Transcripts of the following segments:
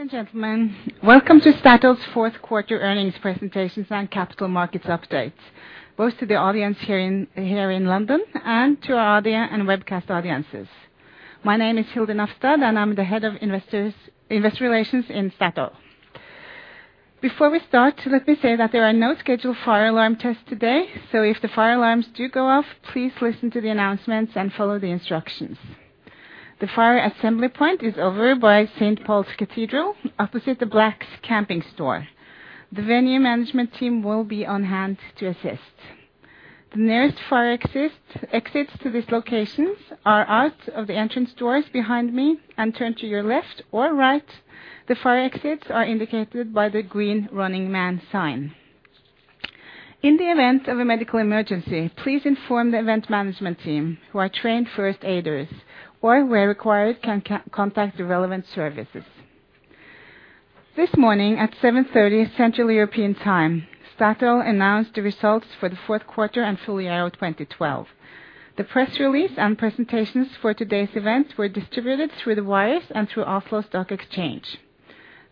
Ladies and gentlemen, welcome to Statoil's Fourth Quarter Earnings Presentations and Capital Markets Updates, both to the audience here in London and to our audience and webcast audiences. My name is Hilde Nafstad, and I'm the Head of Investor Relations in Statoil. Before we start, let me say that there are no scheduled fire alarm tests today, so if the fire alarms do go off, please listen to the announcements and follow the instructions. The fire assembly point is over by St. Paul's Cathedral, opposite the Black's camping store. The venue management team will be on hand to assist. The nearest fire exits to these locations are out of the entrance doors behind me and turn to your left or right. The fire exits are indicated by the green running man sign. In the event of a medical emergency, please inform the event management team, who are trained first aiders, or where required, can contact the relevant services. This morning at 7:30 A.M. Central European Time, Statoil announced the results for the fourth quarter and full year of 2012. The press release and presentations for today's event were distributed through the wires and through Oslo Stock Exchange.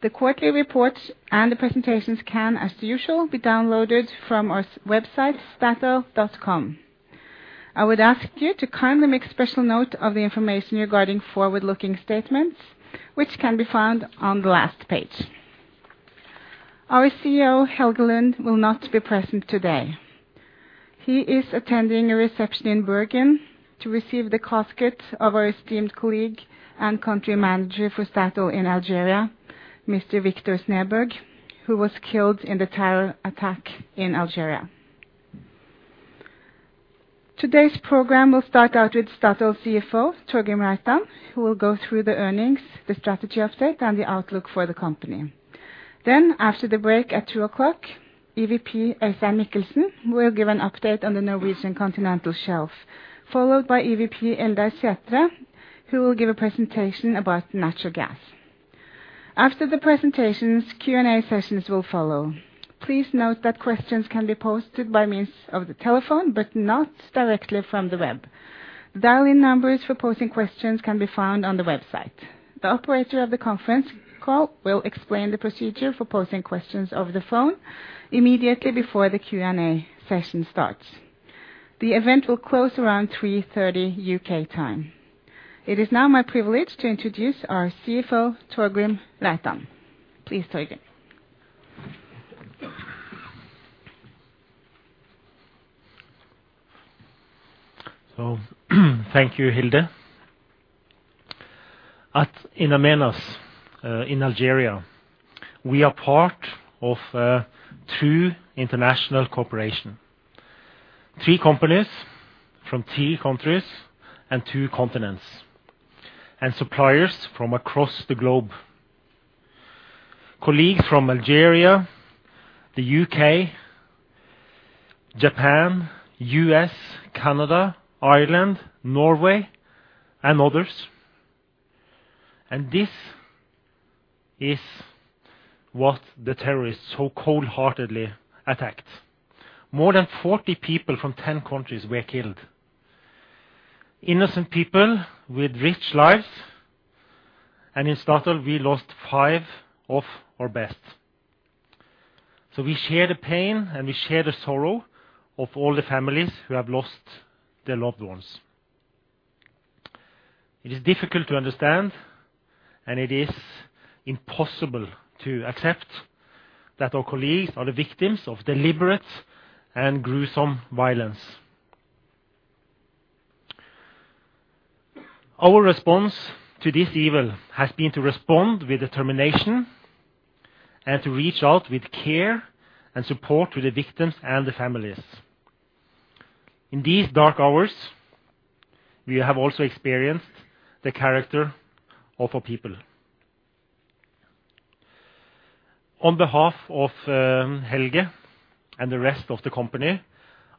The quarterly reports and the presentations can, as usual, be downloaded from our website, statoil.com. I would ask you to kindly make special note of the information regarding forward-looking statements, which can be found on the last page. Our CEO, Helge Lund, will not be present today. He is attending a reception in Bergen to receive the casket of our esteemed colleague and country manager for Statoil in Algeria, Mr. Victor Sneberg, who was killed in the terror attack in Algeria. Today's program will start out with Statoil's CFO, Torgrim Reitan, who will go through the earnings, the strategy update, and the outlook for the company. After the break at 2:00 P.M., EVP Øystein Michelsen will give an update on the Norwegian Continental Shelf, followed by EVP Eldar Sætre, who will give a presentation about natural gas. After the presentations, Q&A sessions will follow. Please note that questions can be posted by means of the telephone but not directly from the web. Dial-in numbers for posting questions can be found on the website. The operator of the conference call will explain the procedure for posting questions over the phone immediately before the Q&A session starts. The event will close around 3:30 P.M. U.K. time. It is now my privilege to introduce our CFO, Torgrim Reitan. Please, Torgrim. Thank you, Hilde. At In Amenas, in Algeria, we are part of two international corporation, three companies from three countries and two continents, and suppliers from across the globe. Colleagues from Algeria, the U.K., Japan, U.S., Canada, Ireland, Norway, and others, and this is what the terrorists so cold-heartedly attacked. More than 40 people from 10 countries were killed. Innocent people with rich lives, and in Statoil, we lost five of our best. We share the pain, and we share the sorrow of all the families who have lost their loved ones. It is difficult to understand, and it is impossible to accept that our colleagues are the victims of deliberate and gruesome violence. Our response to this evil has been to respond with determination and to reach out with care and support to the victims and the families. In these dark hours, we have also experienced the character of our people. On behalf of Helge and the rest of the company,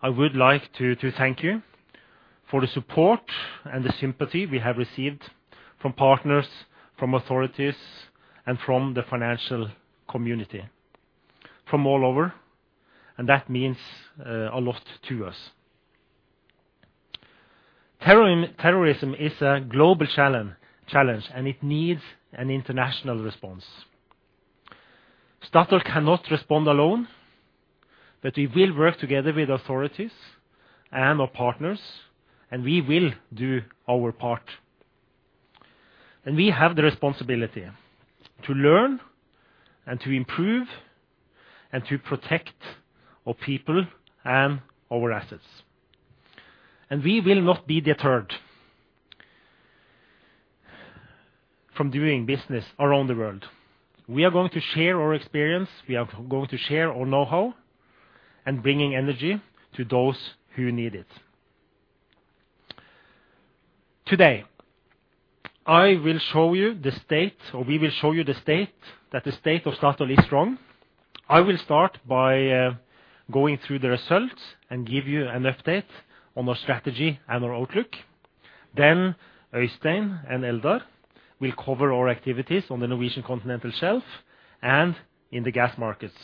I would like to thank you for the support and the sympathy we have received from partners, from authorities, and from the financial community from all over, and that means a lot to us. Terrorism is a global challenge, and it needs an international response. Statoil cannot respond alone, but we will work together with authorities and our partners, and we will do our part. We have the responsibility to learn and to improve and to protect our people and our assets, and we will not be deterred from doing business around the world. We are going to share our experience. We are going to share our know-how and bringing energy to those who need it. Today, we will show you that the state of Statoil is strong. I will start by going through the results and give you an update on our strategy and our outlook. Then Øystein and Eldar will cover our activities on the Norwegian Continental Shelf and in the gas markets.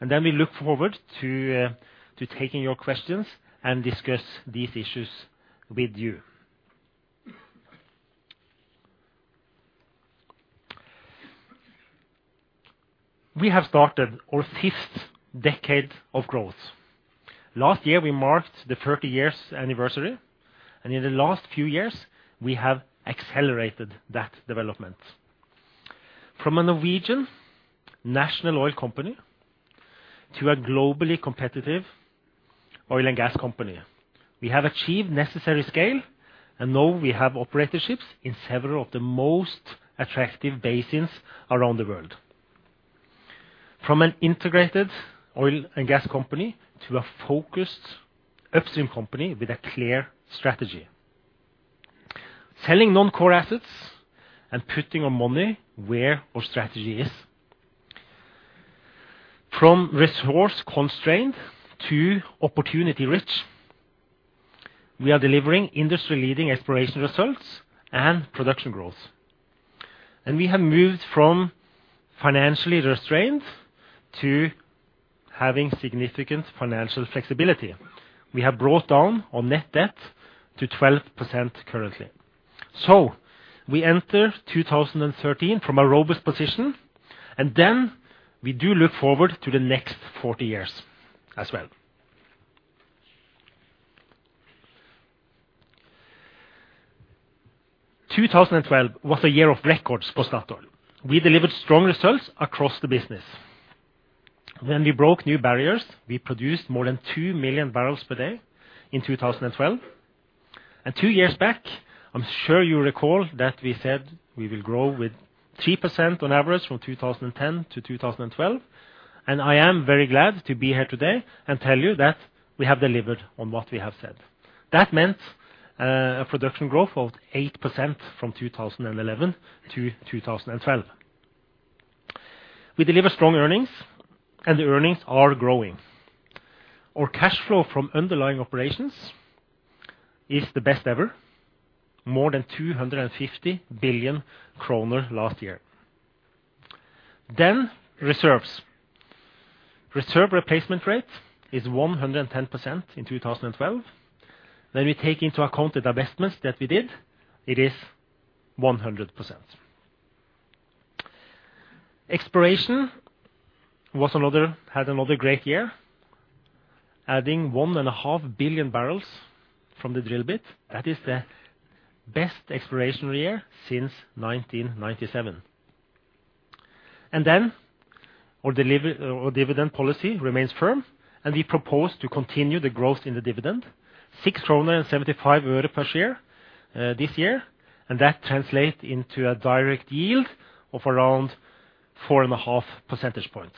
We look forward to taking your questions and discuss these issues with you. We have started our fifth decade of growth. Last year, we marked the 30 years anniversary, and in the last few years, we have accelerated that development. From a Norwegian national oil company to a globally competitive oil and gas company, we have achieved necessary scale, and now we have operatorships in several of the most attractive basins around the world. From an integrated oil and gas company to a focused upstream company with a clear strategy. Selling non-core assets and putting our money where our strategy is. From resource-constrained to opportunity-rich, we are delivering industry-leading exploration results and production growth. We have moved from financially restrained to having significant financial flexibility. We have brought down our net debt to 12% currently. We enter 2013 from a robust position, and then we do look forward to the next 40 years as well. 2012 was a year of records for Statoil. We delivered strong results across the business. We broke new barriers. We produced more than 2 million bbl per day in 2012. Two years back, I'm sure you recall that we said we will grow with 3% on average from 2010 to 2012. I am very glad to be here today and tell you that we have delivered on what we have said. That meant a production growth of 8% from 2011 to 2012. We deliver strong earnings, and the earnings are growing. Our cash flow from underlying operations is the best ever, more than 250 billion kroner last year. Reserves. Reserve replacement rate is 110% in 2012. When we take into account the divestments that we did, it is 100%. Exploration was another great year, adding 1.5 billion bbl from the drill bit. That is the best exploration year since 1997. Our dividend policy remains firm, and we propose to continue the growth in the dividend, NOK 6.75 per share, this year, and that translates into a direct yield of around 4.5 percentage points.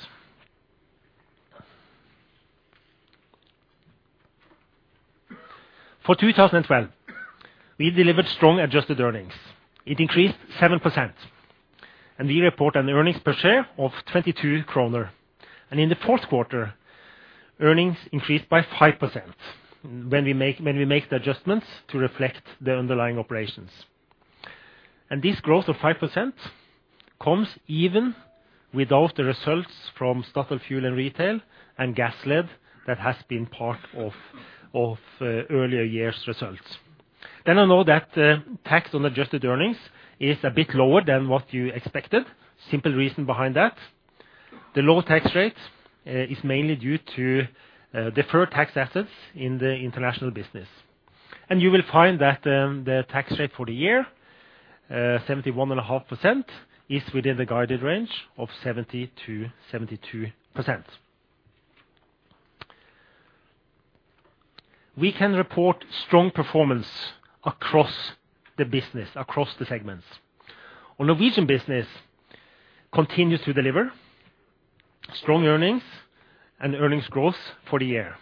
For 2012, we delivered strong adjusted earnings. It increased 7%, and we report an earnings per share of 22 kroner. In the fourth quarter, earnings increased by 5% when we make the adjustments to reflect the underlying operations. This growth of 5% comes even without the results from Statoil Fuel & Retail and Gassled that has been part of earlier years' results. I know that tax on adjusted earnings is a bit lower than what you expected. Simple reason behind that, the low tax rate is mainly due to deferred tax assets in the international business. You will find that the tax rate for the year 71.5% is within the guided range of 70%-72%. We can report strong performance across the business, across the segments. Our Norwegian business continues to deliver strong earnings and earnings growth for the year.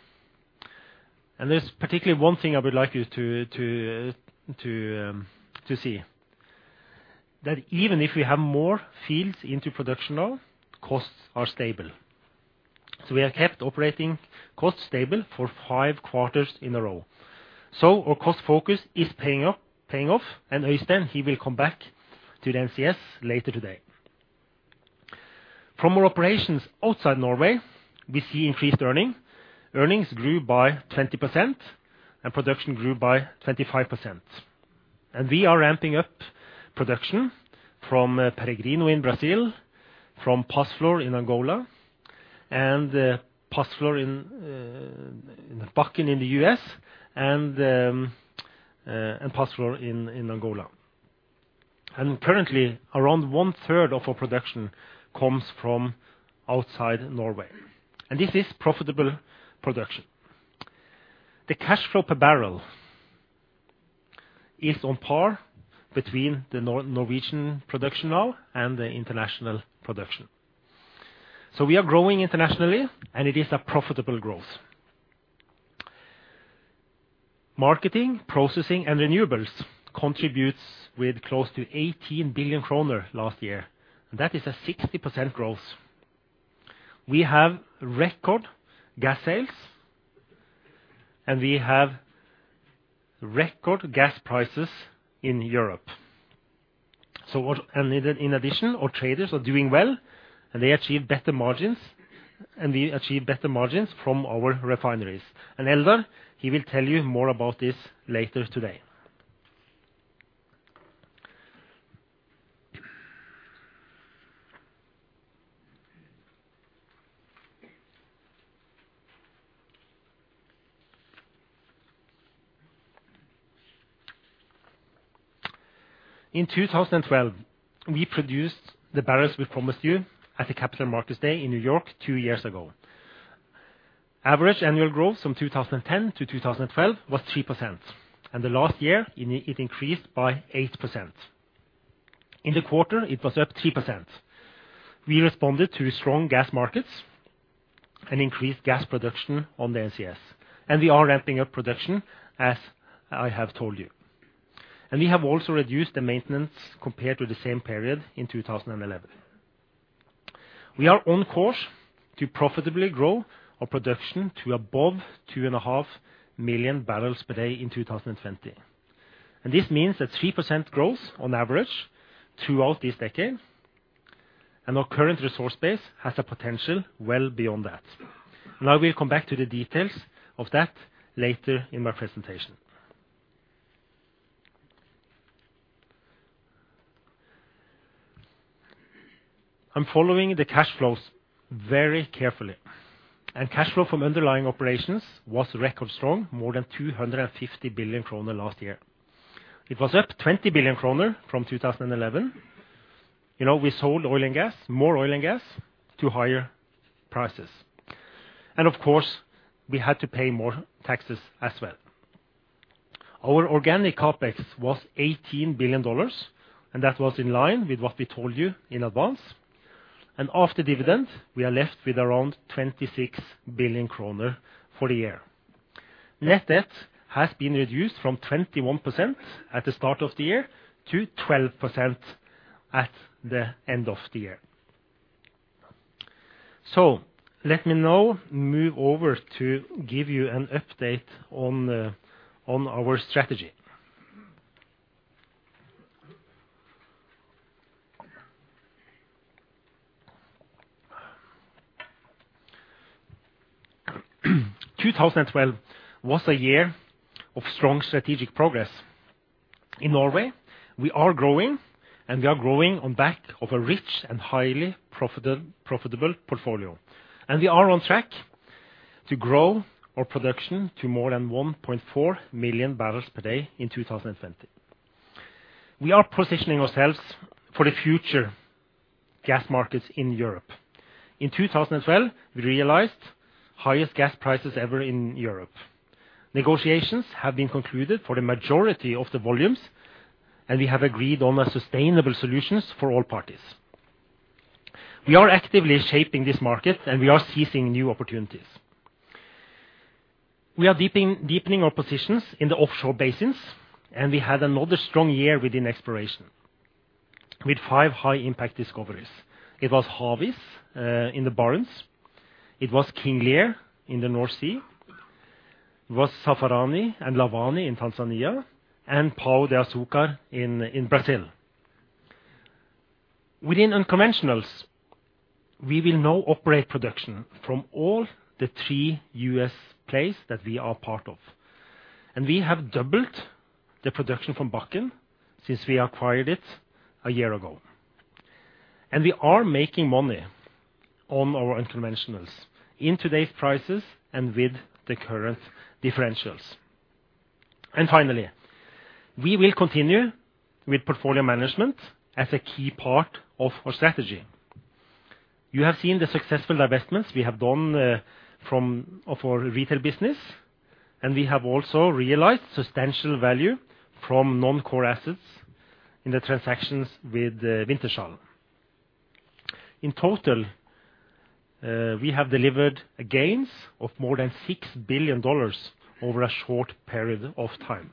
There's particularly one thing I would like you to see, that even if we have more fields into production now, costs are stable. We have kept operating costs stable for five quarters in a row. Our cost focus is paying up, paying off, and Øystein, he will come back to the NCS later today. From our operations outside Norway, we see increased earnings. Earnings grew by 20%, and production grew by 25%. We are ramping up production from Peregrino in Brazil, from Pazflor in Angola, and Pazflor in -- Bakken in the U.S., and Pazflor in Angola. Currently, around one-third of our production comes from outside Norway, and this is profitable production. The cash flow per barrel is on par between the Norwegian production now and the international production. We are growing internationally, and it is a profitable growth. Marketing, processing, and renewables contributes with close to 18 billion kroner last year. That is a 60% growth. We have record gas sales, and we have record gas prices in Europe. In addition, our traders are doing well, and they achieve better margins, and we achieve better margins from our refineries. Eldar, he will tell you more about this later today. In 2012, we produced the barrels we promised you at the Capital Markets Day in New York two years ago. Average annual growth from 2010 to 2012 was 3%, and the last year it increased by 8%. In the quarter, it was up 3%. We responded to strong gas markets and increased gas production on the NCS, and we are ramping up production as I have told you. We have also reduced the maintenance compared to the same period in 2011. We are on course to profitably grow our production to above 2.5 million bbl per day in 2020. This means that 3% growth on average throughout this decade and our current resource base has a potential well beyond that. I will come back to the details of that later in my presentation. I'm following the cash flows very carefully. Cash flow from underlying operations was record strong, more than 250 billion kroner last year. It was up 20 billion kroner from 2011. You know, we sold oil and gas, more oil and gas to higher prices. Of course, we had to pay more taxes as well. Our organic CapEx was $18 billion, and that was in line with what we told you in advance. After dividends, we are left with around 26 billion kroner for the year. Net debt has been reduced from 21% at the start of the year to 12% at the end of the year. Let me now move over to give you an update on our strategy. 2012 was a year of strong strategic progress. In Norway, we are growing, and we are growing on the back of a rich and highly profitable portfolio. We are on track to grow our production to more than 1.4 million bbl per day in 2020. We are positioning ourselves for the future gas markets in Europe. In 2012, we realized highest gas prices ever in Europe. Negotiations have been concluded for the majority of the volumes, and we have agreed on sustainable solutions for all parties. We are actively shaping this market, and we are seizing new opportunities. We are deepening our positions in the offshore basins, and we had another strong year within exploration with five high-impact discoveries. It was Havis in the Barents. It was King Lear in the North Sea. It was Zafarani and Lavani in Tanzania and Pão de Açúcar in Brazil. Within unconventionals, we will now operate production from all the three U.S. plays that we are part of. We have doubled the production from Bakken since we acquired it a year ago. We are making money on our unconventionals in today's prices and with the current differentials. Finally, we will continue with portfolio management as a key part of our strategy. You have seen the successful divestments we have done from our retail business, and we have also realized substantial value from non-core assets in the transactions with Wintershall. In total, we have delivered gains of more than $6 billion over a short period of time.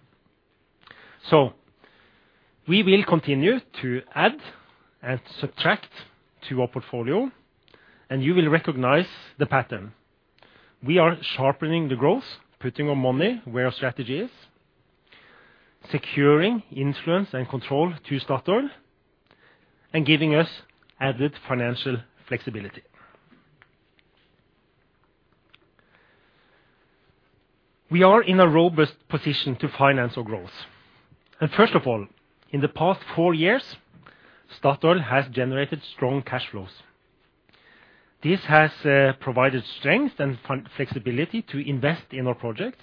We will continue to add and subtract to our portfolio, and you will recognize the pattern. We are sharpening the growth, putting our money where our strategy is, securing influence and control to Statoil, and giving us added financial flexibility. We are in a robust position to finance our growth. First of all, in the past four years, Statoil has generated strong cash flows. This has provided strength and flexibility to invest in our projects,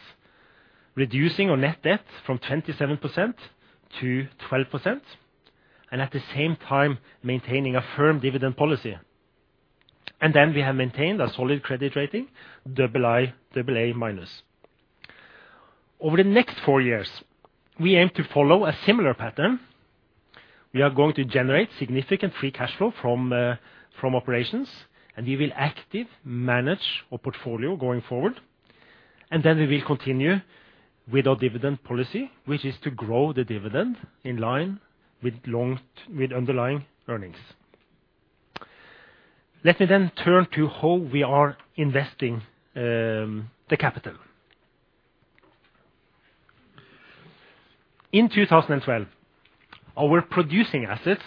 reducing our net debt from 27% to 12% and, at the same time, maintaining a firm dividend policy. We have maintained a solid credit rating, AA-. Over the next four years, we aim to follow a similar pattern. We are going to generate significant free cash flow from operations, and we will actively manage our portfolio going forward. We will continue with our dividend policy, which is to grow the dividend in line with underlying earnings. Let me turn to how we are investing the capital. In 2012, our producing assets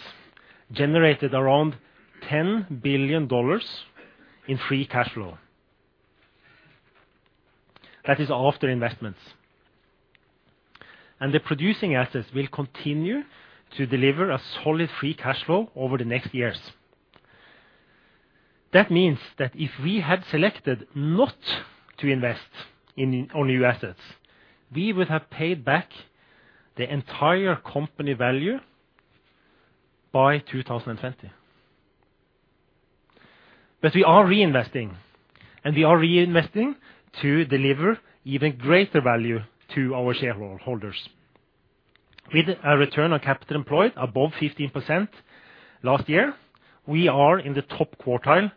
generated around $10 billion in free cash flow. That is after investments. The producing assets will continue to deliver a solid free cash flow over the next years. That means that if we had selected not to invest in new assets, we would have paid back the entire company value by 2020. We are reinvesting, and we are reinvesting to deliver even greater value to our shareholders. With a return on capital employed above 15% last year, we are in the top quartile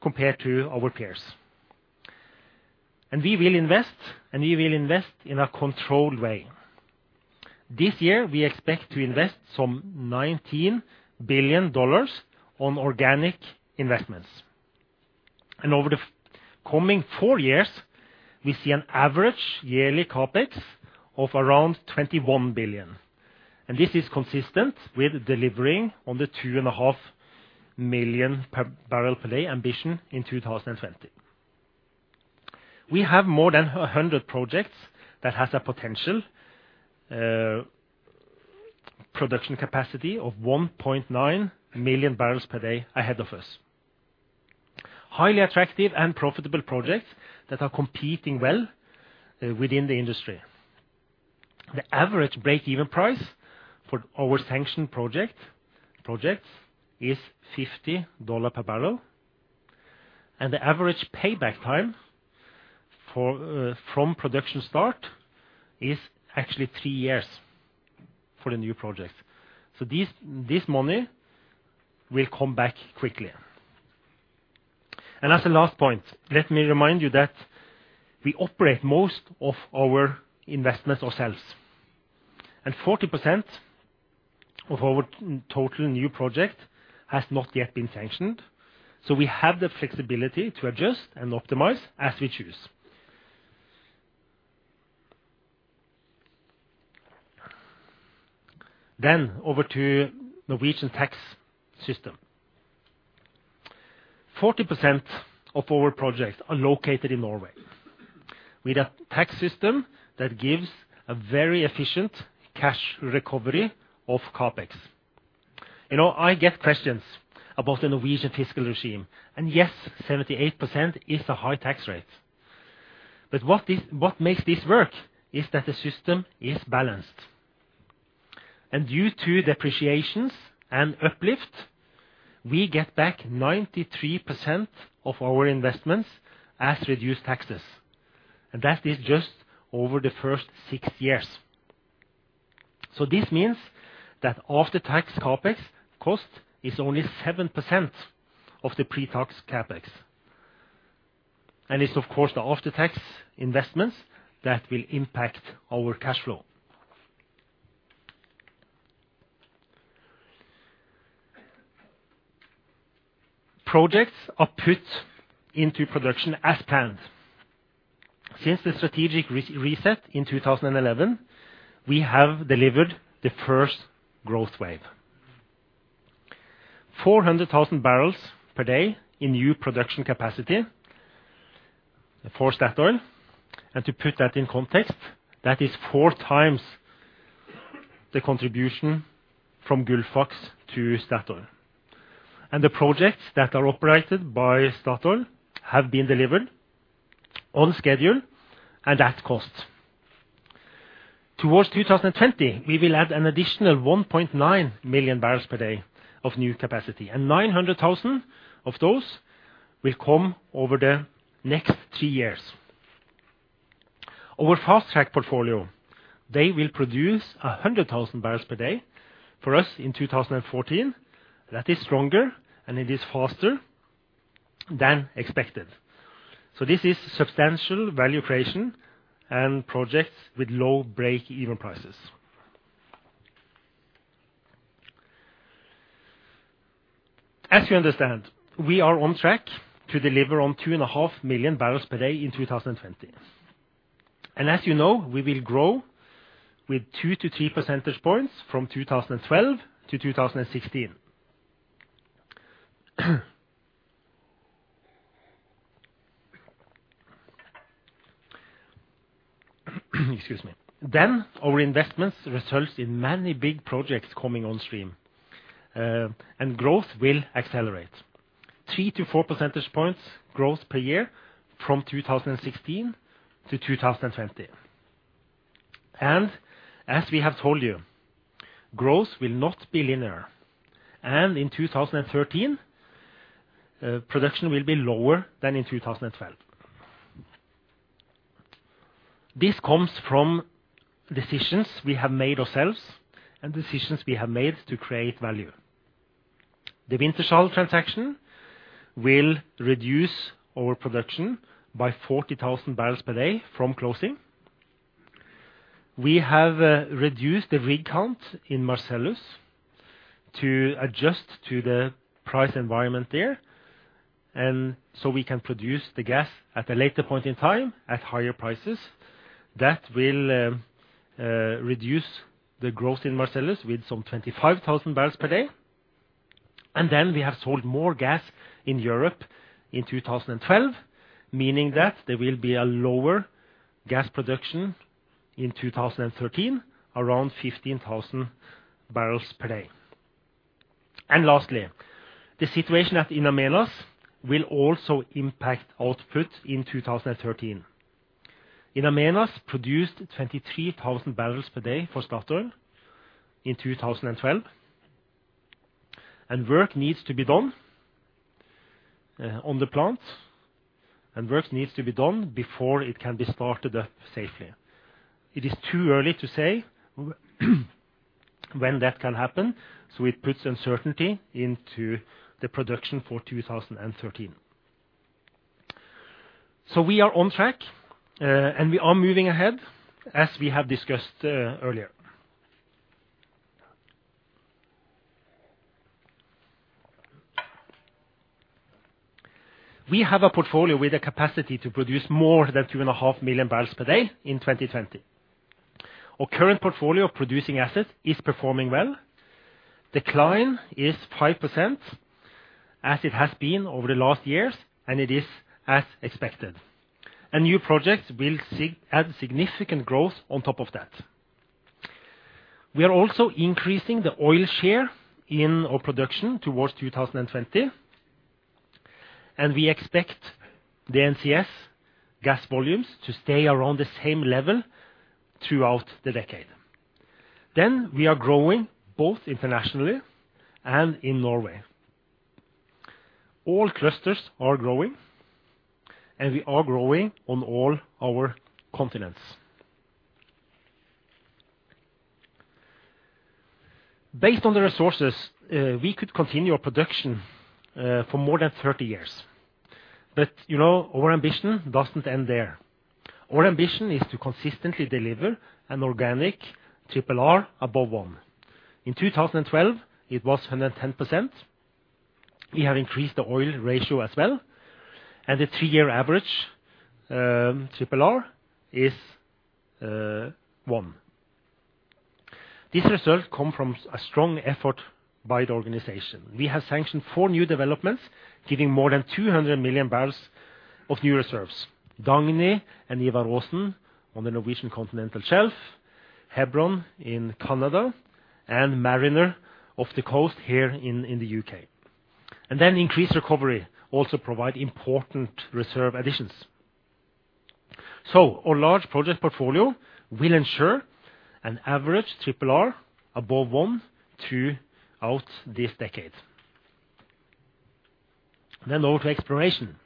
compared to our peers. We will invest in a controlled way. This year, we expect to invest some $19 billion on organic investments. Over the coming four years, we see an average yearly CapEx of around $21 billion. This is consistent with delivering on the 2.5 million bbl per day ambition in 2020. We have more than a hundred projects that has a potential production capacity of 1.9 million bbl per day ahead of us. Highly attractive and profitable projects that are competing well within the industry. The average break-even price for our sanctioned projects is $50 per barrel, and the average payback time from production start is actually three years for the new projects. This money will come back quickly. As a last point, let me remind you that we operate most of our investments ourselves. 40% of our total new project has not yet been sanctioned, so we have the flexibility to adjust and optimize as we choose. Over to Norwegian tax system. 40% of our projects are located in Norway with a tax system that gives a very efficient cash recovery of CapEx. You know, I get questions about the Norwegian fiscal regime, and yes, 78% is a high tax rate. What makes this work is that the system is balanced. Due to depreciations and uplift, we get back 93% of our investments as reduced taxes, and that is just over the first six years. This means that after-tax CapEx cost is only 7% of the pre-tax CapEx. It's of course the after-tax investments that will impact our cash flow. Projects are put into production as planned. Since the strategic reset in 2011, we have delivered the first growth wave. 400,000 bbl per day in new production capacity for Statoil. To put that in context, that is 4x the contribution from Gullfaks to Statoil. The projects that are operated by Statoil have been delivered on schedule and at cost. Towards 2020, we will add an additional 1.9 million bbl per day of new capacity, and 900,000 of those will come over the next three years. Our fast-track portfolio, they will produce 100,000 bbl per day for us in 2014. That is stronger, and it is faster than expected. This is substantial value creation and projects with low break-even prices. As you understand, we are on track to deliver on 2.5 million bbl per day in 2020. As you know, we will grow with 2-3 percentage points from 2012 to 2016. Excuse me. Our investments results in many big projects coming on stream, and growth will accelerate 3-4 percentage points growth per year from 2016 to 2020. As we have told you, growth will not be linear. In 2013, production will be lower than in 2012. This comes from decisions we have made ourselves and decisions we have made to create value. The Wintershall transaction will reduce our production by 40,000 bbl per day from closing. We have reduced the rig count in Marcellus to adjust to the price environment there, and so we can produce the gas at a later point in time at higher prices. That will reduce the growth in Marcellus with some 25,000 bbl per day. We have sold more gas in Europe in 2012, meaning that there will be a lower gas production in 2013, around 15,000 bbl per day. The situation at In Amenas will also impact output in 2013. In Amenas produced 23,000 bbl per day for Statoil in 2012. Work needs to be done on the plant, and work needs to be done before it can be started up safely. It is too early to say when that can happen, so it puts uncertainty into the production for 2013. We are on track, and we are moving ahead as we have discussed earlier. We have a portfolio with a capacity to produce more than 3.5 million bbl per day in 2020. Our current portfolio of producing assets is performing well. Decline is 5% as it has been over the last years, and it is as expected. New projects will add significant growth on top of that. We are also increasing the oil share in our production towards 2020, and we expect the NCS gas volumes to stay around the same level throughout the decade. We are growing both internationally and in Norway. All clusters are growing, and we are growing on all our continents. Based on the resources, we could continue our production for more than 30 years. You know, our ambition doesn't end there. Our ambition is to consistently deliver an organic RRR above one. In 2012, it was 110%. We have increased the oil ratio as well, and the three-year average, RRR is one. This result come from a strong effort by the organization. We have sanctioned four new developments, giving more than 200 million bbl of new reserves, Dagny and Ivar Aasen on the Norwegian Continental Shelf, Hebron in Canada, and Mariner off the coast here in the U.K. Increased recovery also provide important reserve additions. Our large project portfolio will ensure an average RRR above one throughout this decade. Over to exploration.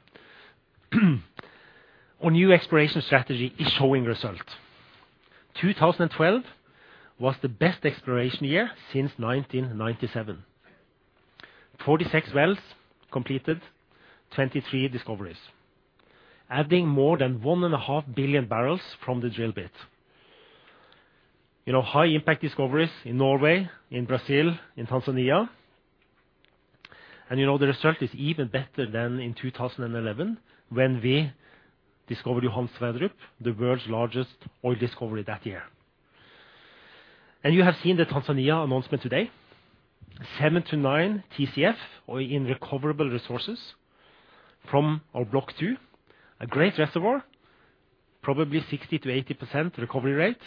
Our new exploration strategy is showing results. 2012 was the best exploration year since 1997. 46 wells completed, 23 discoveries, adding more than 1.5 billion bbl from the drill bit. You know, high impact discoveries in Norway, in Brazil, in Tanzania. You know, the result is even better than in 2011 when we discovered Johan Sverdrup, the world's largest oil discovery that year. You have seen the Tanzania announcement today. Seven-nine TCF of recoverable resources from our Block 2. A great reservoir, probably 60%-80% recovery rate,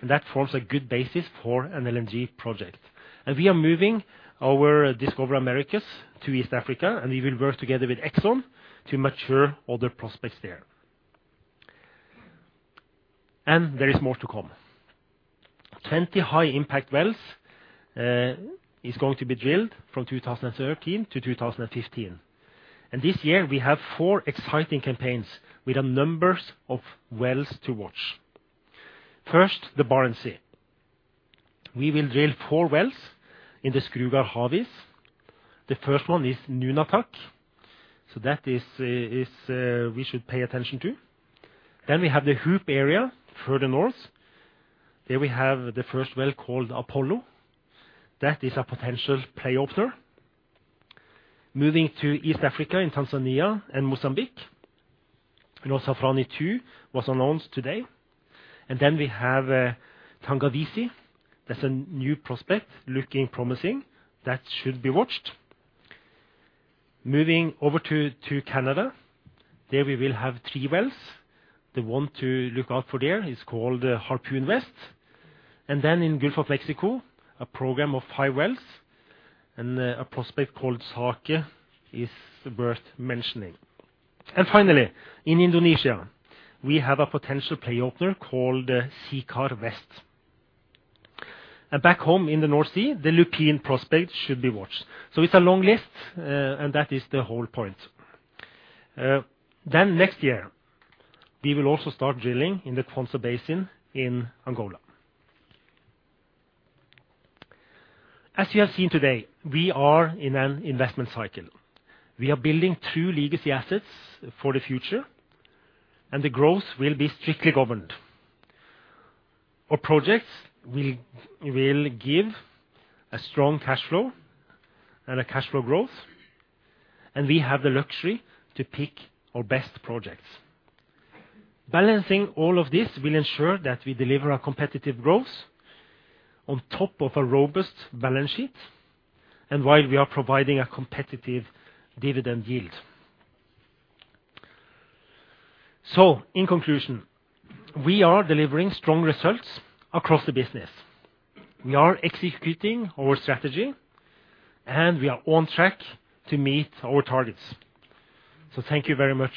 and that forms a good basis for an LNG project. We are moving our discoveries from the Americas to East Africa, and we will work together with Exxon to mature other prospects there. There is more to come. 20 high-impact wells is going to be drilled from 2013 to 2015. This year we have four exciting campaigns with a number of wells to watch. First, the Barents Sea. We will drill four wells in the Skrugard-Havis. The first one is Nunatak, so that is we should pay attention to. We have the Hoop area further north. There we have the first well called Apollo. That is a potential play opener. Moving to East Africa in Tanzania and Mozambique. You know, Zafarani-2 was announced today. We have Tangawizi. That's a new prospect looking promising that should be watched. Moving over to Canada. There we will have three wells. The one to look out for there is called Harpoon West. In Gulf of Mexico, a program of five wells and a prospect called Sake is worth mentioning. In Indonesia, we have a potential play opener called Sikar West. Back home in the North Sea, the Lupin prospect should be watched. It's a long list, and that is the whole point. Next year we will also start drilling in the Kwanza Basin in Angola. As you have seen today, we are in an investment cycle. We are building two legacy assets for the future and the growth will be strictly governed. Our projects will give a strong cash flow and a cash flow growth, and we have the luxury to pick our best projects. Balancing all of this will ensure that we deliver a competitive growth on top of a robust balance sheet and while we are providing a competitive dividend yield. In conclusion, we are delivering strong results across the business. We are executing our strategy, and we are on track to meet our targets. Thank you very much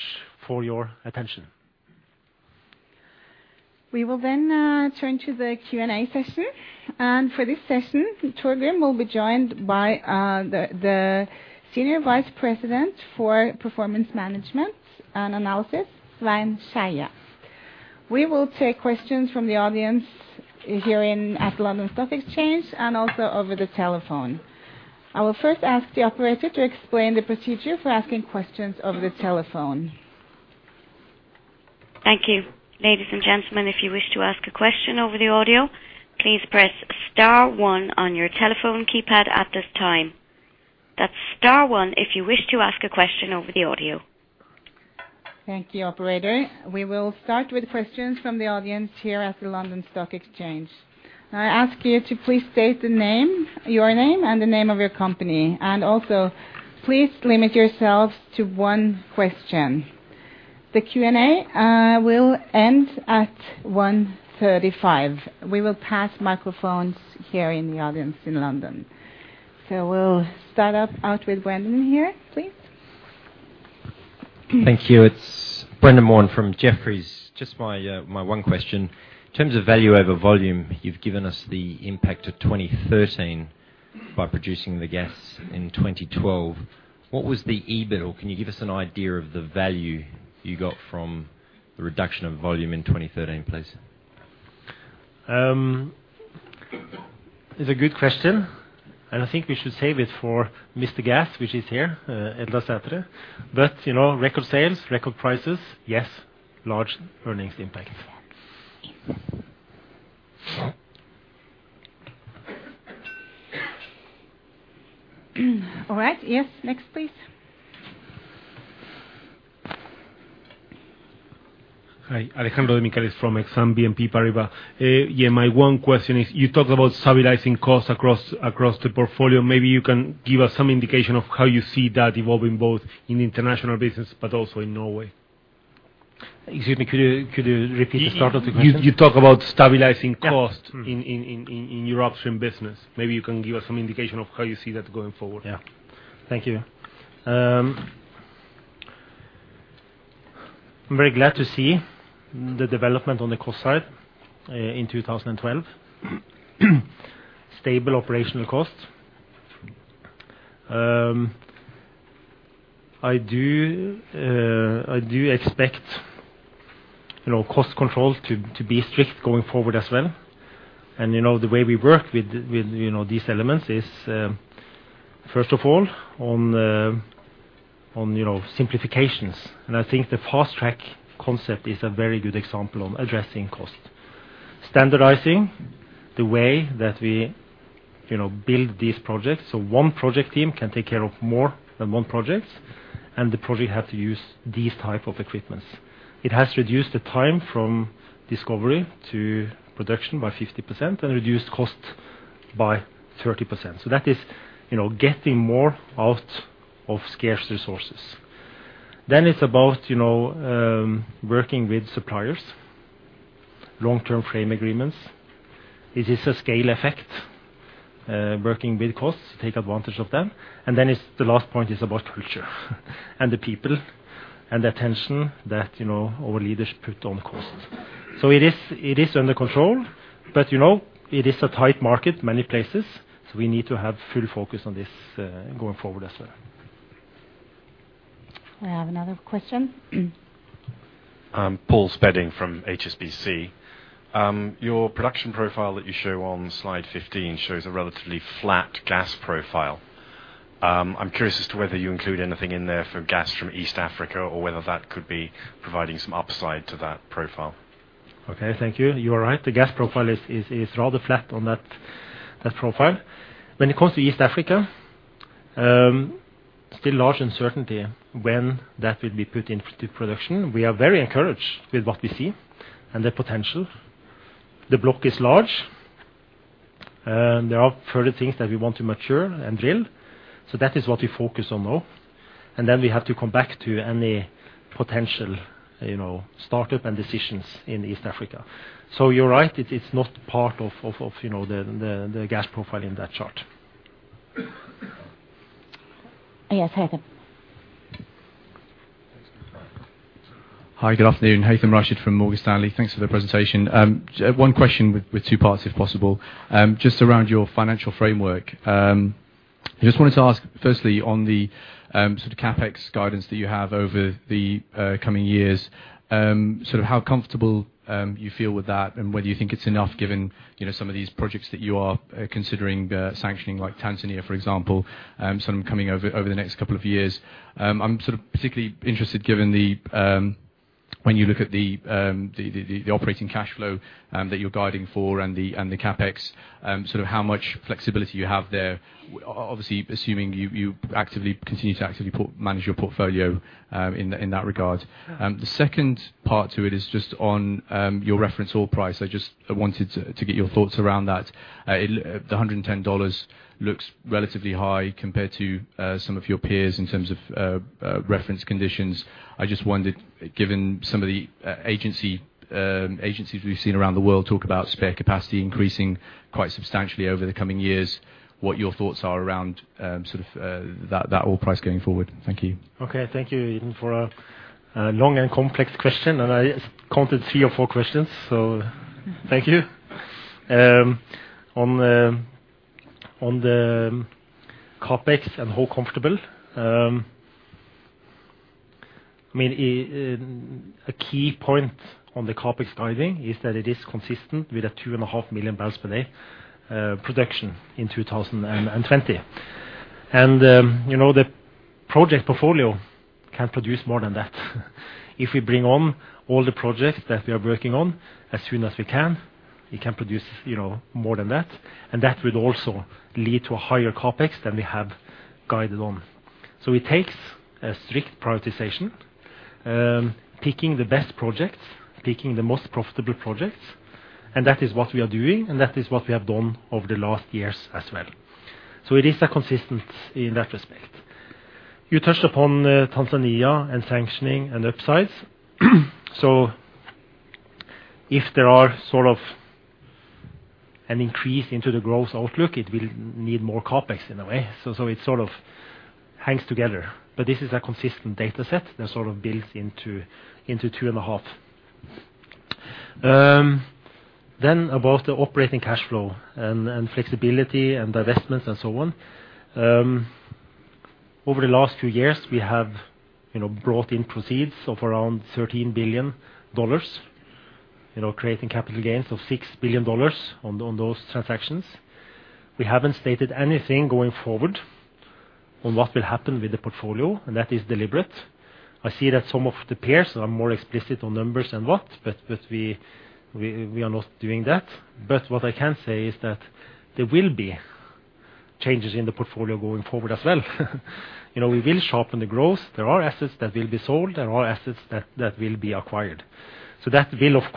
for your attention. We will turn to the Q&A session. For this session, Torgrim will be joined by the Senior Vice President for Performance Management and Analysis, Svein Skeie. We will take questions from the audience here at London Stock Exchange and also over the telephone. I will first ask the operator to explain the procedure for asking questions over the telephone. Thank you. Ladies and gentlemen, if you wish to ask a question over the audio, please press star one on your telephone keypad at this time. That's star one if you wish to ask a question over the audio. Thank you, operator. We will start with questions from the audience here at the London Stock Exchange. I ask you to please state the name, your name, and the name of your company. Also, please limit yourselves to one question. The Q&A will end at 1:35 P.M. We will pass microphones here in the audience in London. We'll start out with Brendan here, please. Thank you. It's Brendan Warn from Jefferies. Just my one question. In terms of value over volume, you've given us the impact of 2013 by producing the gas in 2012. What was the EBIT or can you give us an idea of the value you got from the reduction of volume in 2013, please? It's a good question, and I think we should save it for Mr. Gas, which is here, Eldar Sætre. You know, record sales, record prices, yes, large earnings impact. All right. Yes. Next, please. Hi. Alejandro de Micheli from Exane BNP Paribas. Yeah, my one question is you talked about stabilizing costs across the portfolio. Maybe you can give us some indication of how you see that evolving both in international business but also in Norway. Excuse me. Could you repeat the start of the question? You talk about stabilizing cost. Yeah. Mm. In your upstream business. Maybe you can give us some indication of how you see that going forward. Yeah. Thank you. I'm very glad to see the development on the cost side in 2012. Stable operational cost. I do expect, you know, cost control to be strict going forward as well. You know, the way we work with these elements is, first of all, on simplifications. I think the fast-track concept is a very good example of addressing cost. Standardizing the way that we, you know, build these projects so one project team can take care of more than one project, and the project have to use these type of equipments. It has reduced the time from discovery to production by 50% and reduced cost by 30%. That is, you know, getting more out of scarce resources. It's about, you know, working with suppliers, long-term framework agreements. It is a scale effect, working with costs, take advantage of them. The last point is about culture and the people and the attention that, you know, our leaders put on costs. It is under control, but you know, it is a tight market in many places, so we need to have full focus on this, going forward as well. I have another question. Paul Spedding from HSBC. Your production profile that you show on slide 15 shows a relatively flat gas profile. I'm curious as to whether you include anything in there for gas from East Africa or whether that could be providing some upside to that profile. Okay, thank you. You are right. The gas profile is rather flat on that profile. When it comes to East Africa, still large uncertainty when that will be put into production. We are very encouraged with what we see and the potential. The block is large, and there are further things that we want to mature and drill. That is what we focus on now. Then we have to come back to any potential, you know, startup and decisions in East Africa. You're right, it is not part of you know, the gas profile in that chart. Yes, Haythem. Thanks. Hi, good afternoon, Haythem Rashed from Morgan Stanley. Thanks for the presentation. One question with two parts, if possible. Just around your financial framework. I just wanted to ask firstly on the sort of CapEx guidance that you have over the coming years, sort of how comfortable you feel with that and whether you think it's enough given, you know, some of these projects that you are considering sanctioning, like Tanzania, for example, sort of coming over the next couple of years. I'm sort of particularly interested given the When you look at the operating cash flow that you're guiding for and the CapEx, sort of how much flexibility you have there. Obviously assuming you actively continue to manage your portfolio in that regard. The second part to it is just on your reference oil price. I just wanted to get your thoughts around that. The $110 looks relatively high compared to some of your peers in terms of reference conditions. I just wondered, given some of the agencies we've seen around the world talk about spare capacity increasing quite substantially over the coming years, what your thoughts are around sort of that oil price going forward? Thank you. Okay. Thank you even for a long and complex question, and I counted three or four questions, so thank you. On the CapEx and how comfortable, I mean, a key point on the CapEx guiding is that it is consistent with a 2.5 million bbl per day production in 2020. You know, the project portfolio can produce more than that. If we bring on all the projects that we are working on as soon as we can, we can produce, you know, more than that, and that would also lead to a higher CapEx than we have guided on. It takes a strict prioritization, picking the best projects, picking the most profitable projects, and that is what we are doing, and that is what we have done over the last years as well. It is a consistent in that respect. You touched upon Tanzania and sanctioning and upsides. If there are sort of an increase in the growth outlook, it will need more CapEx in a way. It sort of hangs together. This is a consistent data set that sort of builds into 2.5%. Then above the operating cash flow and flexibility and divestments and so on. Over the last few years, we have, you know, brought in proceeds of around $13 billion, you know, creating capital gains of $6 billion on those transactions. We haven't stated anything going forward on what will happen with the portfolio, and that is deliberate. I see that some of the peers are more explicit on numbers and what, but we are not doing that. What I can say is that there will be changes in the portfolio going forward as well. You know, we will sharpen the growth. There are assets that will be sold. There are assets that will be acquired. That will, of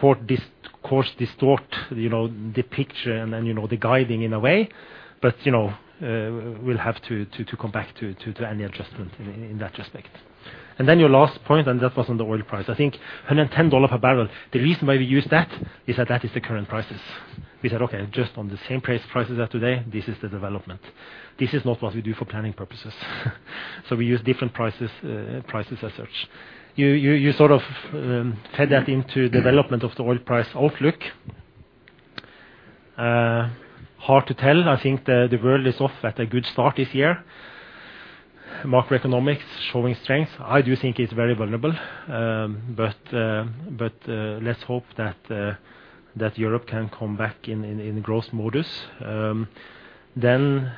course, distort you know the picture and you know the guidance in a way. You know, we'll have to come back to any adjustment in that respect. Your last point, and that was on the oil price. I think $110 per barrel, the reason why we use that is that that is the current prices. We said, "Okay, just on the same price, prices as today, this is the development." This is not what we do for planning purposes. We use different prices as such. You sort of fed that into the development of the oil price outlook. Hard to tell. I think the world is off to a good start this year. Macroeconomics showing strength. I do think it's very vulnerable, but let's hope that Europe can come back in growth mode. That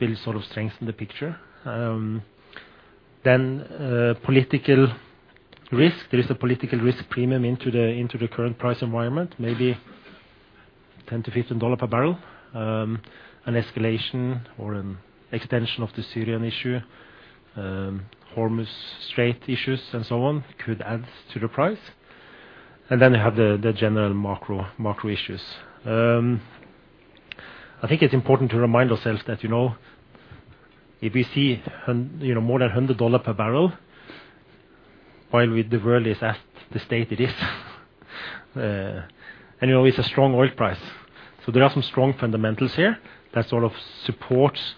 will sort of strengthen the picture. Political risk. There is a political risk premium into the current price environment, maybe $10-$15 per barrel. An escalation or an extension of the Syrian issue, Strait of Hormuz issues and so on could add to the price. You have the general macro issues. I think it's important to remind ourselves that, you know, if we see, you know, more than $100 per barrel, while the world is at the state it is, and, you know, it's a strong oil price. There are some strong fundamentals here that sort of supports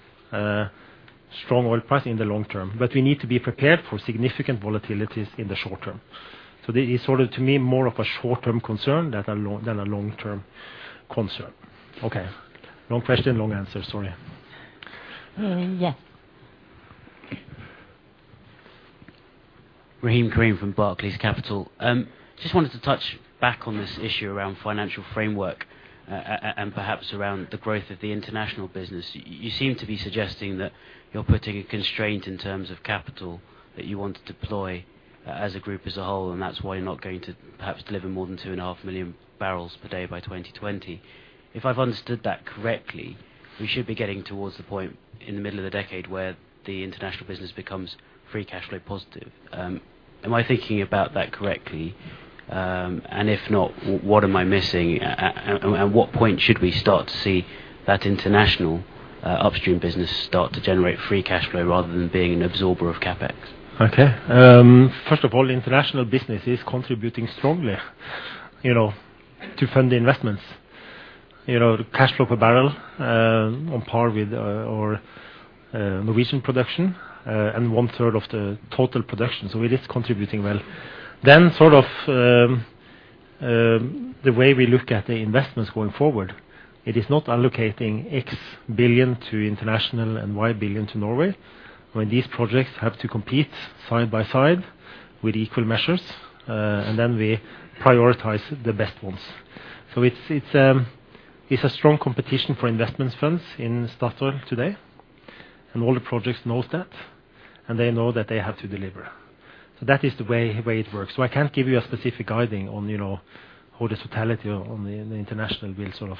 strong oil price in the long term. We need to be prepared for significant volatilities in the short term. This is sort of, to me, more of a short-term concern than a long-term concern. Okay. Long question, long answer. Sorry. Yeah. Rahim Karim from Barclays Capital. Just wanted to touch back on this issue around financial framework and perhaps around the growth of the international business. You seem to be suggesting that you're putting a constraint in terms of capital that you want to deploy as a group as a whole, and that's why you're not going to perhaps deliver more than 2.5 million bbl per day by 2020. If I've understood that correctly, we should be getting towards the point in the middle of the decade where the international business becomes free cash flow positive. Am I thinking about that correctly? If not, what am I missing? At what point should we start to see that international upstream business start to generate free cash flow rather than being an absorber of CapEx? Okay. First of all, international business is contributing strongly, you know, to fund the investments. You know, the cash flow per barrel, on par with our Norwegian production, and one-third of the total production. It is contributing well. Sort of, the way we look at the investments going forward, it is not allocating X billion to international and Y billion to Norway, when these projects have to compete side by side with equal measures, and then we prioritize the best ones. It's a strong competition for investment funds in Statoil today. All the projects knows that, and they know that they have to deliver. That is the way it works. I can't give you a specific guidance on, you know, how this totality on the international will sort of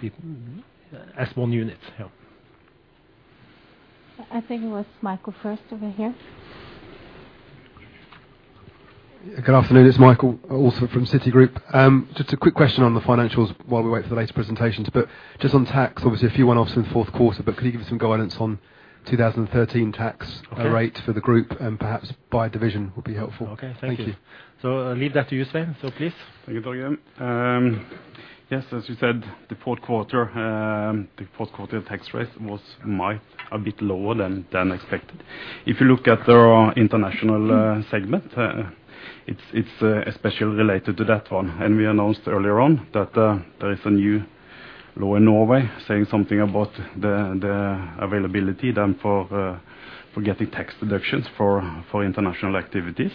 be as one unit. Yeah. I think it was Michael first over here. Good afternoon. It's Michael, also from Citigroup. Just a quick question on the financials while we wait for the later presentations. Just on tax, obviously a few one-offs in the fourth quarter, but could you give us some guidance on 2013 tax- Okay. Rate for the group and perhaps by division would be helpful. Okay. Thank you. Thank you. I'll leave that to you, Svein. Please. Thank you, Torgrim. Yes, as you said, the fourth quarter tax rate was a bit lower than expected. If you look at the international segment, it's especially related to that one. We announced earlier on that there is a new law in Norway saying something about the availability then for getting tax deductions for international activities.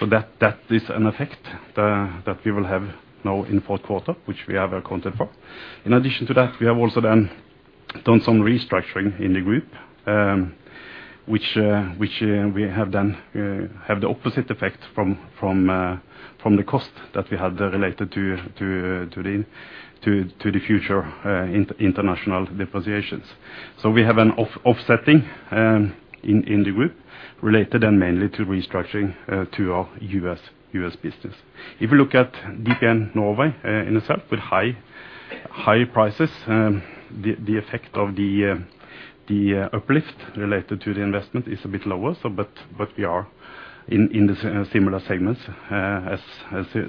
That is an effect that we will have now in fourth quarter, which we have accounted for. In addition to that, we have also then done some restructuring in the group, which have the opposite effect from the cost that we had related to the future international dispositions. We have an offsetting in the group related, and mainly to restructuring to our U.S. business. If you look at DPN Norway in itself with high prices, the effect of the uplift related to the investment is a bit lower. But we are in the similar segments at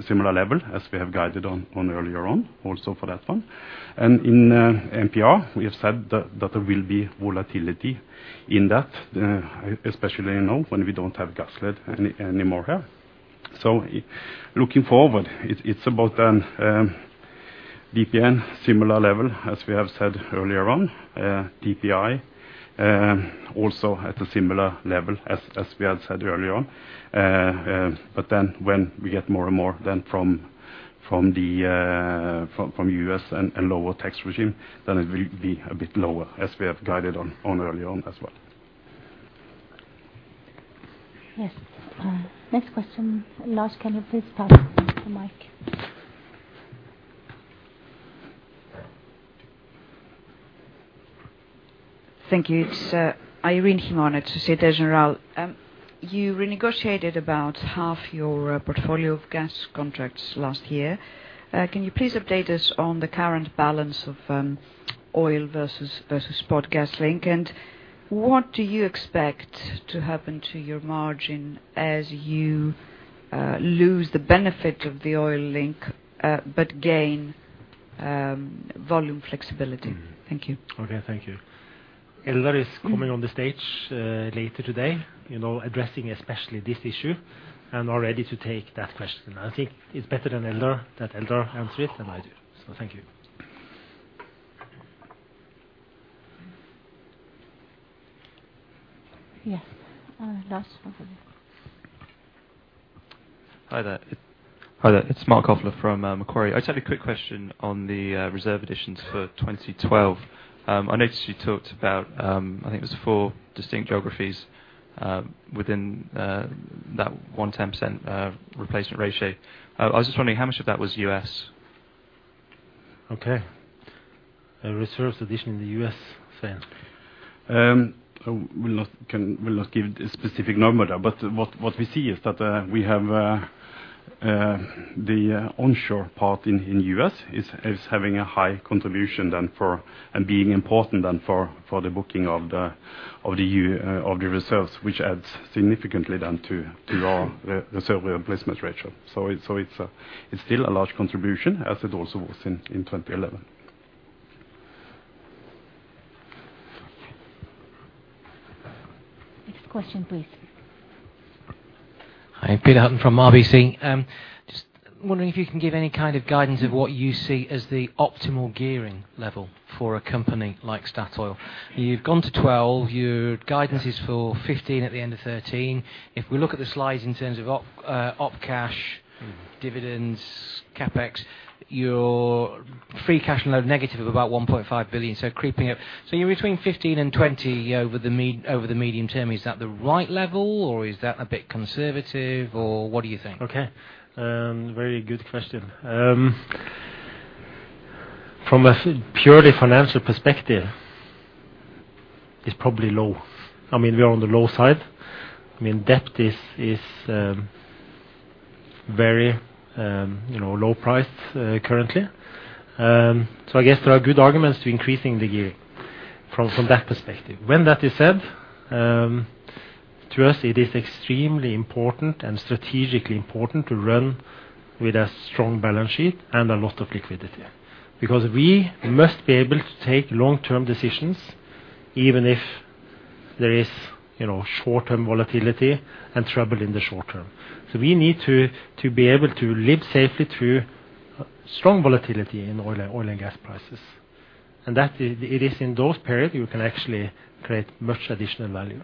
similar level as we have guided on earlier on, also for that one. In MPR, we have said that there will be volatility in that, especially now when we don't have Gassled anymore here. Looking forward, it's about the DPN similar level as we have said earlier on. DPI also at a similar level as we have said earlier on. When we get more and more, then from the U.S. and lower tax regime, then it will be a bit lower as we have guided on earlier on as well. Yes. Next question. Lars, can you please pass the mic? Thank you. It's Irene Himona from Societe Generale. You renegotiated about half your portfolio of gas contracts last year. Can you please update us on the current balance of oil versus spot gas link? What do you expect to happen to your margin as you lose the benefit of the oil link but gain volume flexibility? Thank you. Okay, thank you. Eldar is coming on the stage later today, you know, addressing especially this issue and already to take that question. I think it's better that Eldar answers it than I do. Thank you. Yes. Last one over there. Hi there. It's Mark Kofler from Macquarie. I just had a quick question on the reserve additions for 2012. I noticed you talked about, I think it was four distinct geographies, within that 110% replacement ratio. I was just wondering how much of that was U.S. Okay. A reserve addition in the U.S., Svein. I will not give a specific number, but what we see is that we have the onshore part in the U.S. is having a higher contribution than before and being more important than before for the booking of the reserves, which adds significantly to our reserve replacement ratio. It's still a large contribution as it also was in 2011. Next question, please. Hi, Peter Hutton from RBC. Just wondering if you can give any kind of guidance on what you see as the optimal gearing level for a company like Statoil. You've gone to 12%, your guidance is for 15% at the end of 2013. If we look at the slides in terms of operating cash, dividends, CapEx, your free cash flow negative of about $1.5 billion, so creeping up. You're between 15% and 20% over the medium term. Is that the right level or is that a bit conservative or what do you think? Okay. Very good question. From a purely financial perspective, it's probably low. I mean, we are on the low side. I mean, debt is very low, you know. Price currently. I guess there are good arguments to increasing the gearing from that perspective. When that is said, to us, it is extremely important and strategically important to run with a strong balance sheet and a lot of liquidity. Because we must be able to take long-term decisions even if there is, you know, short-term volatility and trouble in the short term. We need to be able to live safely through strong volatility in oil and gas prices. That it is in those periods you can actually create much additional value.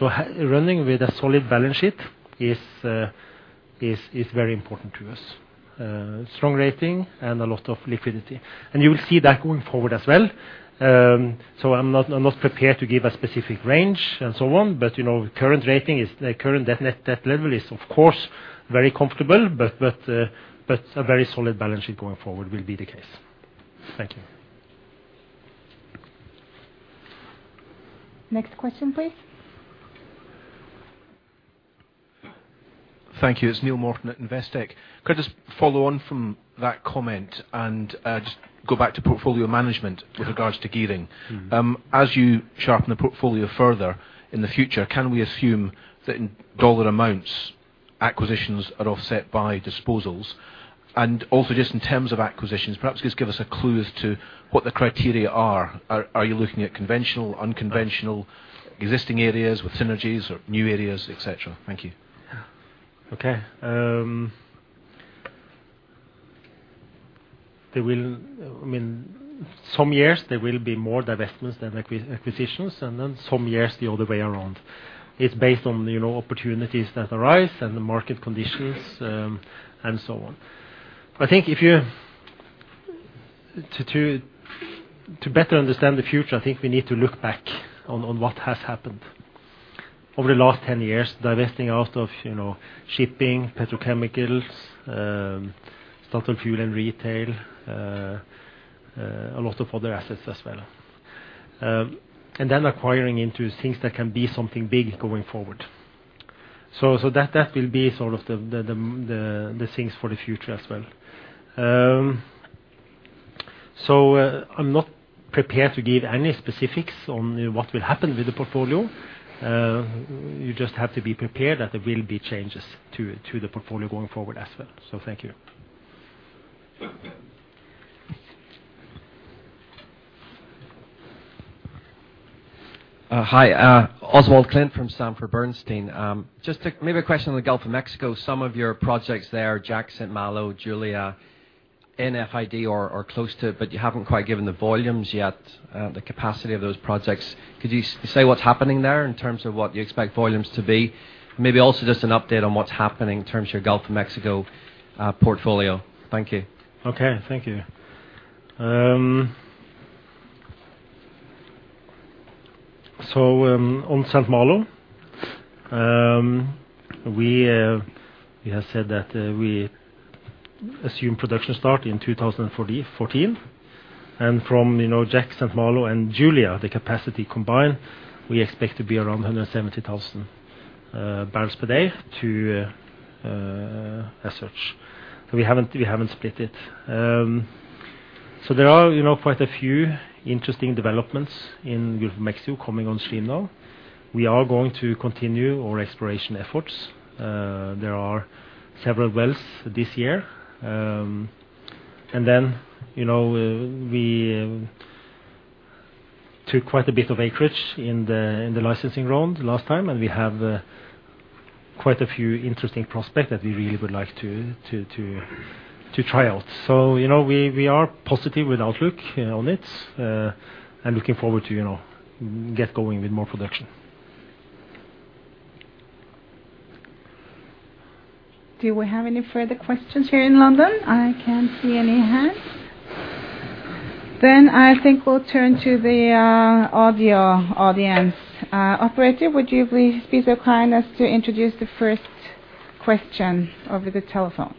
Running with a solid balance sheet is very important to us. Strong rating and a lot of liquidity. You will see that going forward as well. I'm not prepared to give a specific range and so on, but you know, the current net debt level is of course very comfortable. A very solid balance sheet going forward will be the case. Thank you. Next question, please. Thank you. It's Neill Morton at Investec. Could I just follow on from that comment and just go back to portfolio management with regards to gearing? Mm-hmm. As you sharpen the portfolio further in the future, can we assume that in dollar amounts acquisitions are offset by disposals? Also just in terms of acquisitions, perhaps just give us a clue as to what the criteria are. Are you looking at conventional, unconventional, existing areas with synergies or new areas, et cetera? Thank you. Okay. I mean, some years there will be more divestments than acquisitions, and then some years the other way around. It's based on, you know, opportunities that arise and the market conditions, and so on. To better understand the future, I think we need to look back on what has happened. Over the last 10 years, divesting out of, you know, shipping, petrochemicals, Statoil Fuel & Retail, a lot of other assets as well, and then acquiring into things that can be something big going forward. That will be sort of the things for the future as well. I'm not prepared to give any specifics on what will happen with the portfolio. You just have to be prepared that there will be changes to the portfolio going forward as well. Thank you. Hi. Oswald Clint from Sanford C. Bernstein. Just a maybe a question on the Gulf of Mexico. Some of your projects there, Jack, St. Malo, Julia, near FID are close to it, but you haven't quite given the volumes yet, the capacity of those projects. Could you say what's happening there in terms of what you expect volumes to be? Maybe also just an update on what's happening in terms of your Gulf of Mexico portfolio. Thank you. Okay. Thank you. On St. Malo, we have said that we assume production start in 2014. From you know, Jack, St. Malo and Julia, the capacity combined, we expect to be around 170,000 bbl per day to as such. We haven't split it. There are you know, quite a few interesting developments in the Gulf of Mexico coming on stream now. We are going to continue our exploration efforts. There are several wells this year. You know, we took quite a bit of acreage in the licensing round last time, and we have quite a few interesting prospects that we really would like to try out. You know, we are positive with outlook on it, and looking forward to, you know, get going with more production. Do we have any further questions here in London? I can't see any hands. I think we'll turn to the audio audience. Operator, would you please be so kind as to introduce the first question over the telephone?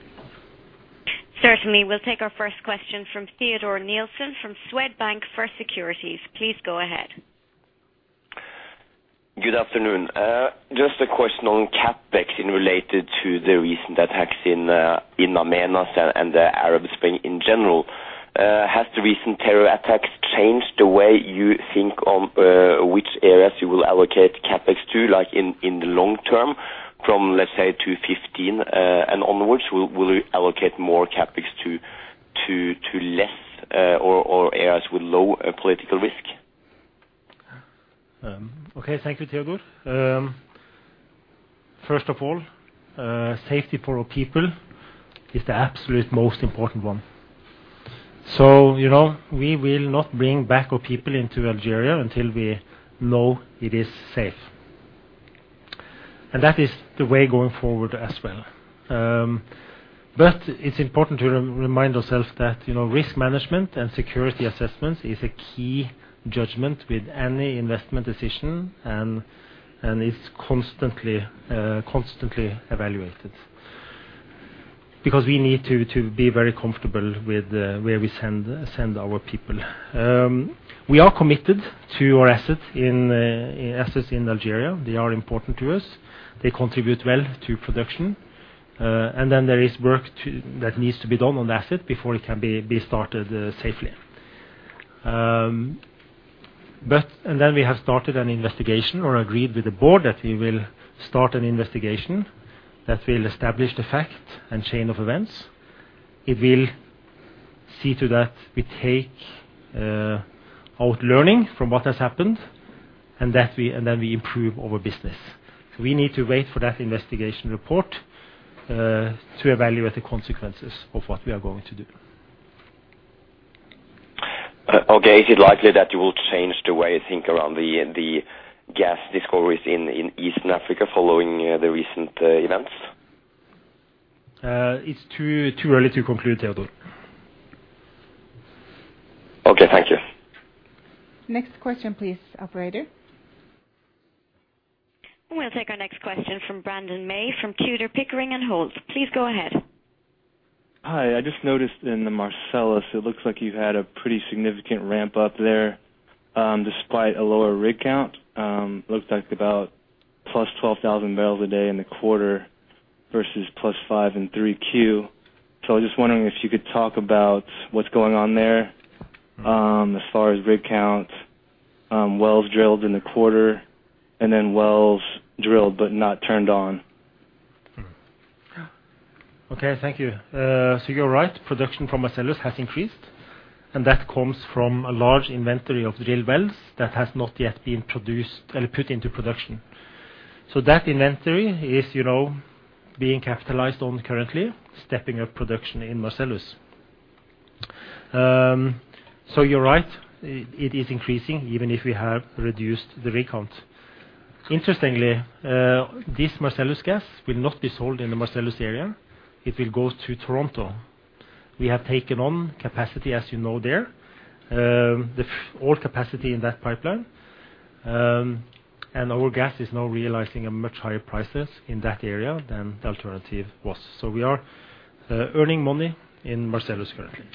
Certainly. We'll take our first question from Teodor Nilsen from Swedbank First Securities. Please go ahead. Good afternoon. Just a question on CapEx in relation to the recent attacks in Amenas and the Arab Spring in general. Has the recent terror attacks changed the way you think on which areas you will allocate CapEx to, like in the long term from, let's say, 2015 and onwards? Will you allocate more CapEx to less or areas with low political risk? Okay. Thank you, Teodor. First of all, safety for our people is the absolute most important one. You know, we will not bring back our people into Algeria until we know it is safe. That is the way going forward as well. It's important to remind ourselves that, you know, risk management and security assessments is a key judgment with any investment decision and it's constantly evaluated. Because we need to be very comfortable with where we send our people. We are committed to our assets in Algeria. They are important to us. They contribute well to production. There is work that needs to be done on the asset before it can be started safely. We have started an investigation or agreed with the board that we will start an investigation that will establish the fact and chain of events. It will see to that we take out learning from what has happened and that we improve our business. We need to wait for that investigation report to evaluate the consequences of what we are going to do. Okay. Is it likely that you will change the way you think around the gas discoveries in Eastern Africa following the recent events? It's too early to conclude, Teodor. Okay, thank you. Next question, please, operator. We'll take our next question from Brandon Mei from Tudor, Pickering, Holt & Co. Please go ahead. Hi. I just noticed in the Marcellus, it looks like you've had a pretty significant ramp up there, despite a lower rig count. Looks like about +12,000 bbl a day in the quarter versus +5,000 bbl in 3Q. I was just wondering if you could talk about what's going on there, as far as rig count, wells drilled in the quarter, and then wells drilled but not turned on. Okay, thank you. You're right, production from Marcellus has increased, and that comes from a large inventory of drilled wells that has not yet been produced or put into production. That inventory is, you know, being capitalized on currently, stepping up production in Marcellus. You're right, it is increasing even if we have reduced the rig count. Interestingly, this Marcellus gas will not be sold in the Marcellus area. It will go to Toronto. We have taken on capacity, as you know there, the full capacity in that pipeline. Our gas is now realizing a much higher prices in that area than the alternative was. We are earning money in Marcellus currently.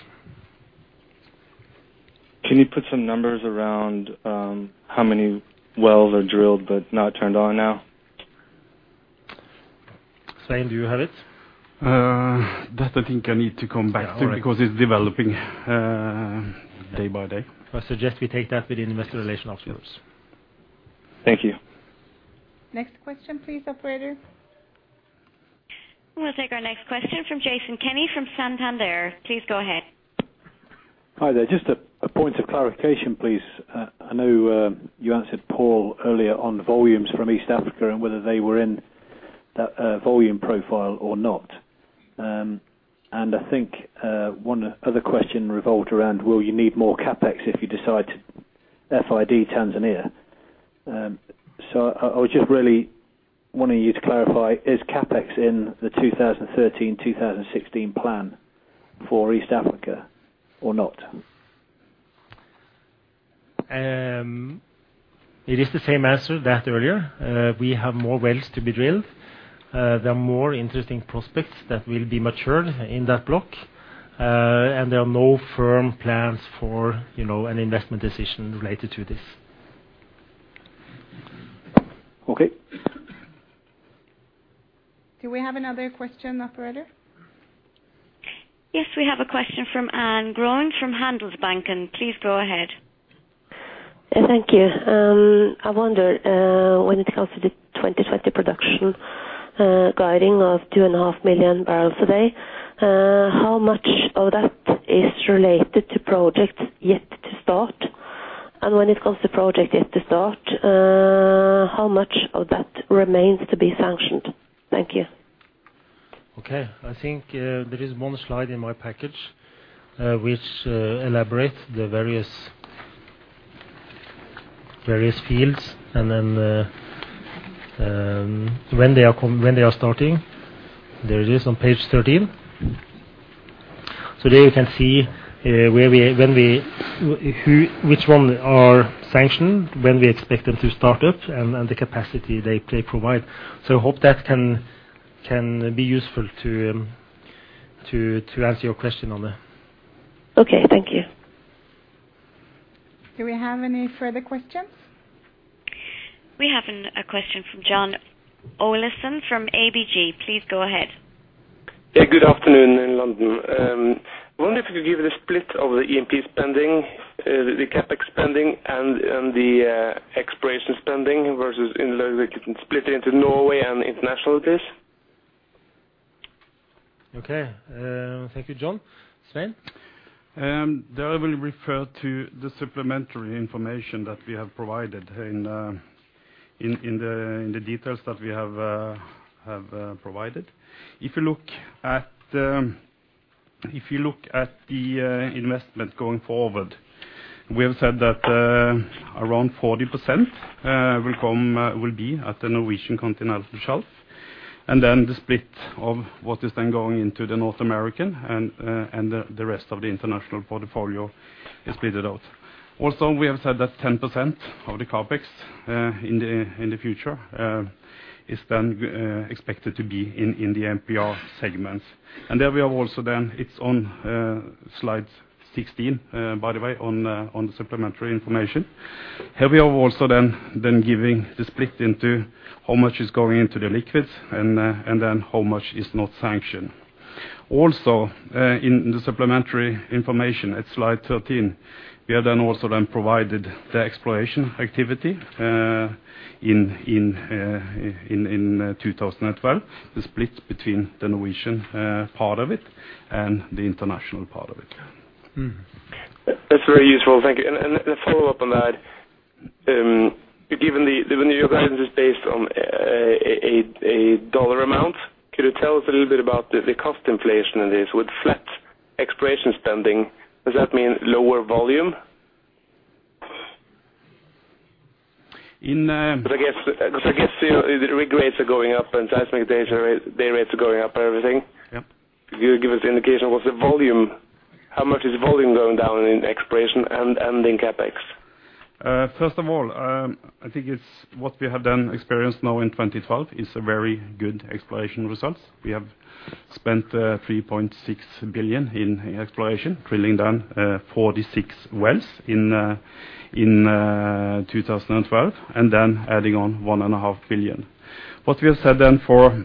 Can you put some numbers around, how many wells are drilled but not turned on now? Svein, do you have it? That I think I need to come back to. It's all right. Because it's developing day by day. I suggest we take that with the Investor Relations officers. Thank you. Next question, please, operator. We'll take our next question from Jason Kenney from Santander. Please go ahead. Hi there. Just a point of clarification, please. I know you answered Paul earlier on the volumes from East Africa and whether they were in that volume profile or not. I think one other question revolved around will you need more CapEx if you decide to FID Tanzania? I was just really wanting you to clarify, is CapEx in the 2013-2016 plan for East Africa or not? It is the same answer that earlier. We have more wells to be drilled. There are more interesting prospects that will be matured in that block. There are no firm plans for, you know, an investment decision related to this. Okay. Do we have another question, operator? Yes, we have a question from Anne Gjøen from Handelsbanken. Please go ahead. Thank you. I wonder, when it comes to the 2020 production, guiding of 2.5 million bbl a day, how much of that is related to projects yet to start? When it comes to project yet to start, how much of that remains to be sanctioned? Thank you. Okay. I think there is one slide in my package which elaborate the various fields, and then when they are starting. There it is on page 13. There you can see which one are sanctioned, when we expect them to start up, and the capacity they provide. Hope that can be useful to answer your question on that. Okay, thank you. Do we have any further questions? We have a question from John Olaisen from ABG. Please go ahead. Yeah, good afternoon in London. I wonder if you could give the split of the E&P spending, the CapEx spending and the exploration spending versus in the liquids and split into Norway and international it is. Okay. Thank you, John. Svein? There I will refer to the supplementary information that we have provided in the details that we have provided. If you look at the investment going forward, we have said that around 40% will be at the Norwegian Continental Shelf. Then the split of what is then going into the North American and the rest of the international portfolio is split out. Also, we have said that 10% of the CapEx in the future is then expected to be in the MPR segments. There we have also then, it's on slide 16, by the way, on the supplementary information. Here we have also then giving the split into how much is going into the liquids and then how much is not sanctioned. Also, in the supplementary information at slide 13, we have then also provided the exploration activity in 2012. The split between the Norwegian part of it and the international part of it. Mm-hmm. That's very useful. Thank you. To follow up on that Given the, when your guidance is based on a dollar amount, could you tell us a little bit about the cost inflation in this? With flat exploration spending, does that mean lower volume? In, uh- I guess, 'cause I guess, you know, rig rates are going up and seismic data and day rates are going up and everything. Yep. Could you give us an indication what's the volume, how much is volume going down in exploration and in CapEx? I think what we have experienced now in 2012 is a very good exploration results. We have spent $3.6 billion in exploration, drilling 46 wells in 2012, and then adding on $1.5 billion. What we have said then for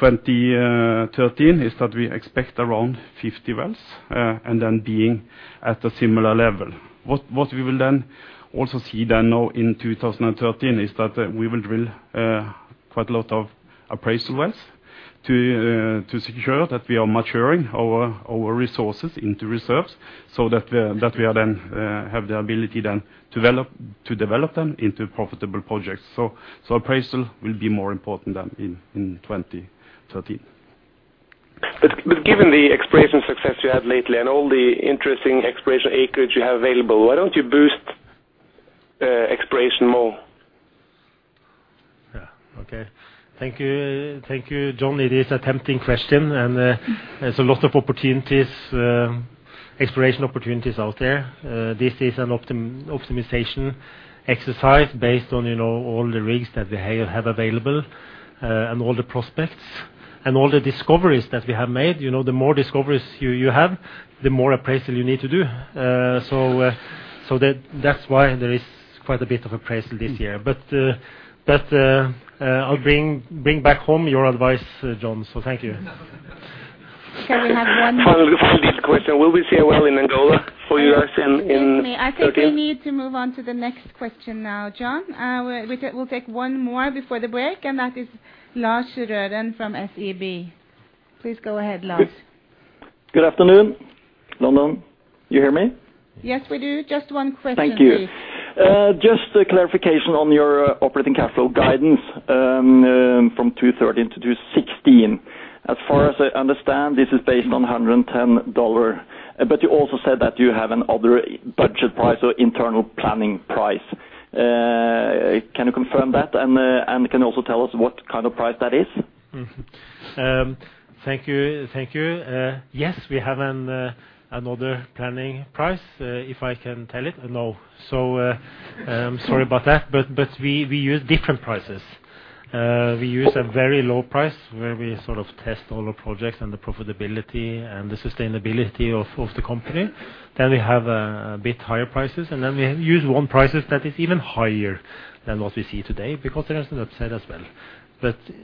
2013 is that we expect around 50 wells, and then being at a similar level. What we will then also see then now in 2013 is that we will drill quite a lot of appraisal wells to secure that we are maturing our resources into reserves so that we have the ability then to develop them into profitable projects. Appraisal will be more important than in 2013. Given the exploration success you had lately and all the interesting exploration acreage you have available, why don't you boost exploration more? Yeah. Okay. Thank you. Thank you, John. It is a tempting question, and there's a lot of opportunities, exploration opportunities out there. This is an optimization exercise based on, you know, all the rigs that we have available, and all the prospects and all the discoveries that we have made. You know, the more discoveries you have, the more appraisal you need to do. So that's why there is quite a bit of appraisal this year. I'll bring back home your advice, John, so thank you. Shall we have one more? Follow this question. Will we see a well in Angola for you guys in 2013? Excuse me. I think we need to move on to the next question now, John. We'll take one more before the break, and that is Lars-Henrik Røren from SEB. Please go ahead, Lars. Good- Good afternoon, London. You hear me? Yes, we do. Just one question, please. Thank you. Just a clarification on your operating cash flow guidance, from 2013 to 2016. As far as I understand, this is based on $110, but you also said that you have another budget price or internal planning price. Can you confirm that? And can you also tell us what kind of price that is? Mm-hmm. Thank you. Yes, we have another planning price, if I can tell it. No. I'm sorry about that, but we use different prices. We use a very low price where we sort of test all our projects and the profitability and the sustainability of the company. We have a bit higher prices, and then we use one price that is even higher than what we see today because there is an upside as well.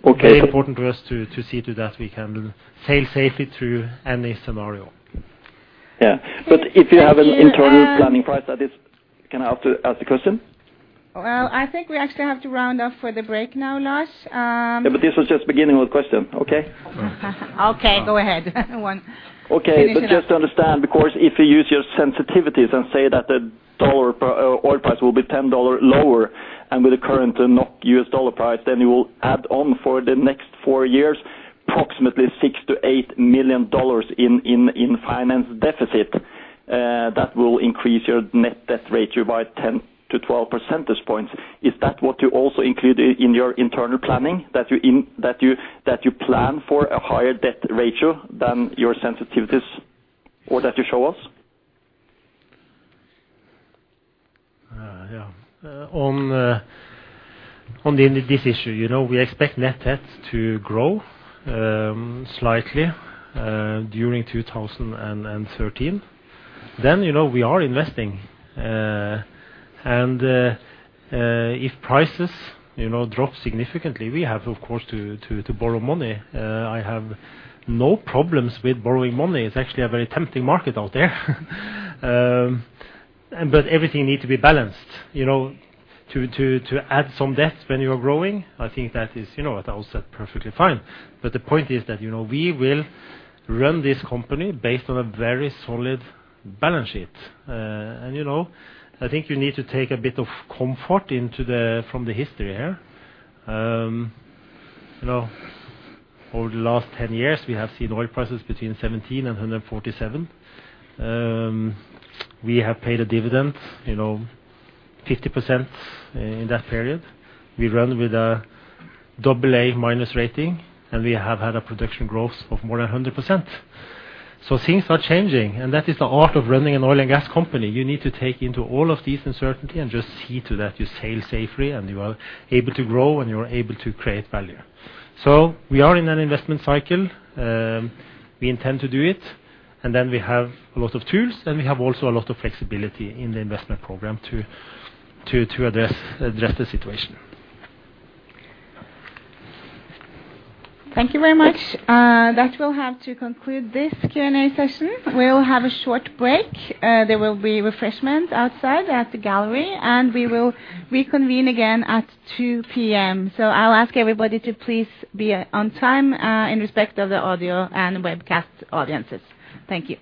Okay- Very important for us to see to that we can sail safely through any scenario. Yeah. If you have an internal Thank you, Can I ask the question? Well, I think we actually have to round off for the break now, Lars. Yeah, this was just beginning of the question. Okay? Okay, go ahead. One. Finish it. Okay. Just to understand, because if you use your sensitivities and say that the dollar or oil price will be 10 dollar lower, and with the current NOK to U.S. dollar price, then you will add on for the next four years approximately $6 million-$8 million in financing deficit, that will increase your net debt ratio by 10-12 percentage points. Is that what you also include in your internal planning, that you plan for a higher debt ratio than your sensitivities or that you show us? Yeah. On this issue, you know, we expect net debt to grow slightly during 2013. You know, we are investing. If prices, you know, drop significantly, we have, of course, to borrow money. I have no problems with borrowing money. It's actually a very tempting market out there. Everything need to be balanced. You know, to add some debt when you are growing, I think that is, you know, at all set perfectly fine. The point is that, you know, we will run this company based on a very solid balance sheet. You know, I think you need to take a bit of comfort from the history here. You know, over the last 10 years, we have seen oil prices between $17 and $147. We have paid a dividend, you know, 50% in that period. We run with a AA- rating, and we have had a production growth of more than 100%. Things are changing, and that is the art of running an oil and gas company. You need to take into all of these uncertainty and just see to that you sail safely, and you are able to grow, and you are able to create value. We are in an investment cycle. We intend to do it, and then we have a lot of tools, and we have also a lot of flexibility in the investment program to address the situation. Thank you very much. That will have to conclude this Q&A session. We'll have a short break. There will be refreshment outside at the gallery, and we will reconvene again at 2:00 P.M. I'll ask everybody to please be on time, in respect of the audio and webcast audiences. Thank you.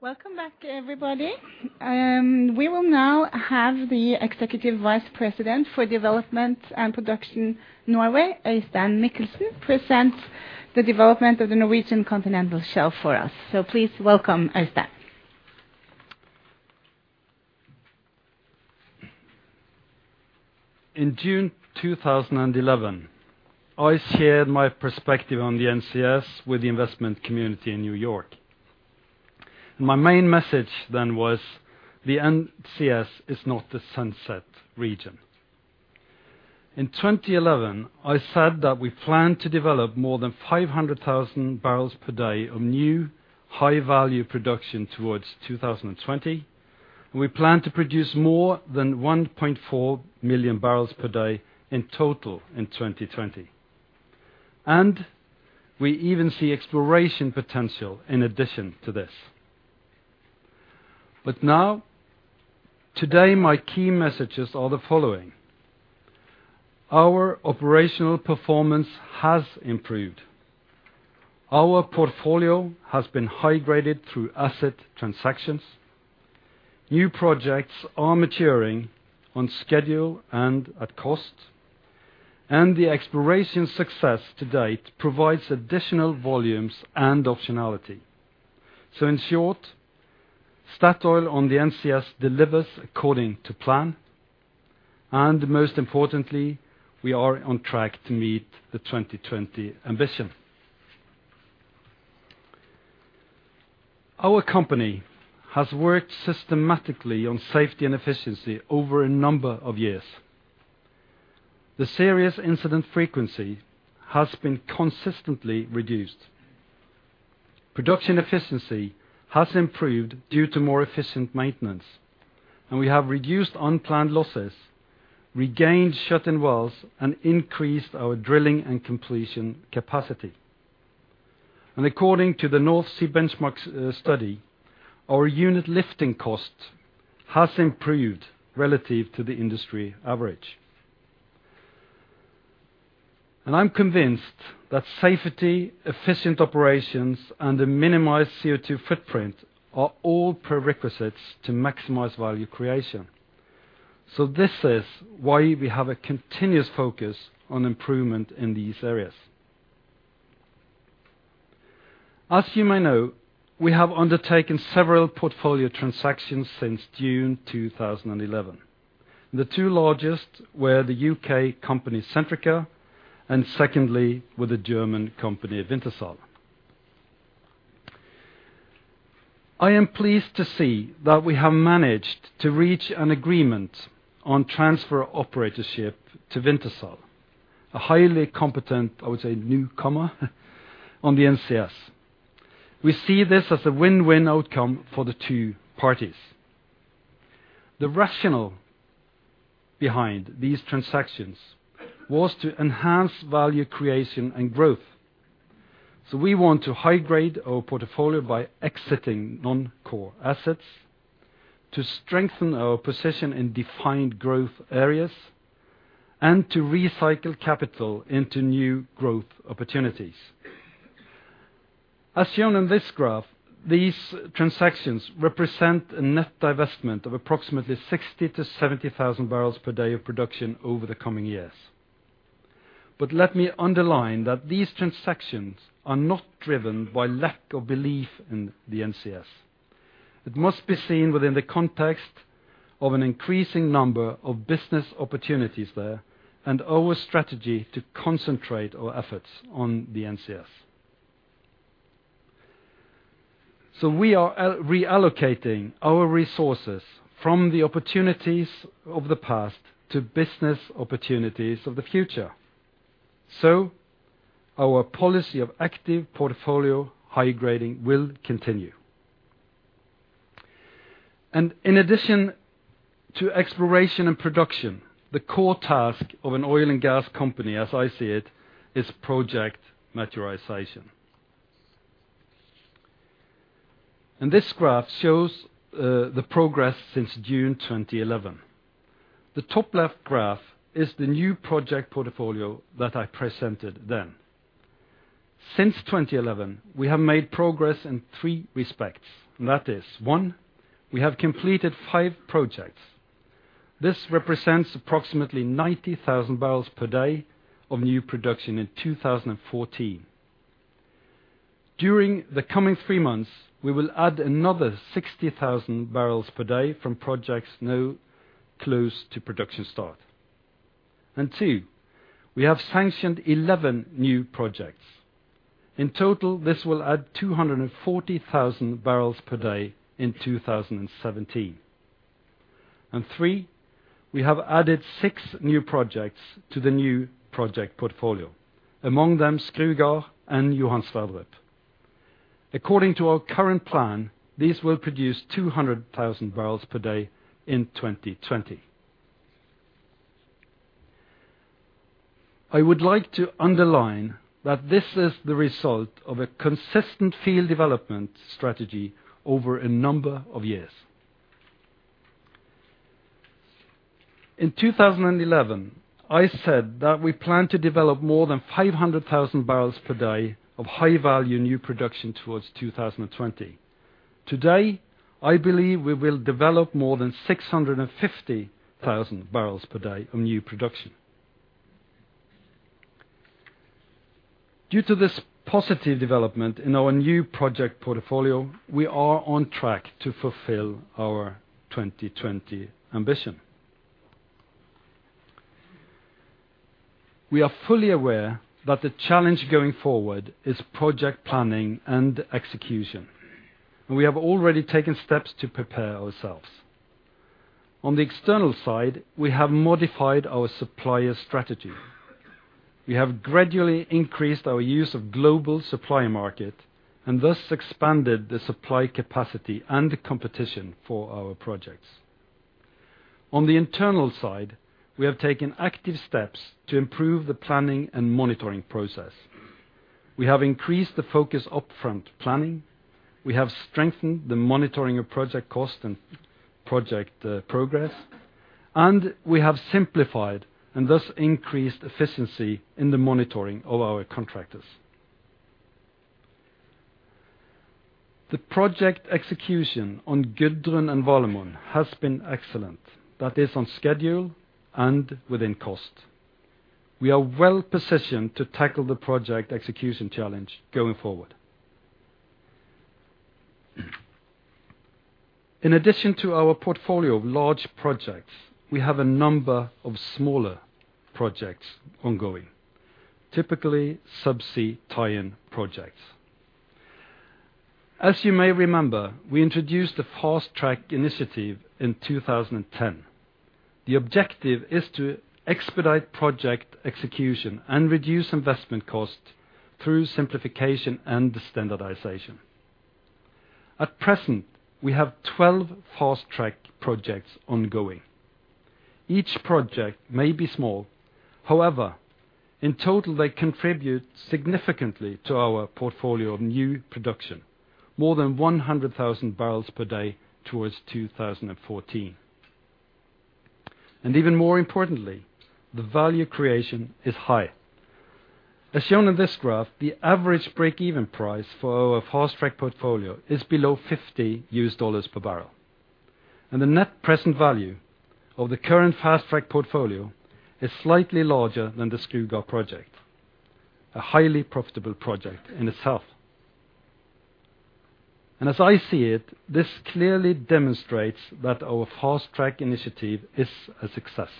Welcome back, everybody. We will now have the Executive Vice President for Development and Production Norway, Øystein Michelsen, present the development of the Norwegian Continental Shelf for us. Please welcome Øystein. In June 2011, I shared my perspective on the NCS with the investment community in New York. My main message then was the NCS is not the sunset region. In 2011, I said that we plan to develop more than 500,000 bbl per day of new high-value production towards 2020, and we plan to produce more than 1.4 million bbl per day in total in 2020. We even see exploration potential in addition to this. Now, today, my key messages are the following. Our operational performance has improved. Our portfolio has been high-graded through asset transactions. New projects are maturing on schedule and at cost. The exploration success to date provides additional volumes and optionality. In short, Statoil on the NCS delivers according to plan. Most importantly, we are on track to meet the 2020 ambition. Our company has worked systematically on safety and efficiency over a number of years. The serious incident frequency has been consistently reduced. Production efficiency has improved due to more efficient maintenance, and we have reduced unplanned losses, regained shut-in wells, and increased our drilling and completion capacity. According to the North Sea Benchmark Study, our unit lifting cost has improved relative to the industry average. I'm convinced that safety, efficient operations, and a minimized CO2 footprint are all prerequisites to maximize value creation. This is why we have a continuous focus on improvement in these areas. As you may know, we have undertaken several portfolio transactions since June 2011. The two largest were the U.K. company Centrica, and secondly, with the German company Wintershall. I am pleased to see that we have managed to reach an agreement on transfer operatorship to Wintershall, a highly competent, I would say, newcomer on the NCS. We see this as a win-win outcome for the two parties. The rationale behind these transactions was to enhance value creation and growth. We want to high-grade our portfolio by exiting non-core assets, to strengthen our position in defined growth areas, and to recycle capital into new growth opportunities. As shown in this graph, these transactions represent a net divestment of approximately 60,000 bbl-70,000 bbl per day of production over the coming years. Let me underline that these transactions are not driven by lack of belief in the NCS. It must be seen within the context of an increasing number of business opportunities there and our strategy to concentrate our efforts on the NCS. We are reallocating our resources from the opportunities of the past to business opportunities of the future. Our policy of active portfolio high-grading will continue. In addition to exploration and production, the core task of an oil and gas company, as I see it, is project maturation. This graph shows the progress since June 2011. The top left graph is the new project portfolio that I presented then. Since 2011, we have made progress in three respects, and that is, one, we have completed five projects. This represents approximately 90,000 bbl per day of new production in 2014. During the coming three months, we will add another 60,000 bbl per day from projects now close to production start. Two, we have sanctioned 11 new projects. In total, this will add 240,000 bbl per day in 2017. Three, we have added six new projects to the new project portfolio, among them Skrugard and Johan Sverdrup. According to our current plan, these will produce 200,000 bbl per day in 2020. I would like to underline that this is the result of a consistent field development strategy over a number of years. In 2011, I said that we plan to develop more than 500,000 bbl per day of high-value new production towards 2020. Today, I believe we will develop more than 650,000 bbl per day of new production. Due to this positive development in our new project portfolio, we are on track to fulfill our 2020 ambition. We are fully aware that the challenge going forward is project planning and execution. We have already taken steps to prepare ourselves. On the external side, we have modified our supplier strategy. We have gradually increased our use of global supply market and thus expanded the supply capacity and the competition for our projects. On the internal side, we have taken active steps to improve the planning and monitoring process. We have increased the focus upfront planning, we have strengthened the monitoring of project cost and project progress, and we have simplified and thus increased efficiency in the monitoring of our contractors. The project execution on Gudrun and Valemon has been excellent, that is on schedule and within cost. We are well-positioned to tackle the project execution challenge going forward. In addition to our portfolio of large projects, we have a number of smaller projects ongoing, typically subsea tie-in projects. As you may remember, we introduced the fast-track initiative in 2010. The objective is to expedite project execution and reduce investment costs through simplification and standardization. At present, we have 12 fast-track projects ongoing. Each project may be small. However, in total, they contribute significantly to our portfolio of new production, more than 100,000 bbl per day towards 2014. Even more importantly, the value creation is high. As shown in this graph, the average break-even price for our fast-track portfolio is below $50 per barrel. The net present value of the current fast-track portfolio is slightly larger than the Skrugard project, a highly profitable project in itself. As I see it, this clearly demonstrates that our fast-track initiative is a success.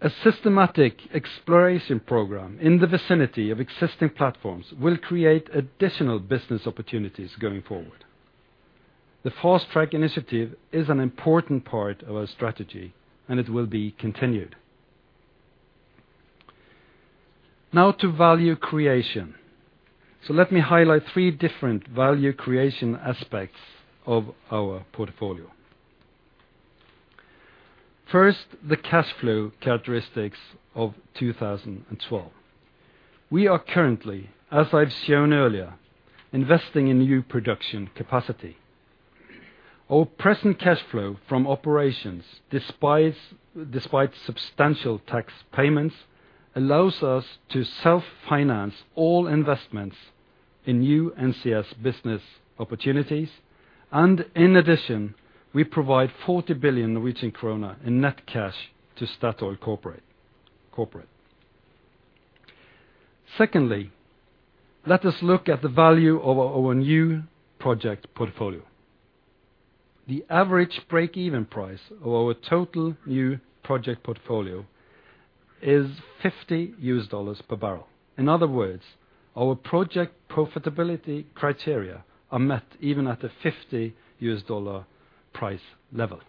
A systematic exploration program in the vicinity of existing platforms will create additional business opportunities going forward. The fast-track initiative is an important part of our strategy, and it will be continued. Now to value creation. Let me highlight three different value creation aspects of our portfolio. First, the cash flow characteristics of 2012. We are currently, as I've shown earlier, investing in new production capacity. Our present cash flow from operations, despite substantial tax payments, allows us to self-finance all investments in new NCS business opportunities. In addition, we provide 40 billion Norwegian krone in net cash to Statoil Corporate. Secondly, let us look at the value of our new project portfolio. The average break-even price of our total new project portfolio is $50 per barrel. In other words, our project profitability criteria are met even at a $50 price level.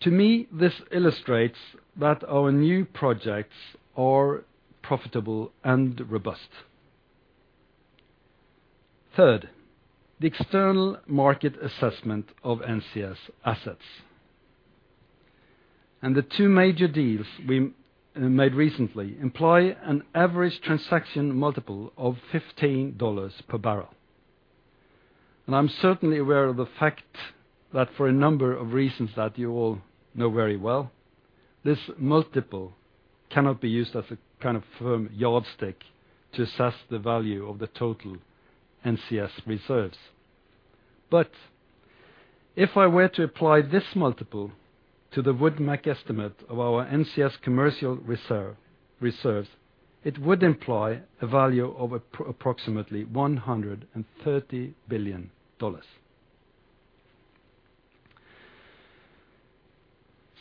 To me, this illustrates that our new projects are profitable and robust. Third, the external market assessment of NCS assets. The two major deals we made recently employ an average transaction multiple of $15 per barrel. I'm certainly aware of the fact that for a number of reasons that you all know very well, this multiple cannot be used as a kind of firm yardstick to assess the value of the total NCS reserves. If I were to apply this multiple to the Woodmac estimate of our NCS commercial reserves, it would imply a value of approximately $130 billion.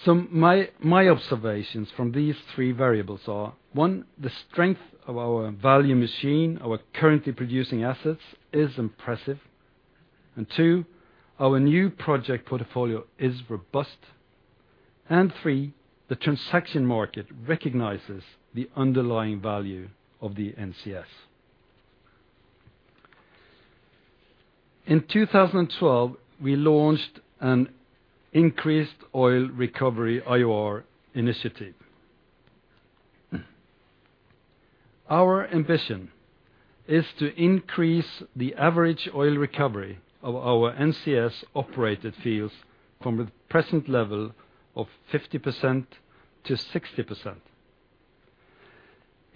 My observations from these three variables are, one, the strength of our value machine, our currently producing assets, is impressive. Two, our new project portfolio is robust. Three, the transaction market recognizes the underlying value of the NCS. In 2012, we launched an increased oil recovery, IOR, initiative. Our ambition is to increase the average oil recovery of our NCS-operated fields from the present level of 50% to 60%.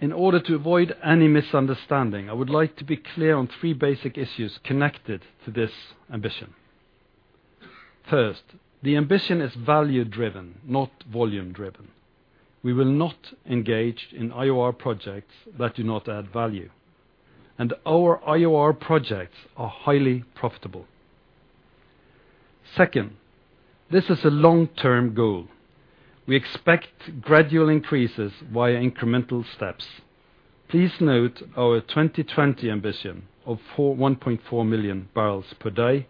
In order to avoid any misunderstanding, I would like to be clear on three basic issues connected to this ambition. First, the ambition is value-driven, not volume-driven. We will not engage in IOR projects that do not add value. Our IOR projects are highly profitable. Second, this is a long-term goal. We expect gradual increases via incremental steps. Please note our 2020 ambition of 1.4 million bbl per day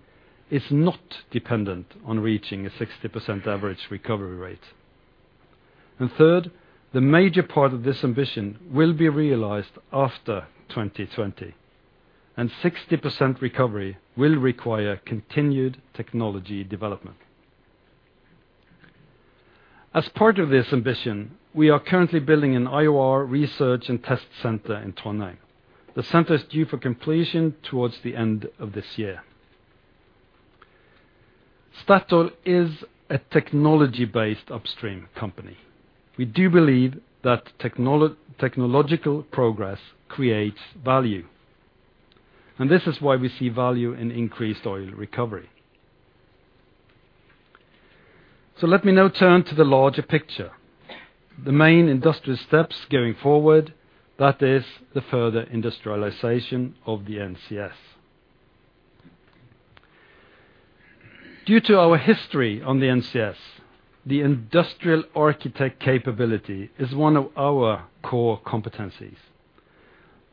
is not dependent on reaching a 60% average recovery rate. Third, the major part of this ambition will be realized after 2020, and 60% recovery will require continued technology development. As part of this ambition, we are currently building an IOR research and test center in Trondheim. The center is due for completion towards the end of this year. Statoil is a technology-based upstream company. We do believe that technological progress creates value, and this is why we see value in increased oil recovery. Let me now turn to the larger picture, the main industrial steps going forward, that is the further industrialization of the NCS. Due to our history on the NCS, the industrial architect capability is one of our core competencies.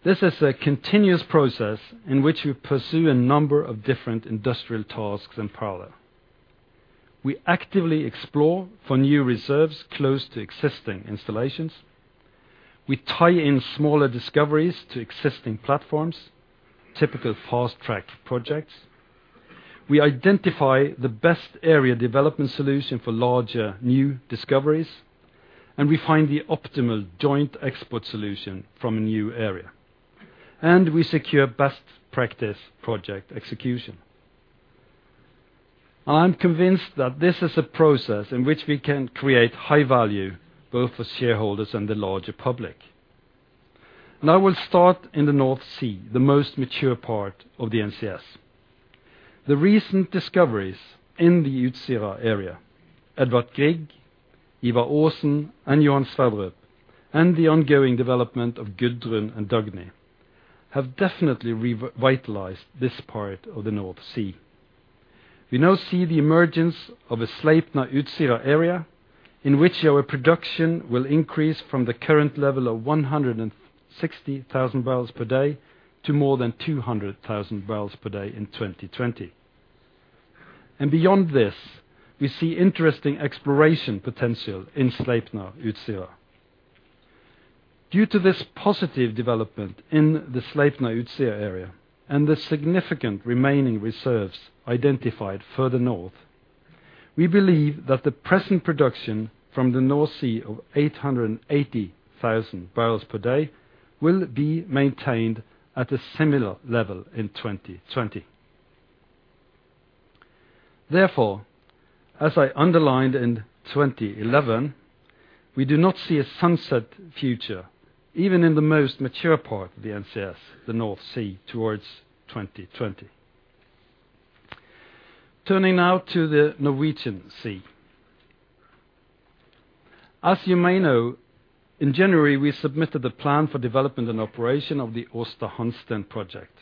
This is a continuous process in which we pursue a number of different industrial tasks in parallel. We actively explore for new reserves close to existing installations. We tie in smaller discoveries to existing platforms, typical fast-tracked projects. We identify the best area development solution for larger new discoveries, and we find the optimal joint export solution from a new area. We secure best practice project execution. I'm convinced that this is a process in which we can create high-value both for shareholders and the larger public. Now we'll start in the North Sea, the most mature part of the NCS. The recent discoveries in the Utsira area, Edvard Grieg, Ivar Aasen, and Johan Sverdrup, and the ongoing development of Gudrun and Dagny, have definitely revitalized this part of the North Sea. We now see the emergence of a Sleipner Utsira area in which our production will increase from the current level of 160,000 bbl per day to more than 200,000 bbl per day in 2020. Beyond this, we see interesting exploration potential in Sleipner Utsira. Due to this positive development in the Sleipner Utsira area and the significant remaining reserves identified further north, we believe that the present production from the North Sea of 880,000 bbl per day will be maintained at a similar level in 2020. Therefore, as I underlined in 2011, we do not see a sunset future even in the most mature part of the NCS, the North Sea, towards 2020. Turning now to the Norwegian Sea. As you may know, in January, we submitted the plan for development and operation of the Aasta Hansteen project.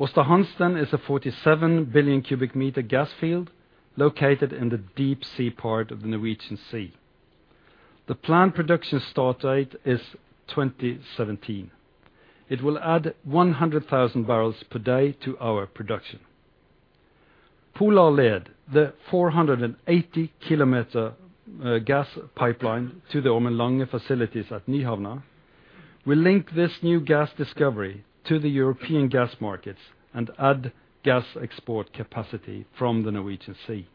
Aasta Hansteen is a 47 billion cubic meter gas field located in the deep sea part of the Norwegian Sea. The planned production start date is 2017. It will add 100,000 bbl per day to our production. Polarled, the 480 kilometer gas pipeline to the Ormen Lange facilities at Nyhamna, will link this new gas discovery to the European gas markets and add gas export capacity from the Norwegian Sea.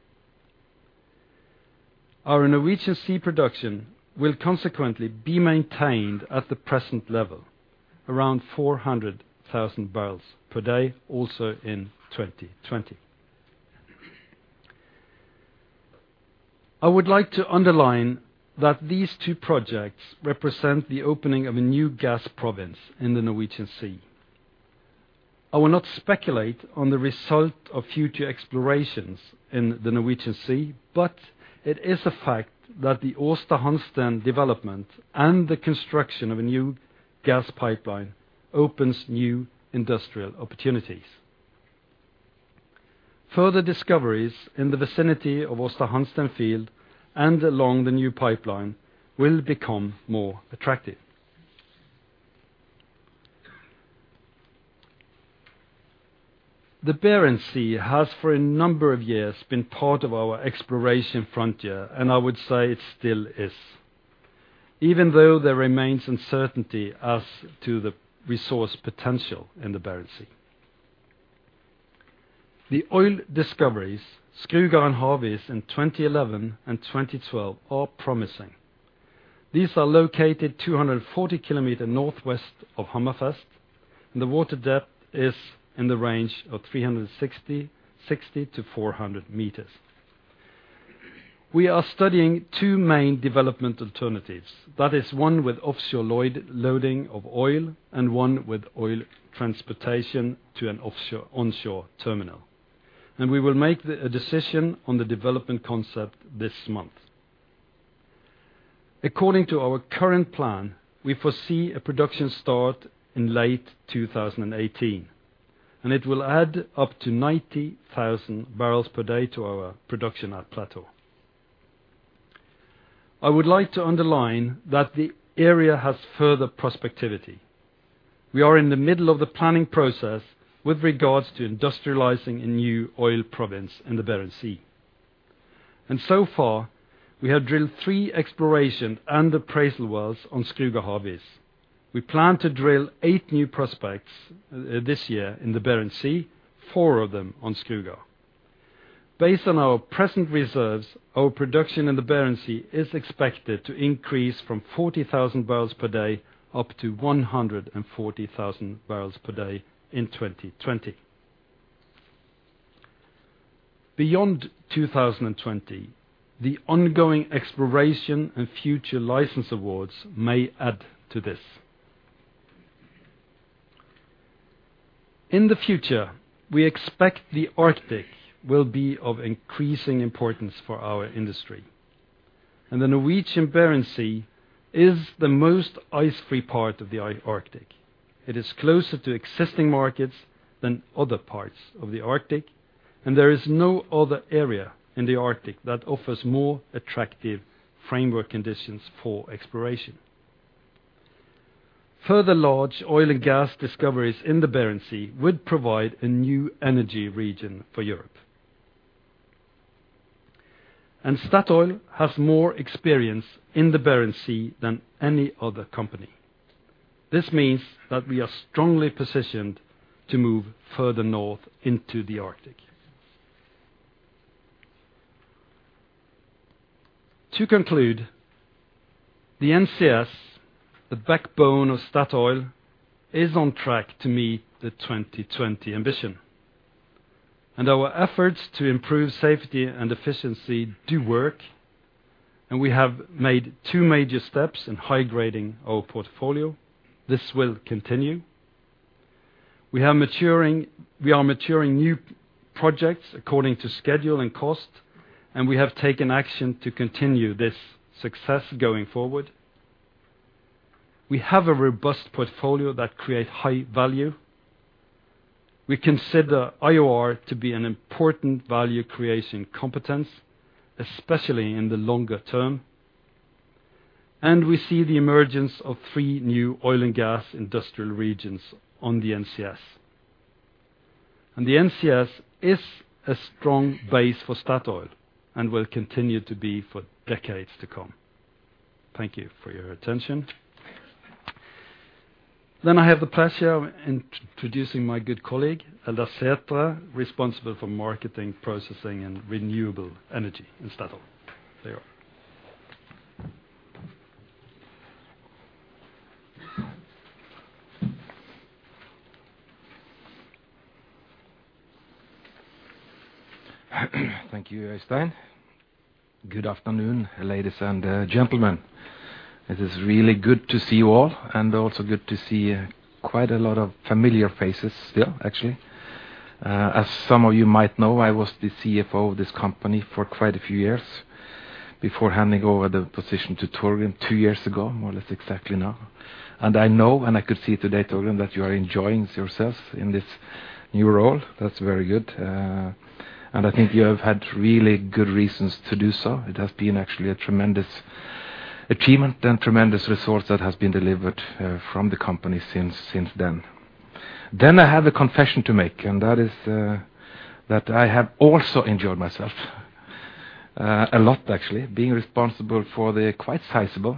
Our Norwegian Sea production will consequently be maintained at the present level, around 400,000 bbl per day, also in 2020. I would like to underline that these two projects represent the opening of a new gas province in the Norwegian Sea. I will not speculate on the result of future explorations in the Norwegian Sea, but it is a fact that the Aasta Hansteen development and the construction of a new gas pipeline opens new industrial opportunities. Further discoveries in the vicinity of Aasta Hansteen field and along the new pipeline will become more attractive. The Barents Sea has for a number of years been part of our exploration frontier, and I would say it still is, even though there remains uncertainty as to the resource potential in the Barents Sea. The oil discoveries, Skrugard and Havis in 2011 and 2012 are promising. These are located 240 km northwest of Hammerfest, and the water depth is in the range of 360 m-400 m. We are studying two main development alternatives. That is one with offshore load-loading of oil and one with oil transportation to an offshore-onshore terminal. We will make a decision on the development concept this month. According to our current plan, we foresee a production start in late 2018, and it will add up to 90,000 bbl per day to our production at plateau. I would like to underline that the area has further prospectivity. We are in the middle of the planning process with regards to industrializing a new oil province in the Barents Sea. So far, we have drilled three exploration and appraisal wells on Skrugard and Havis. We plan to drill eight new prospects this year in the Barents Sea, four of them on Skrugard. Based on our present reserves, our production in the Barents Sea is expected to increase from 40,000 bbl per day up to 140,000 bbl per day in 2020. Beyond 2020, the ongoing exploration and future license awards may add to this. In the future, we expect the Arctic will be of increasing importance for our industry. The Norwegian Barents Sea is the most ice-free part of the Arctic. It is closer to existing markets than other parts of the Arctic, and there is no other area in the Arctic that offers more attractive framework conditions for exploration. Further large oil and gas discoveries in the Barents Sea would provide a new energy region for Europe. Statoil has more experience in the Barents Sea than any other company. This means that we are strongly positioned to move further north into the Arctic. To conclude, the NCS, the backbone of Statoil, is on track to meet the 2020 ambition. Our efforts to improve safety and efficiency do work, and we have made two major steps in high-grading our portfolio. This will continue. We are maturing new projects according to schedule and cost, and we have taken action to continue this success going forward. We have a robust portfolio that create high-value. We consider IOR to be an important value-creation competence, especially in the longer term, and we see the emergence of three new oil and gas industrial regions on the NCS. The NCS is a strong base for Statoil and will continue to be for decades to come. Thank you for your attention. I have the pleasure of introducing my good colleague, Eldar Sætre, responsible for marketing, processing, and renewable energy in Statoil. There you are. Thank you, Øystein. Good afternoon, ladies and, gentlemen. It is really good to see you all, and also good to see quite a lot of familiar faces here, actually. As some of you might know, I was the CFO of this company for quite a few years before handing over the position to Torgrim two years ago, more or less exactly now. I know, and I could see today, Torgrim, that you are enjoying yourself in this new role. That's very good. I think you have had really good reasons to do so. It has been actually a tremendous achievement and tremendous results that has been delivered, from the company since then. I have a confession to make, and that is, that I have also enjoyed myself, a lot actually, being responsible for the quite sizable,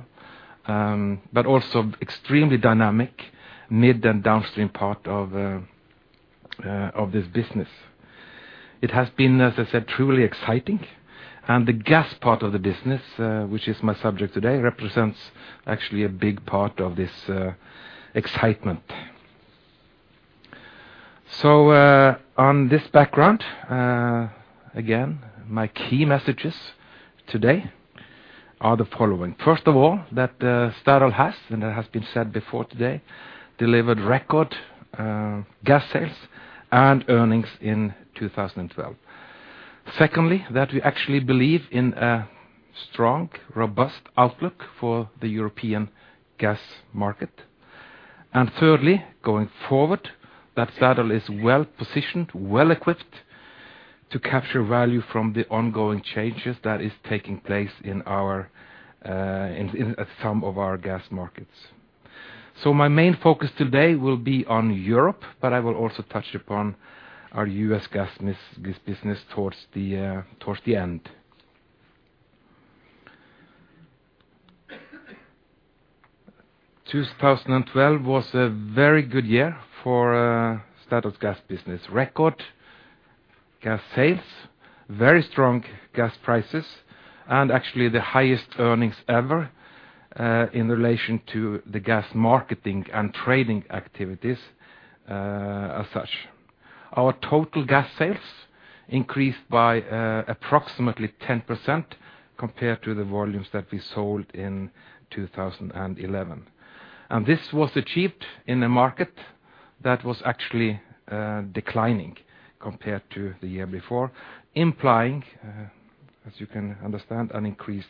but also extremely dynamic mid and downstream part of this business. It has been, as I said, truly exciting. The gas part of the business, which is my subject today, represents actually a big part of this, excitement. On this background, again, my key messages today are the following. First of all, that, Statoil has, and it has been said before today, delivered record, gas sales and earnings in 2012. Secondly, that we actually believe in a strong, robust outlook for the European gas market. Thirdly, going forward, that Statoil is well-positioned, well-equipped to capture value from the ongoing changes that is taking place in some of our gas markets. My main focus today will be on Europe, but I will also touch upon our U.S. gas business towards the end. 2012 was a very good year for Statoil's gas business. Record gas sales, very strong gas prices, and actually the highest earnings ever in relation to the gas marketing and trading activities as such. Our total gas sales increased by approximately 10% compared to the volumes that we sold in 2011. This was achieved in a market that was actually declining compared to the year before, implying as you can understand, an increased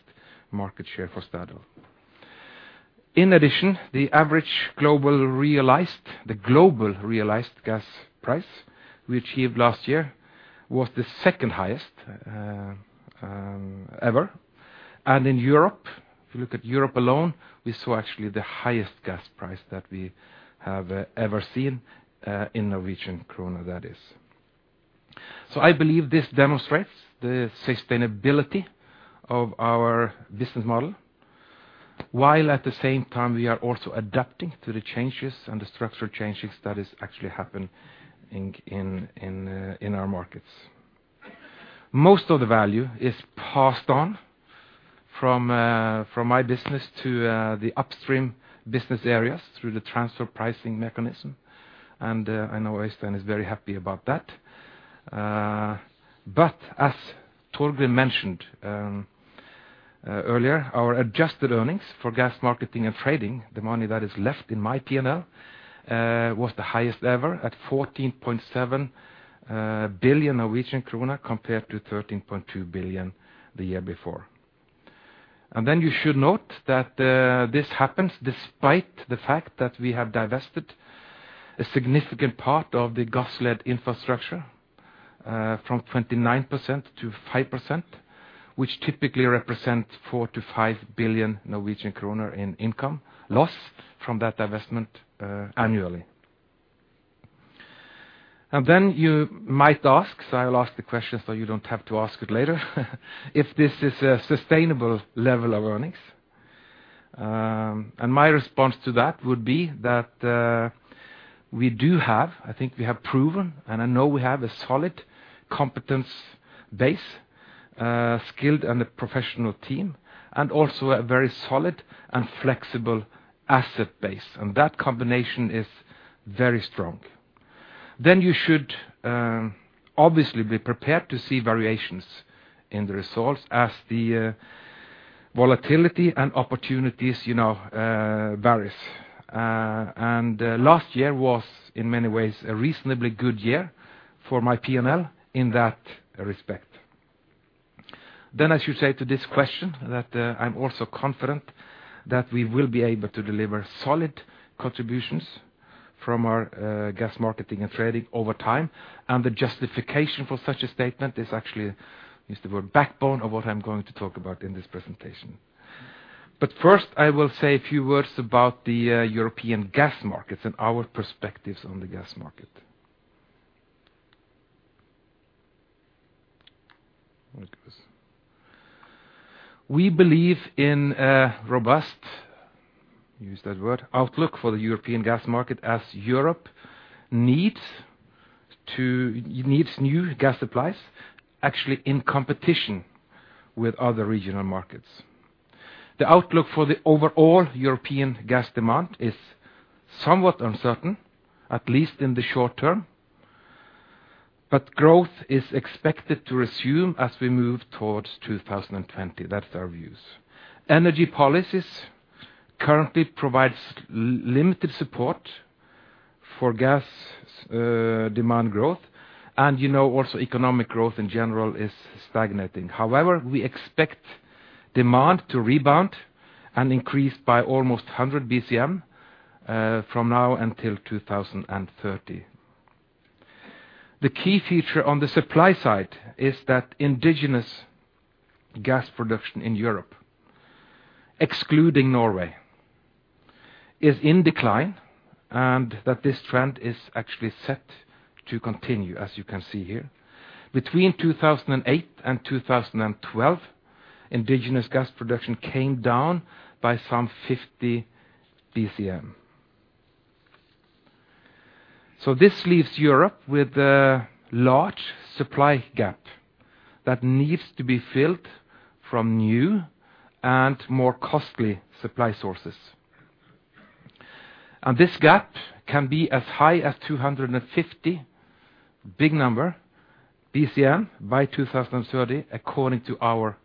market share for Statoil. In addition, the global realized gas price we achieved last year was the second highest ever. In Europe, if you look at Europe alone, we saw actually the highest gas price that we have ever seen in Norwegian krone, that is. I believe this demonstrates the sustainability of our business model, while at the same time we are also adapting to the changes and the structural changes that is actually happening in our markets. Most of the value is passed on from my business to the upstream business areas through the transfer pricing mechanism. I know Øystein is very happy about that. As Torgrim mentioned earlier, our adjusted earnings for gas marketing and trading, the money that is left in my P&L, was the highest ever at 14.7 billion Norwegian krone compared to 13.2 billion the year before. You should note that this happens despite the fact that we have divested a significant part of the Gassled infrastructure from 29% to 5%, which typically represents 4 billion-5 billion Norwegian kroner in income loss from that divestment annually. Then you might ask, so I will ask the question so you don't have to ask it later if this is a sustainable level of earnings. My response to that would be that we do have, I think we have proven, and I know we have a solid competence base, skilled and a professional team, and also a very solid and flexible asset base, and that combination is very strong. Then you should obviously be prepared to see variations in the results as the volatility and opportunities, you know, varies. Last year was, in many ways, a reasonably good year for my P&L in that respect. I should say to this question that, I'm also confident that we will be able to deliver solid contributions from our, gas marketing and trading over time, and the justification for such a statement is actually the word backbone of what I'm going to talk about in this presentation. First, I will say a few words about the, European gas markets and our perspectives on the gas market. We believe in a robust, use that word, outlook for the European gas market as Europe needs new gas supplies actually in competition with other regional markets. The outlook for the overall European gas demand is somewhat uncertain, at least in the short term. Growth is expected to resume as we move towards 2020. That's our views. Energy policies currently provide limited support for gas demand growth, and you know also economic growth in general is stagnating. However, we expect demand to rebound and increase by almost 100 BCM from now until 2030. The key feature on the supply side is that indigenous gas production in Europe, excluding Norway, is in decline, and that this trend is actually set to continue, as you can see here. Between 2008 and 2012, indigenous gas production came down by some 50 BCM. This leaves Europe with a large supply gap that needs to be filled from new and more costly supply sources. This gap can be as high as 250, big number, BCM by 2030 according to our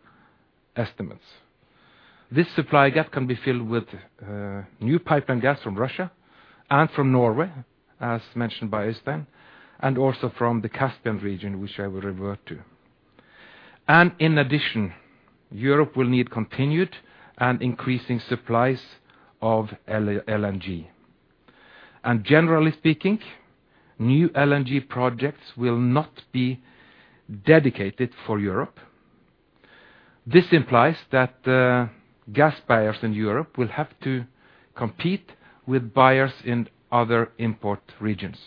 estimates. This supply gap can be filled with new pipe and gas from Russia and from Norway, as mentioned by Øystein, and also from the Caspian region, which I will revert to. In addition, Europe will need continued and increasing supplies of LNG. Generally speaking, new LNG projects will not be dedicated for Europe. This implies that gas buyers in Europe will have to compete with buyers in other import regions.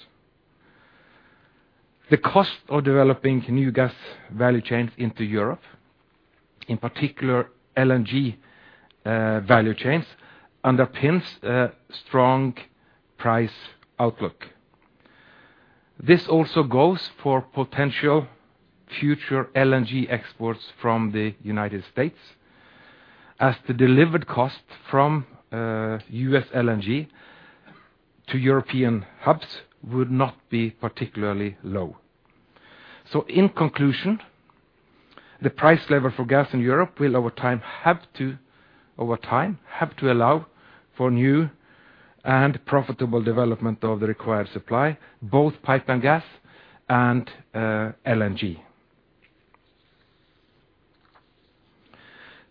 The cost of developing new gas value chains into Europe, in particular LNG value chains, underpins a strong price outlook. This also goes for potential future LNG exports from the United States, as the delivered cost from U.S. LNG to European hubs would not be particularly low. In conclusion, the price level for gas in Europe will over time have to allow for new and profitable development of the required supply, both piped gas and LNG.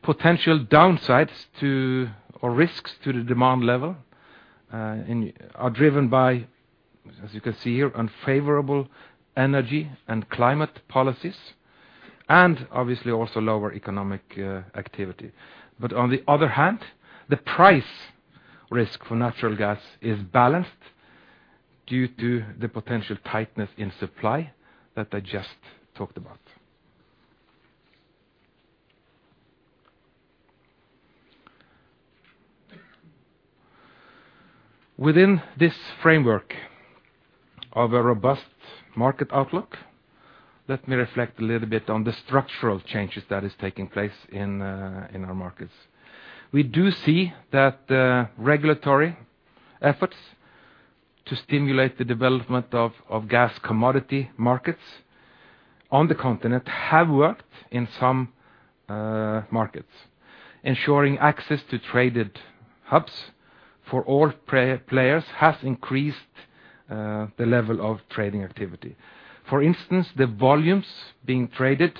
Potential downsides to or risks to the demand level are driven by, as you can see here, unfavorable energy and climate policies, and obviously also lower economic activity. On the other hand, the price risk for natural gas is balanced due to the potential tightness in supply that I just talked about. Within this framework of a robust market outlook, let me reflect a little bit on the structural changes that is taking place in our markets. We do see that the regulatory efforts to stimulate the development of gas commodity markets on the continent have worked in some markets. Ensuring access to traded hubs for all players has increased the level of trading activity. For instance, the volumes being traded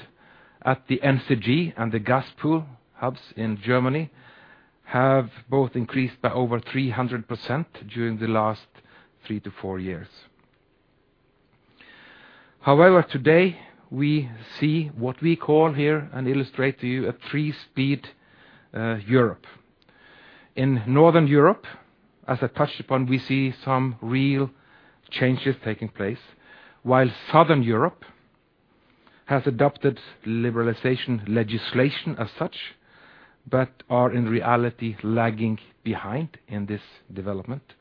at the NCG and the Gaspool hubs in Germany have both increased by over 300% during the last three to four years. However, today we see what we call here and illustrate to you a three-speed Europe. In Northern Europe, as I touched upon, we see some real changes taking place. While Southern Europe has adopted liberalization legislation as such, but are in reality lagging behind in this development.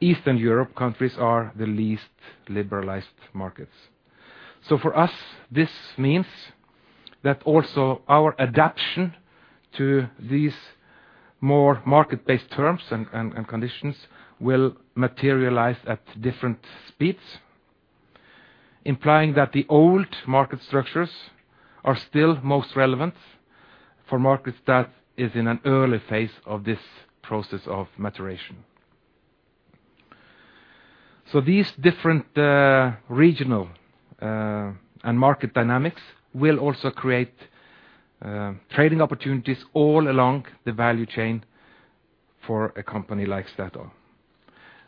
Eastern Europe countries are the least liberalized markets. For us, this means that also our adaptation to these more market-based terms and conditions will materialize at different speeds, implying that the old market structures are still most relevant for markets that is in an early phase of this process of maturation. These different regional and market dynamics will also create trading opportunities all along the value chain for a company like Statoil.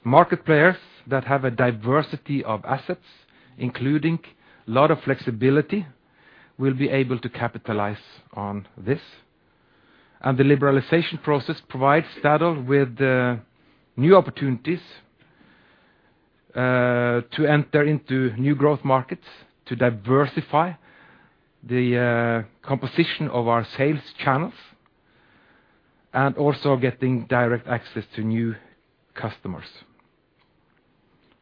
Market players that have a diversity of assets, including a lot of flexibility, will be able to capitalize on this. The liberalization process provides Statoil with new opportunities to enter into new growth markets, to diversify the composition of our sales channels, and also getting direct access to new customers.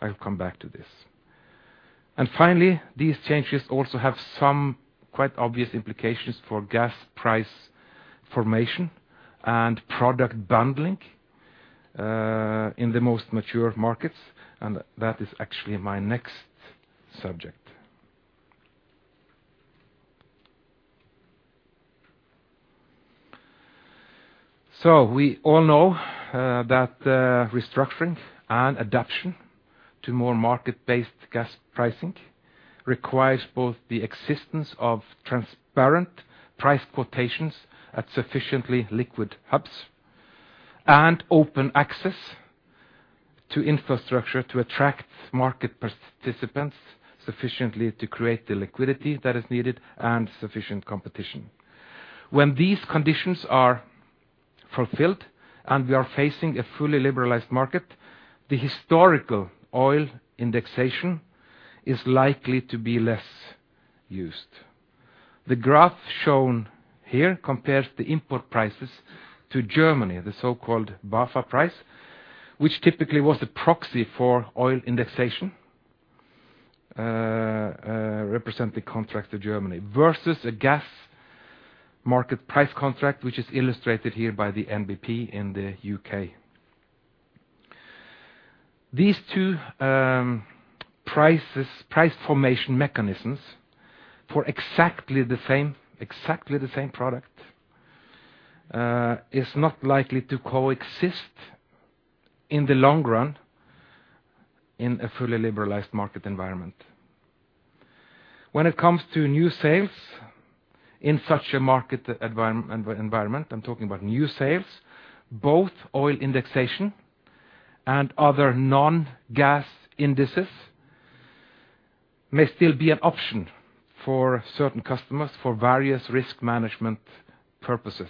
I'll come back to this. Finally, these changes also have some quite obvious implications for gas price formation and product bundling in the most mature markets, and that is actually my next subject. We all know that restructuring and adaptation to more market-based gas pricing requires both the existence of transparent price quotations at sufficiently liquid hubs and open access to infrastructure to attract market participants sufficiently to create the liquidity that is needed and sufficient competition. When these conditions are fulfilled and we are facing a fully liberalized market, the historical oil indexation is likely to be less used. The graph shown here compares the import prices to Germany, the so-called BAFA price, which typically was a proxy for oil indexation, represents the contract to Germany, versus a gas market price contract, which is illustrated here by the NBP in the U.K. These two prices, price formation mechanisms for exactly the same product is not likely to coexist in the long run in a fully liberalized market environment. When it comes to new sales in such a market environment, I'm talking about new sales, both oil indexation and other non-gas indices may still be an option for certain customers for various risk management purposes.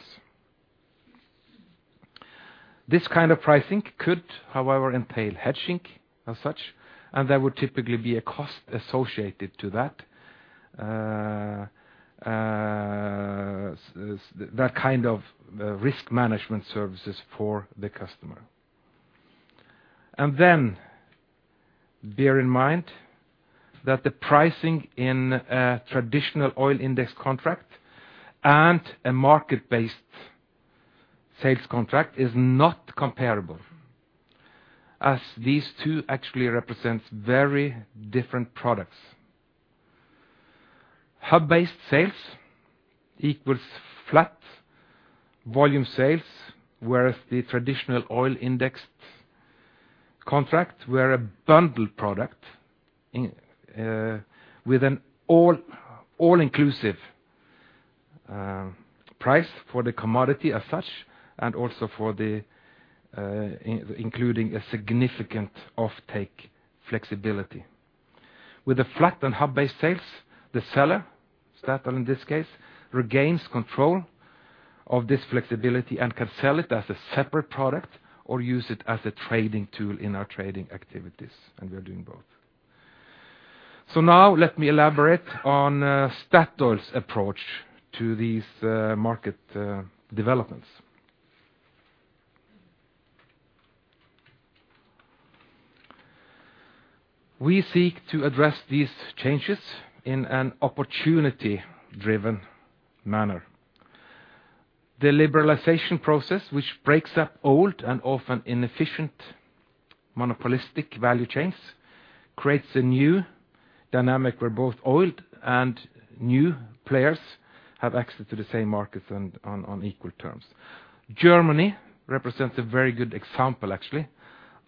This kind of pricing could, however, entail hedging as such, and there would typically be a cost associated to that kind of risk management services for the customer. Bear in mind that the pricing in a traditional oil index contract and a market-based sales contract is not comparable, as these two actually represents very different products. Hub-based sales equals flat volume sales, whereas the traditional oil indexed contract were a bundled product in with an all inclusive price for the commodity as such, and also for the including a significant offtake flexibility. With the flat and hub-based sales, the seller, Statoil in this case, regains control of this flexibility and can sell it as a separate product or use it as a trading tool in our trading activities, and we are doing both. Now let me elaborate on Statoil's approach to these market developments. We seek to address these changes in an opportunity-driven manner. The liberalization process, which breaks up old and often inefficient monopolistic value chains, creates a new dynamic where both old and new players have access to the same markets and on equal terms. Germany represents a very good example actually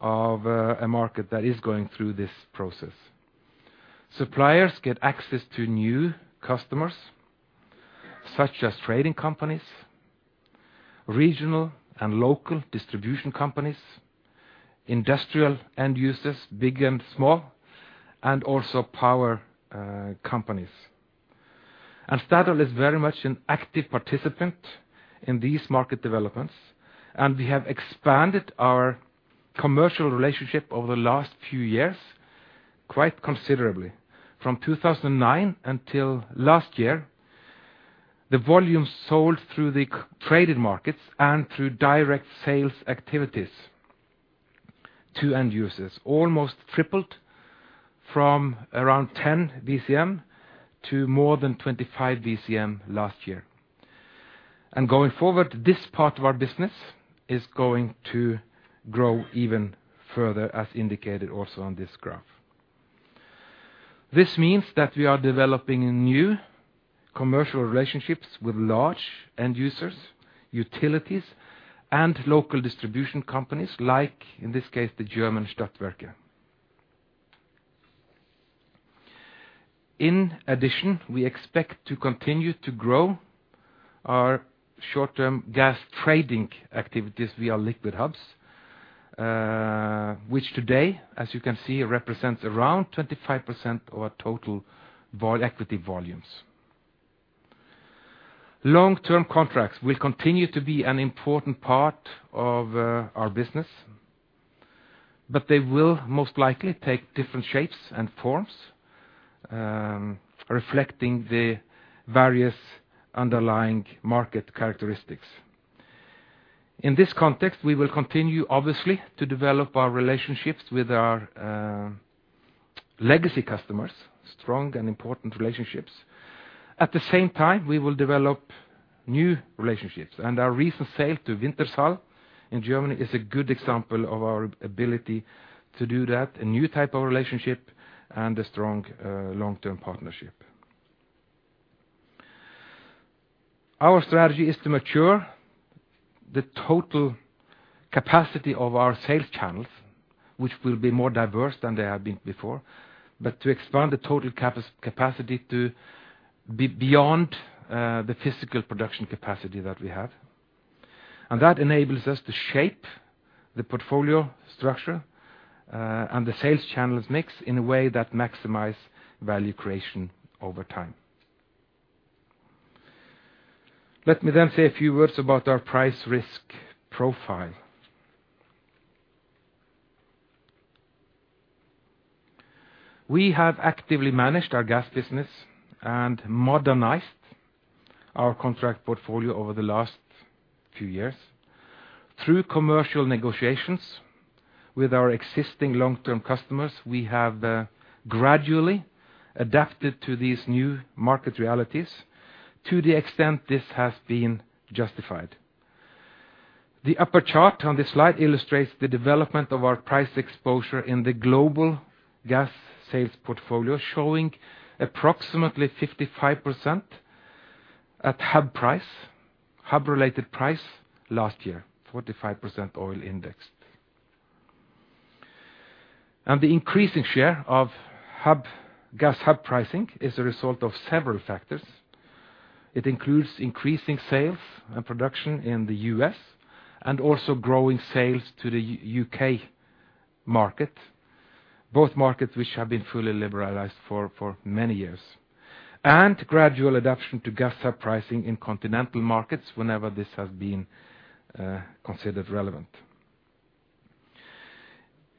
of a market that is going through this process. Suppliers get access to new customers, such as trading companies, regional and local distribution companies, industrial end users, big and small, and also power companies. Statoil is very much an active participant in these market developments, and we have expanded our commercial relationship over the last few years quite considerably. From 2009 until last year, the volume sold through the traded markets and through direct sales activities to end users almost tripled from around 10 BCM to more than 25 BCM last year. Going forward, this part of our business is going to grow even further, as indicated also on this graph. This means that we are developing new commercial relationships with large end users, utilities, and local distribution companies, like in this case, the German Stadtwerke. In addition, we expect to continue to grow our short-term gas trading activities via liquid hubs, which today, as you can see, represents around 25% of our total volume-equity volumes. Long-term contracts will continue to be an important part of our business, but they will most likely take different shapes and forms, reflecting the various underlying market characteristics. In this context, we will continue, obviously, to develop our relationships with our legacy customers, strong and important relationships. At the same time, we will develop new relationships, and our recent sale to Wintershall in Germany is a good example of our ability to do that, a new type of relationship and a strong long-term partnership. Our strategy is to mature the total capacity of our sales channels, which will be more diverse than they have been before, but to expand the total capacity to be beyond the physical production capacity that we have. That enables us to shape the portfolio structure and the sales channels mix in a way that maximize value creation over time. Let me then say a few words about our price risk profile. We have actively managed our gas business and modernized our contract portfolio over the last few years. Through commercial negotiations with our existing long-term customers, we have gradually adapted to these new market realities to the extent this has been justified. The upper chart on this slide illustrates the development of our price exposure in the global gas sales portfolio, showing approximately 55% at hub price, hub-related price last year, 45% oil indexed. The increasing share of hub, gas hub pricing is a result of several factors. It includes increasing sales and production in the U.S. and also growing sales to the U.K. market, both markets which have been fully liberalized for many years, and gradual adaptation to gas hub pricing in continental markets whenever this has been considered relevant.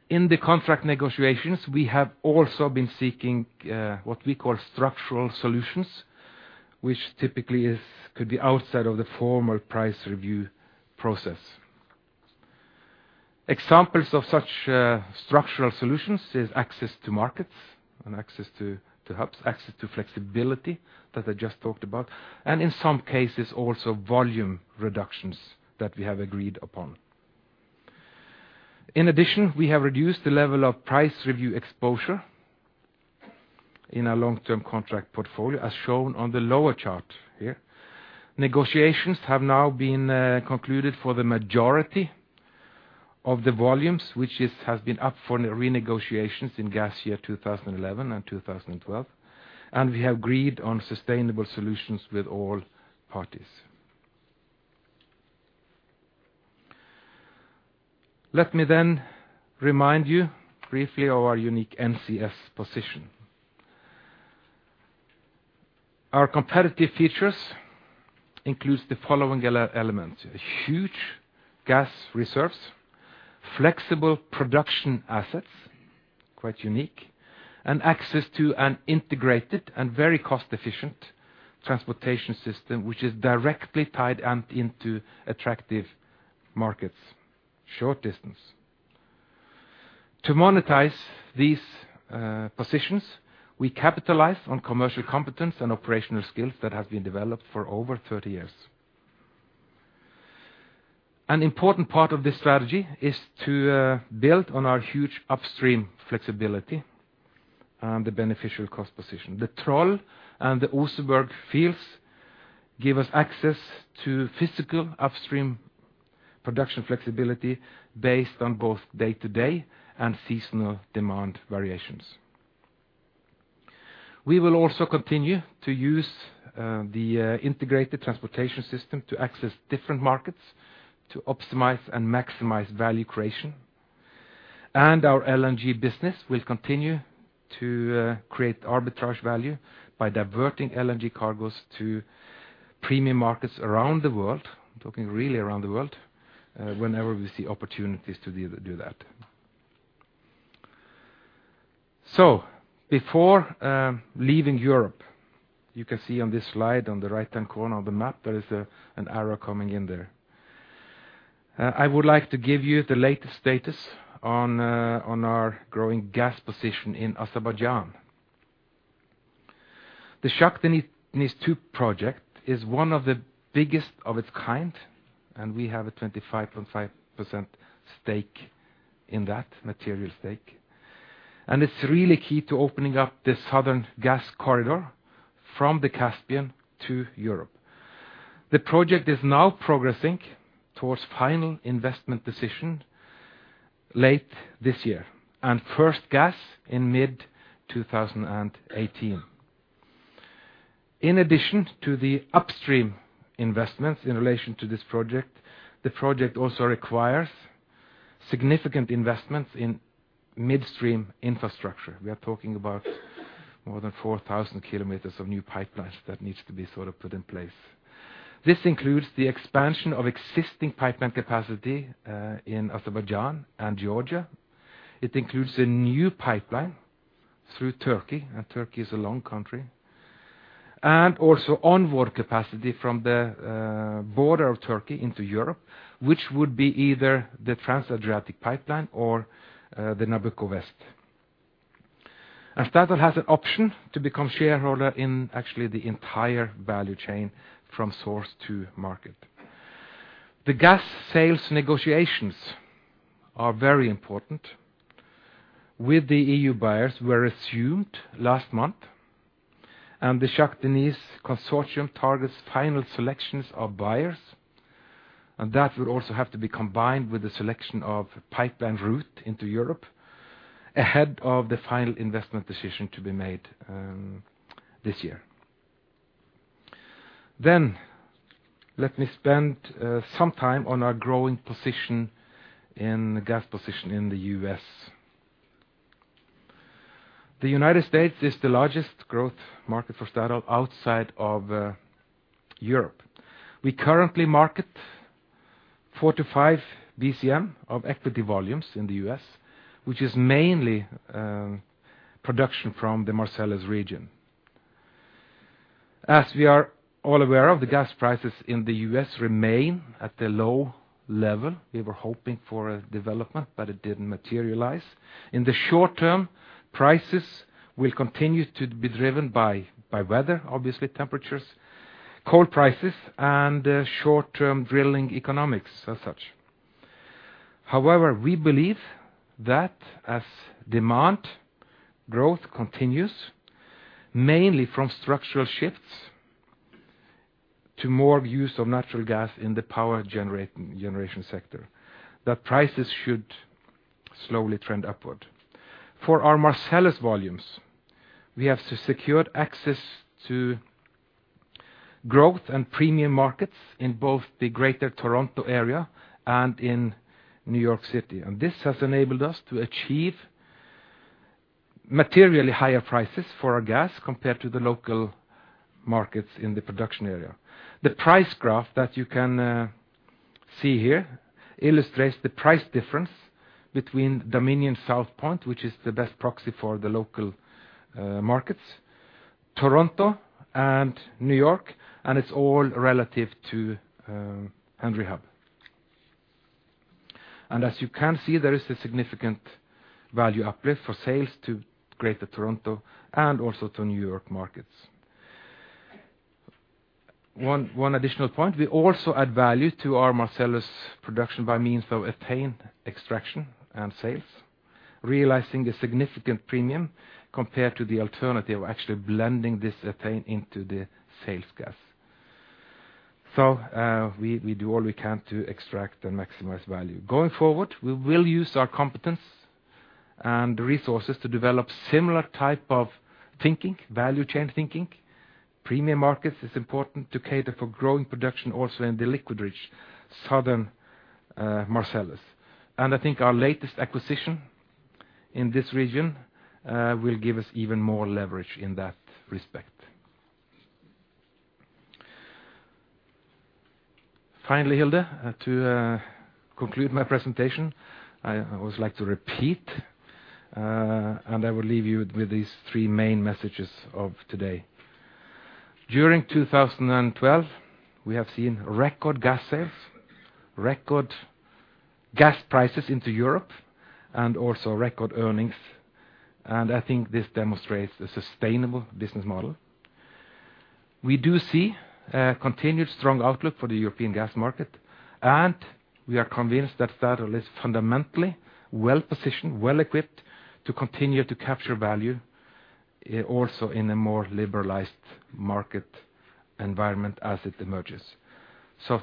In the contract negotiations, we have also been seeking what we call structural solutions, which typically could be outside of the formal price review process. Examples of such structural solutions is access to markets and access to hubs, access to flexibility that I just talked about, and in some cases, also volume reductions that we have agreed upon. In addition, we have reduced the level of price review exposure in our long-term contract portfolio, as shown on the lower chart here. Negotiations have now been concluded for the majority of the volumes, which has been up for negotiations in gas year 2011 and 2012, and we have agreed on sustainable solutions with all parties. Let me remind you briefly of our unique NCS position. Our competitive features includes the following elements, huge gas reserves, flexible production assets, quite unique, and access to an integrated and very cost-efficient transportation system, which is directly tied into attractive markets, short distance. To monetize these positions, we capitalize on commercial competence and operational skills that have been developed for over 30 years. An important part of this strategy is to build on our huge upstream flexibility and the beneficial cost position. The Troll and the Oseberg fields give us access to physical upstream production flexibility based on both day-to-day and seasonal demand variations. We will also continue to use the integrated transportation system to access different markets to optimize and maximize value creation. Our LNG business will continue to create arbitrage value by diverting LNG cargos to premium markets around the world, I'm talking really around the world, whenever we see opportunities to do that. Before leaving Europe, you can see on this slide on the right-hand corner of the map, there is an arrow coming in there. I would like to give you the latest status on our growing gas position in Azerbaijan. The Shah Deniz 2 project is one of the biggest of its kind, and we have a 25.5% stake in that material stake. It's really key to opening up the southern gas corridor from the Caspian to Europe. The project is now progressing towards final investment decision late this year, and first gas in mid-2018. In addition to the upstream investments in relation to this project, the project also requires significant investments in midstream infrastructure. We are talking about more than 4,000 km of new pipelines that needs to be sort of put in place. This includes the expansion of existing pipeline capacity in Azerbaijan and Georgia. It includes a new pipeline through Turkey, and Turkey is a long country, and also onward capacity from the border of Turkey into Europe, which would be either the Trans-Adriatic Pipeline or the Nabucco West. Statoil has an option to become shareholder in actually the entire value chain from source to market. The gas sales negotiations are very important. With the EU buyers were resumed last month, and the Shah Deniz consortium targets final selections of buyers, and that will also have to be combined with the selection of pipeline route into Europe ahead of the final investment decision to be made this year. Let me spend some time on our growing gas position in the U.S. The United States is the largest growth market for Statoil outside of Europe. We currently market 4 BCM-5 BCM of equity volumes in the U.S., which is mainly production from the Marcellus region. As we are all aware of, the gas prices in the U.S. remain at a low level. We were hoping for a development, but it didn't materialize. In the short term, prices will continue to be driven by weather, obviously temperatures, coal prices, and short-term drilling economics as such. However, we believe that as demand growth continues, mainly from structural shifts to more use of natural gas in the power generation sector, that prices should slowly trend upward. For our Marcellus volumes, we have secured access to growth and premium markets in both the Greater Toronto Area and in New York City. This has enabled us to achieve materially higher prices for our gas compared to the local markets in the production area. The price graph that you can see here illustrates the price difference between Dominion South Point, which is the best proxy for the local markets, Toronto and New York, and it's all relative to Henry Hub. As you can see, there is a significant value uplift for sales to Greater Toronto and also to New York markets. One additional point, we also add value to our Marcellus production by means of ethane extraction and sales, realizing a significant premium compared to the alternative of actually blending this ethane into the sales gas. We do all we can to extract and maximize value. Going forward, we will use our competence and resources to develop similar type of thinking, value chain thinking. Premium markets is important to cater for growing production also in the liquid-rich southern Marcellus. I think our latest acquisition in this region will give us even more leverage in that respect. Finally, Hilde, to conclude my presentation, I always like to repeat, and I will leave you with these three main messages of today. During 2012, we have seen record gas sales, record gas prices into Europe, and also record earnings. I think this demonstrates the sustainable business model. We do see a continued strong outlook for the European gas market, and we are convinced that Statoil is fundamentally well-positioned, well-equipped to continue to capture value, also in a more liberalized market environment as it emerges.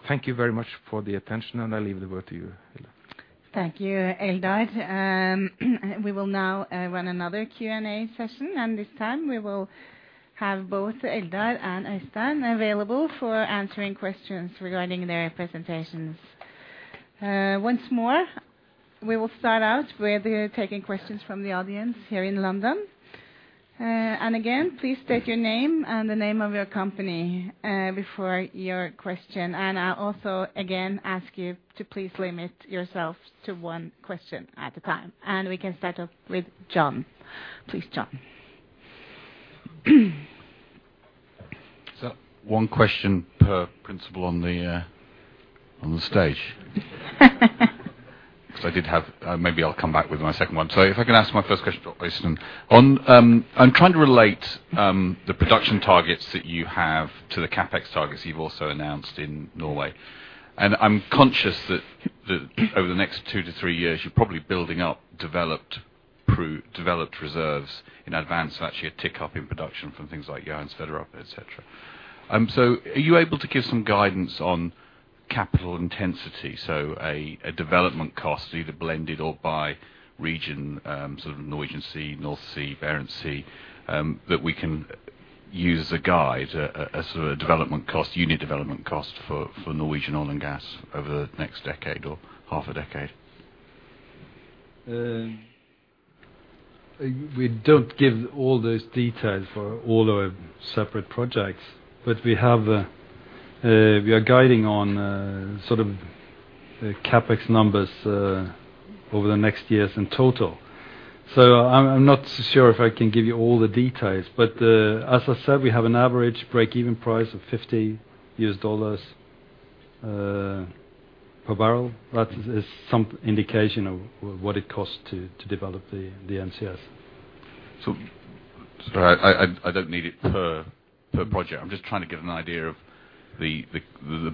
Thank you very much for the attention, and I leave the word to you, Hilde. Thank you, Eldar. We will now run another Q&A session, and this time we will have both Eldar and Øystein available for answering questions regarding their presentations. Once more, we will start out with taking questions from the audience here in London. Again, please state your name and the name of your company before your question. I'll also, again, ask you to please limit yourself to one question at a time. We can start off with Jon. Please, Jon. One question per principal on the stage. Maybe I'll come back with my second one. If I can ask my first question to Øystein. I'm trying to relate the production targets that you have to the CapEx targets you've also announced in Norway. I'm conscious that over the next two-three years, you're probably building up developed reserves in advance, so actually a tick-up in production from things like Johan Sverdrup, et cetera. Are you able to give some guidance on capital intensity, a development cost, either blended or by region, the Norwegian Sea, North Sea, Barents Sea, that we can use as a guide as to the development cost, unit development cost for Norwegian oil and gas over the next decade or half a decade? We don't give all those details for all our separate projects, but we have we are guiding on sort of CapEx numbers over the next years in total. I'm not sure if I can give you all the details, but as I said, we have an average break-even price of $50 per barrel. That is some indication of what it costs to develop the NCS. Sorry, I don't need it per project. I'm just trying to get an idea of the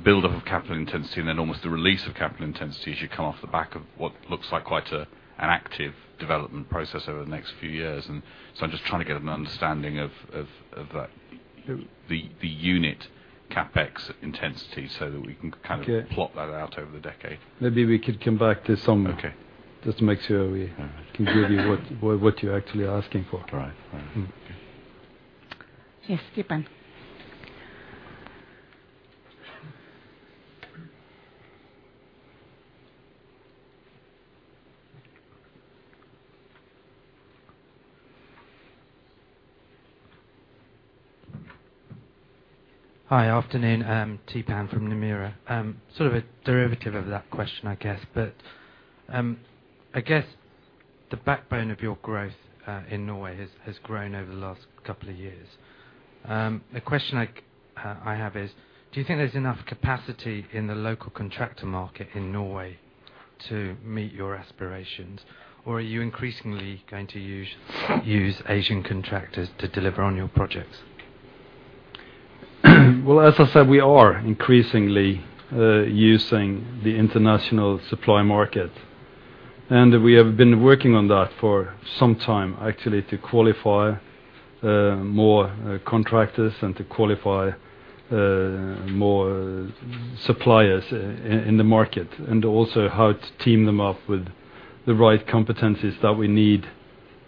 build-up of capital intensity and then almost the release of capital intensity as you come off the back of what looks like quite an active development process over the next few years. I'm just trying to get an understanding of the unit CapEx intensity so that we can kind of. Okay. Plot that out over the decade. Maybe we could come back to some. Okay. Just to make sure we. All right. can give you what you're actually asking for. All right. Mm-hmm. Yes, Theepan. Hi. Afternoon. I'm Theepan from Nomura. Sort of a derivative of that question, I guess. I guess the backbone of your growth in Norway has grown over the last couple of years. The question I have is: Do you think there's enough capacity in the local contractor market in Norway to meet your aspirations? Or are you increasingly going to use Asian contractors to deliver on your projects? Well, as I said, we are increasingly using the international supply market. We have been working on that for some time, actually, to qualify more contractors and to qualify more suppliers in the market, and also how to team them up with the right competencies that we need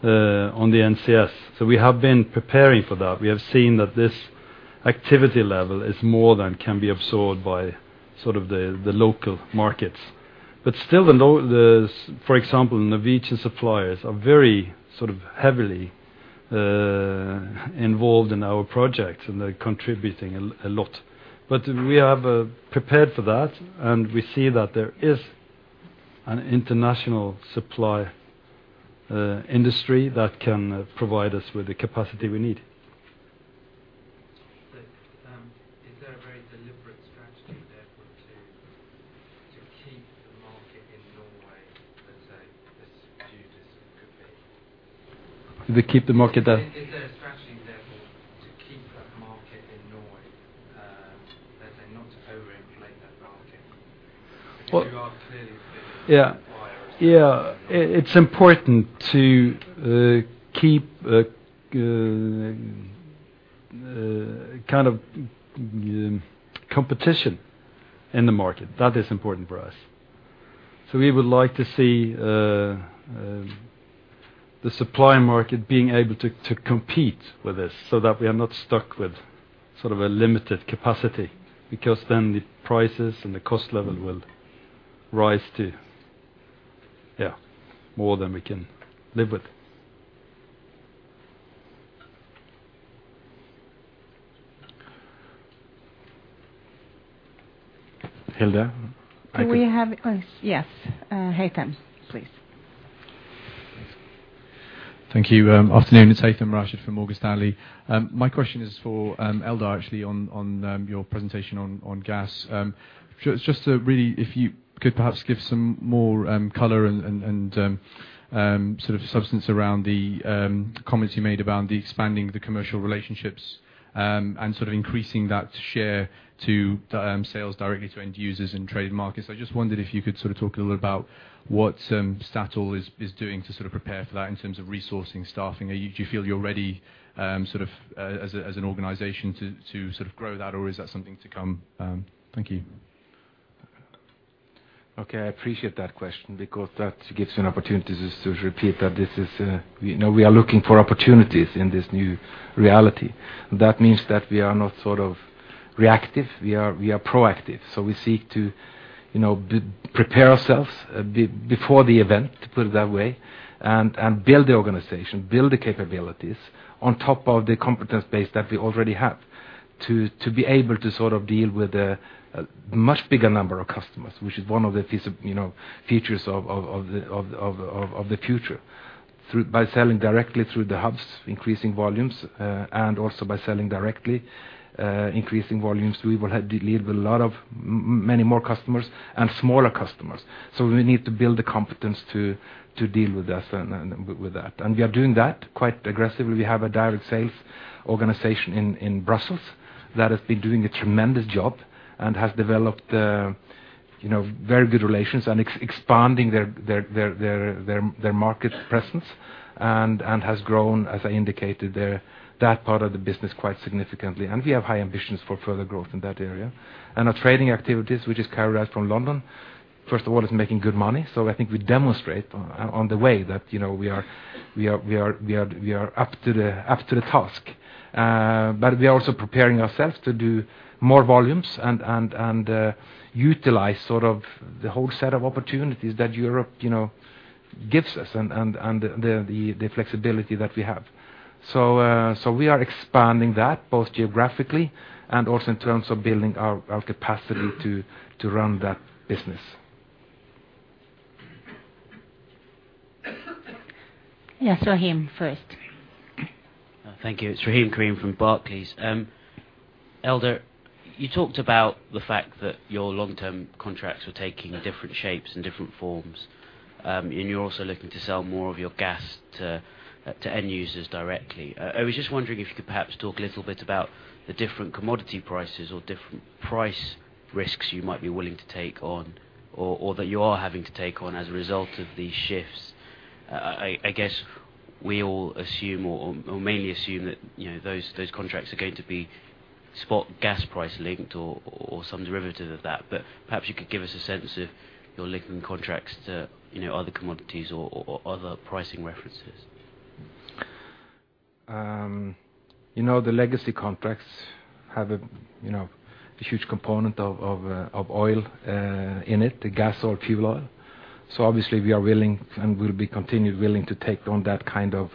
on the NCS. We have been preparing for that. We have seen that this activity level is more than can be absorbed by sort of the local markets. Still, for example, the Norwegian suppliers are very sort of heavily involved in our project, and they're contributing a lot. We have prepared for that, and we see that there is an international supply industry that can provide us with the capacity we need. Is there a very deliberate strategy therefore to keep the market in Norway, let's say, as subdued as it could be? To keep the market as Is there a strategy therefore to keep that market in Norway, let's say, not to overinflate that market? Well- Because you are clearly prepared to buy elsewhere. Yeah. Yeah. It's important to keep a kind of competition in the market. That is important for us. We would like to see the supply market being able to compete with this so that we are not stuck with sort of a limited capacity, because then the prices and the cost level will rise to yeah more than we can live with. Hilde? Oh, yes. Haythem, please. Thanks. Thank you. Afternoon. It's Haythem Rashad from Morgan Stanley. My question is for Eldar, actually, on your presentation on gas. Just to really, if you could perhaps give some more color and sort of substance around the comments you made about the expanding of the commercial relationships and sort of increasing that share to sales directly to end users and trade markets. I just wondered if you could sort of talk a little about what Statoil is doing to sort of prepare for that in terms of resourcing, staffing. Do you feel you're ready, sort of, as an organization to sort of grow that, or is that something to come? Thank you. Okay. I appreciate that question because that gives you an opportunity just to repeat that this is a you know, we are looking for opportunities in this new reality. That means that we are not sort of reactive, we are proactive. We seek to, you know, prepare ourselves before the event, to put it that way, and build the organization, build the capabilities on top of the competence base that we already have to be able to sort of deal with a much bigger number of customers, which is one of the you know, features of the future. By selling directly through the hubs, increasing volumes, and also by selling directly, increasing volumes, we will have to deal with a lot of many more customers and smaller customers. We need to build the competence to deal with this and with that. We are doing that quite aggressively. We have a direct sales organization in Brussels that has been doing a tremendous job and has developed, you know, very good relations and expanding their market presence and has grown, as I indicated, that part of the business quite significantly. We have high ambitions for further growth in that area. Our trading activities, which is carried out from London, first of all, is making good money. I think we demonstrate on the way that, you know, we are up to the task. We are also preparing ourselves to do more volumes and utilize sort of the whole set of opportunities that Europe, you know, gives us and the flexibility that we have. We are expanding that both geographically and also in terms of building our capacity to run that business. Yes, Rahim first. Thank you. It's Rahim Karim from Barclays. Eldar, you talked about the fact that your long-term contracts are taking different shapes and different forms, and you're also looking to sell more of your gas to end users directly. I was just wondering if you could perhaps talk a little bit about the different commodity prices or different price risks you might be willing to take on or that you are having to take on as a result of these shifts. I guess we all assume or mainly assume that, you know, those contracts are going to be spot gas price linked or some derivative of that. Perhaps you could give us a sense if you're linking contracts to, you know, other commodities or other pricing references. You know, the legacy contracts have a huge component of oil in it, the gas or fuel oil. Obviously, we are willing and will continue to be willing to take on that kind of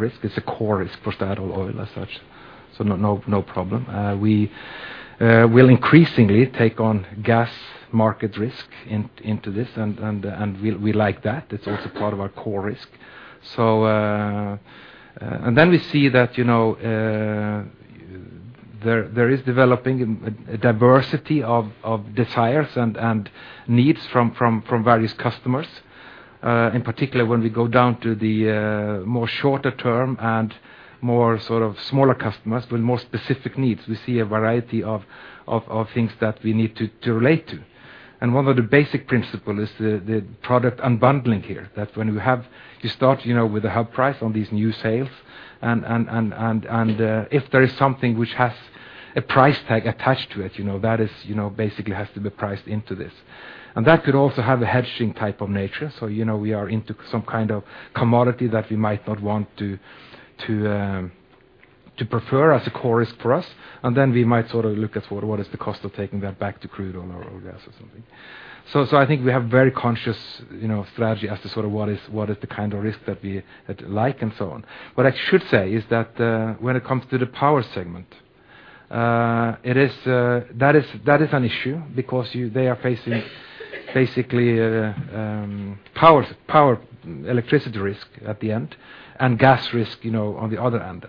risk. It's a core risk for Statoil, oil as such. No problem. We will increasingly take on gas market risk into this, and we like that. It's also part of our core risk. We see that, you know, there is developing a diversity of desires and needs from various customers. In particular, when we go down to the more short-term and more sort of smaller customers with more specific needs, we see a variety of things that we need to relate to. One of the basic principle is the product unbundling here, that you start, you know, with the hub price on these new sales and if there is something which has a price tag attached to it, you know, that is, you know, basically has to be priced into this. That could also have a hedging type of nature. You know, we are into some kind of commodity that we might not want to prefer as a core risk for us. We might sort of look at for what is the cost of taking that back to crude oil or gas or something. I think we have very conscious, you know, strategy as to sort of what is the kind of risk that we like and so on. What I should say is that, when it comes to the power segment, it is an issue because they are facing basically, power electricity risk at the end and gas risk, you know, on the other end.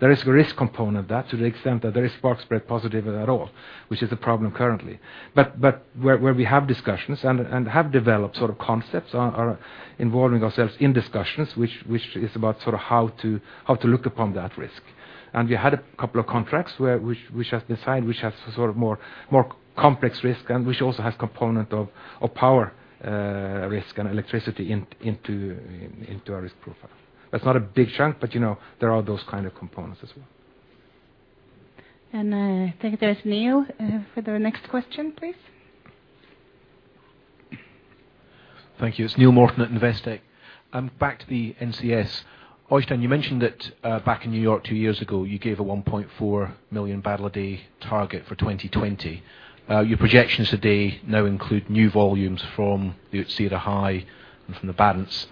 There is a risk component that to the extent that there is spark spread positive at all, which is a problem currently. Where we have discussions and have developed sort of concepts are involving ourselves in discussions which is about sort of how to look upon that risk. We had a couple of contracts where, which has been signed, which has sort of more complex risk and which also has component of power risk and electricity into our risk profile. That's not a big chunk, but you know, there are those kind of components as well. I think there's Neill for the next question, please. Thank you. It's Neill Morton at Investec. Back to the NCS. Øystein, you mentioned that back in New York two years ago, you gave a 1.4 million bbl a day target for 2020. Your projections today now include new volumes from the Utsira High and from the Barents,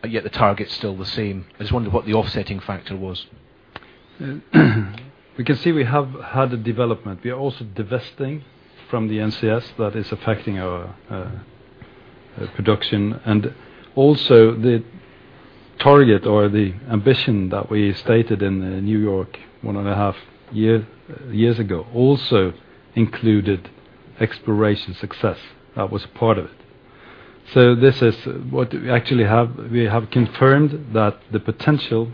but yet the target's still the same. I just wondered what the offsetting factor was. We can see we have had a development. We are also divesting from the NCS that is affecting our production. Also the target or the ambition that we stated in New York one and a half years ago also included exploration success. That was part of it. This is what we actually have. We have confirmed that the potential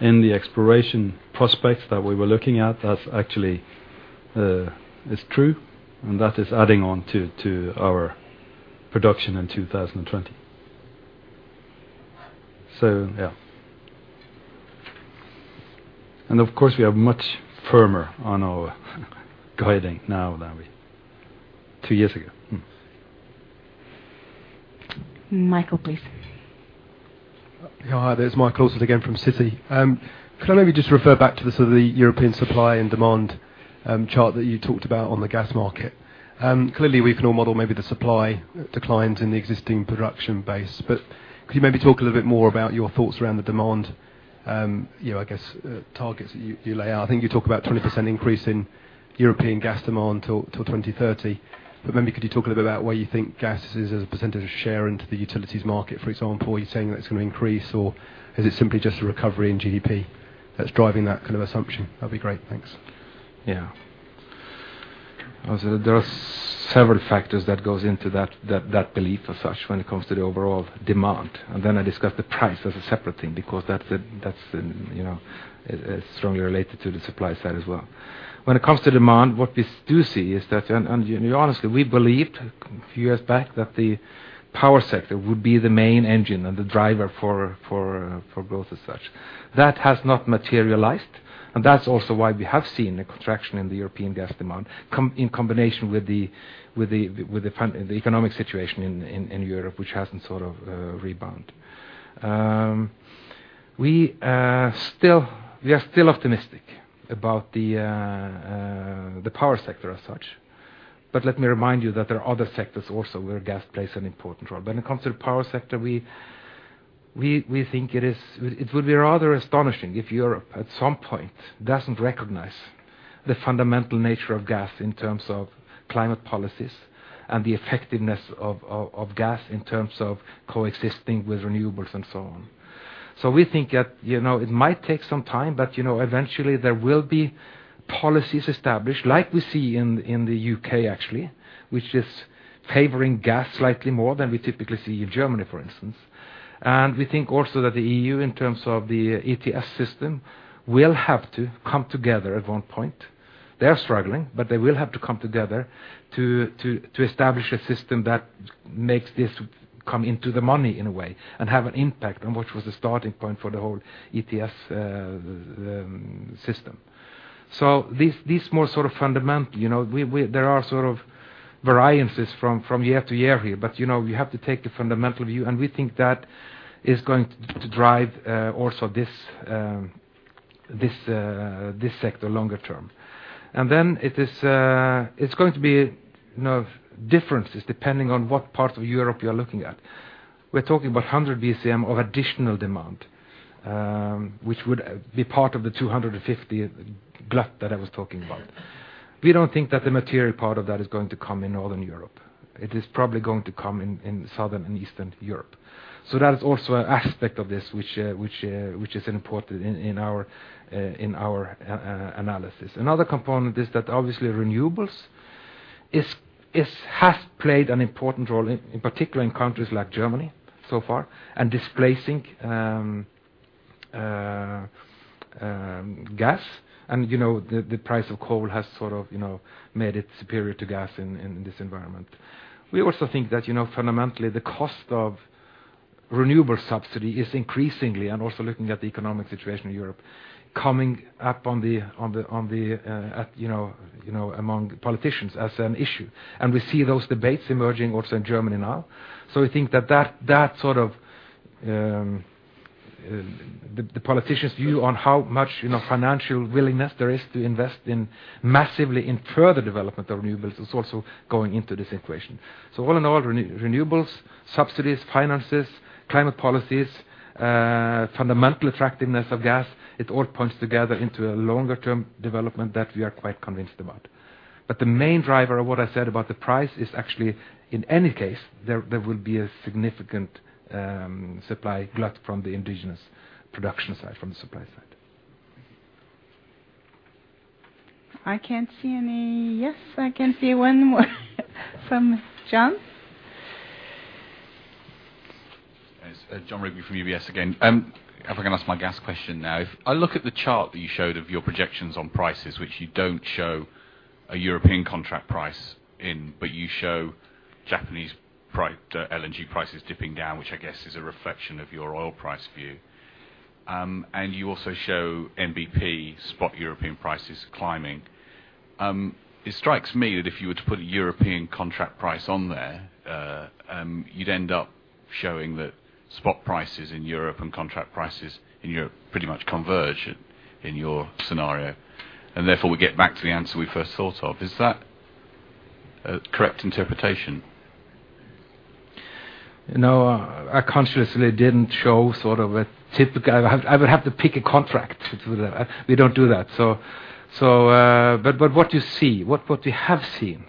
in the exploration prospects that we were looking at, that actually is true, and that is adding on to our production in 2020. Yeah. Of course, we are much firmer on our guidance now than we two years ago. Michael, please. Hi there. It's Michael Wilson again from Citi. Could I maybe just refer back to the sort of European supply and demand chart that you talked about on the gas market? Clearly, we can all model maybe the supply declines in the existing production base. Could you maybe talk a little bit more about your thoughts around the demand, you know, I guess, targets you lay out? I think you talk about 20% increase in European gas demand till 2030. Maybe could you talk a little bit about where you think gas is as a percentage of share into the utilities market, for example? Are you saying that it's gonna increase, or is it simply just a recovery in GDP that's driving that kind of assumption? That'd be great. Thanks. Yeah. Also, there are several factors that goes into that belief as such when it comes to the overall demand. Then I discuss the price as a separate thing because that's the you know strongly related to the supply side as well. When it comes to demand, what we do see is that honestly we believed a few years back that the power sector would be the main engine and the driver for growth as such. That has not materialized, and that's also why we have seen a contraction in the European gas demand in combination with the economic situation in Europe, which hasn't sort of rebound. We are still optimistic about the power sector as such. Let me remind you that there are other sectors also where gas plays an important role. When it comes to the power sector, we think it is. It would be rather astonishing if Europe, at some point, doesn't recognize the fundamental nature of gas in terms of climate policies and the effectiveness of gas in terms of coexisting with renewables and so on. We think that, you know, it might take some time, but, you know, eventually there will be policies established, like we see in the U.K. actually, which is favoring gas slightly more than we typically see in Germany, for instance. We think also that the E.U., in terms of the ETS system, will have to come together at one point. They are struggling, but they will have to come together to establish a system that makes this come into the money in a way and have an impact, and which was the starting point for the whole ETS system. This more sort of fundamental, you know, we. There are sort of variances from year-to-year here, but, you know, we have to take the fundamental view, and we think that is going to drive also this sector longer term. Then it's going to be, you know, differences depending on what part of Europe you're looking at. We're talking about 100 BCM of additional demand, which would be part of the 250 BCM glut that I was talking about. We don't think that the material part of that is going to come in Northern Europe. It is probably going to come in Southern and Eastern Europe. That is also an aspect of this which is important in our analysis. Another component is that obviously renewables has played an important role in particular in countries like Germany so far, and displacing gas. You know, the price of coal has sort of you know made it superior to gas in this environment. We also think that you know fundamentally the cost of renewable subsidy is increasingly, and also looking at the economic situation in Europe, coming up among politicians as an issue. We see those debates emerging also in Germany now. We think that sort of the politician's view on how much, you know, financial willingness there is to invest massively in further development of renewables is also going into this equation. All in all, renewables, subsidies, finances, climate policies, fundamental attractiveness of gas, it all points together into a longer term development that we are quite convinced about. The main driver of what I said about the price is actually, in any case, there will be a significant supply glut from the indigenous production side, from the supply side. Yes, I can see one more from John. Yes. Jon Rigby from UBS again. If I can ask my gas question now. If I look at the chart that you showed of your projections on prices, which you don't show a European contract price in, but you show Japanese LNG prices dipping down, which I guess is a reflection of your oil price view. You also show NBP spot European prices climbing. It strikes me that if you were to put a European contract price on there, you'd end up showing that spot prices in Europe and contract prices in Europe pretty much converge in your scenario. Therefore, we get back to the answer we first thought of. Is that a correct interpretation? You know, I consciously didn't show. I would have to pick a contract to do that. We don't do that. What you see, what you have seen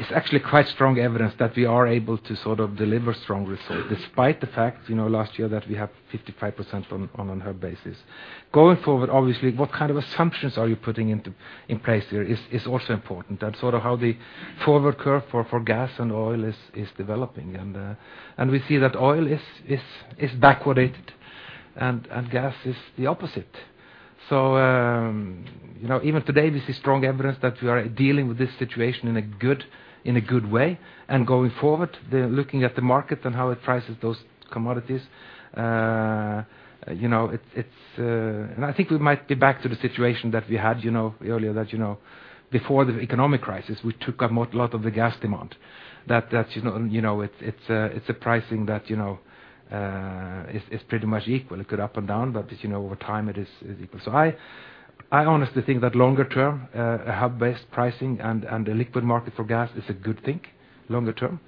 is actually quite strong evidence that we are able to sort of deliver strong results, despite the fact, you know, last year that we have 55% on an RRR basis. Going forward, obviously, what kind of assumptions are you putting into place here is also important. That's sort of how the forward curve for gas and oil is developing. We see that oil is backward and gas is the opposite. You know, even today, this is strong evidence that we are dealing with this situation in a good way. Going forward, they're looking at the market and how it prices those commodities. You know, it's. I think we might be back to the situation that we had, you know, earlier that, you know, before the economic crisis, we took up most of the gas demand. That you know it's a pricing that you know is pretty much equal. It could go up and down, but as you know, over time it equals. So I honestly think that longer term hub-based pricing and the liquid market for gas is a good thing longer term.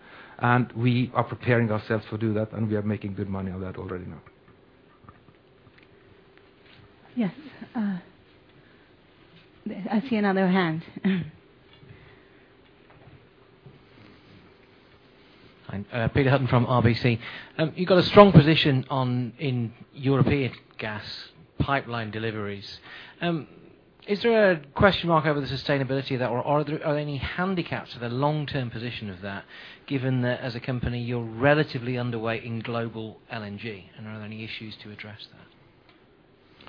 We are preparing ourselves to do that, and we are making good money on that already now. Yes. I see another hand. Hi. Peter Hutton from RBC. You've got a strong position on, in European gas pipeline deliveries. Is there a question mark over the sustainability of that? Or are there any handicaps to the long-term position of that given that as a company you're relatively underweight in global LNG, and are there any issues to address that?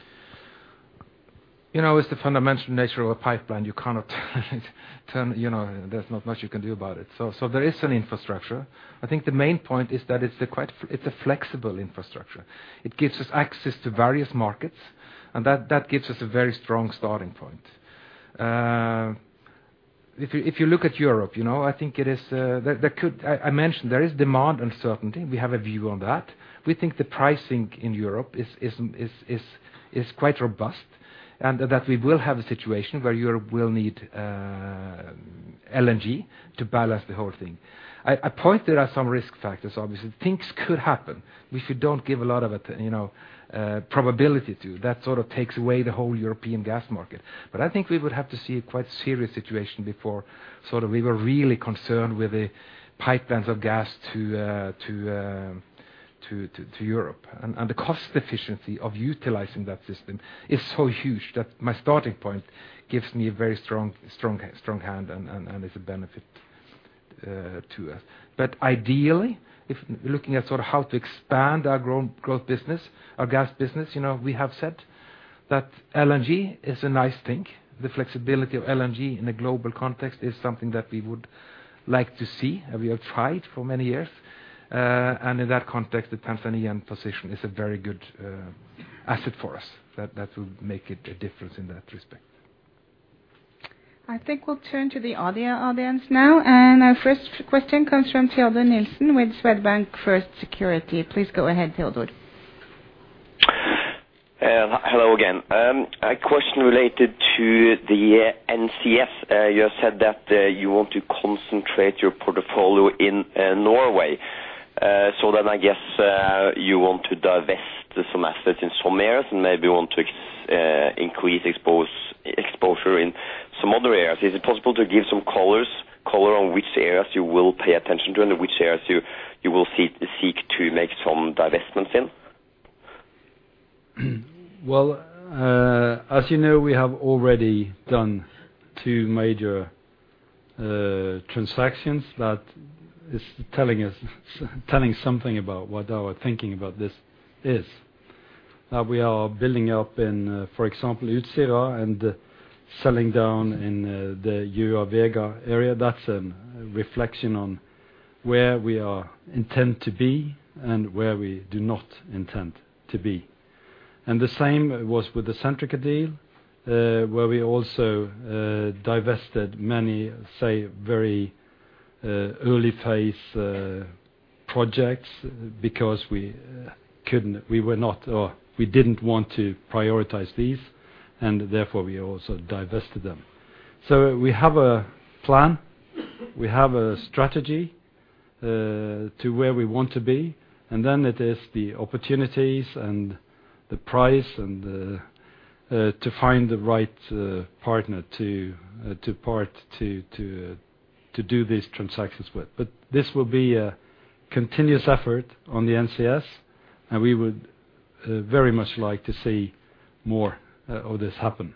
You know, it's the fundamental nature of a pipeline. You cannot turn, you know, there's not much you can do about it. There is an infrastructure. I think the main point is that it's a flexible infrastructure. It gives us access to various markets, and that gives us a very strong starting point. If you look at Europe, you know, I think it is there could. I mentioned there is demand uncertainty. We have a view on that. We think the pricing in Europe is quite robust, and that we will have a situation where Europe will need LNG to balance the whole thing. I pointed out some risk factors, obviously. Things could happen, which we don't give a lot of probability to, you know. That sort of takes away the whole European gas market. I think we would have to see a quite serious situation before sort of we were really concerned with the pipelines of gas to Europe. The cost efficiency of utilizing that system is so huge that my starting point gives me a very strong hand and is a benefit to us. Ideally, if looking at sort of how to expand our growth business, our gas business, you know, we have said that LNG is a nice thing. The flexibility of LNG in a global context is something that we would like to see, and we have tried for many years. In that context, the Tanzanian position is a very good asset for us. That will make it a difference in that respect. I think we'll turn to the audio audience now. Our first question comes from Teodor Nilsen with Swedbank First Securities. Please go ahead, Teodor. Hello again. A question related to the NCS. You have said that you want to concentrate your portfolio in Norway. I guess you want to divest some assets in some areas and maybe want to increase exposure in some other areas. Is it possible to give some color on which areas you will pay attention to and which areas you will seek to make some divestments in? Well, as you know, we have already done two major transactions. That is telling us something about what our thinking about this is. We are building up in, for example, Utsira and selling down in the Njord/Vega area. That's a reflection on where we intend to be and where we do not intend to be. The same was with the Centrica deal, where we also divested many, say, very early phase projects because we couldn't, we were not, or we didn't want to prioritize these, and therefore we also divested them. We have a plan, we have a strategy to where we want to be, and then it is the opportunities and the price and to find the right partner to do these transactions with. This will be a continuous effort on the NCS, and we would very much like to see more of this happen.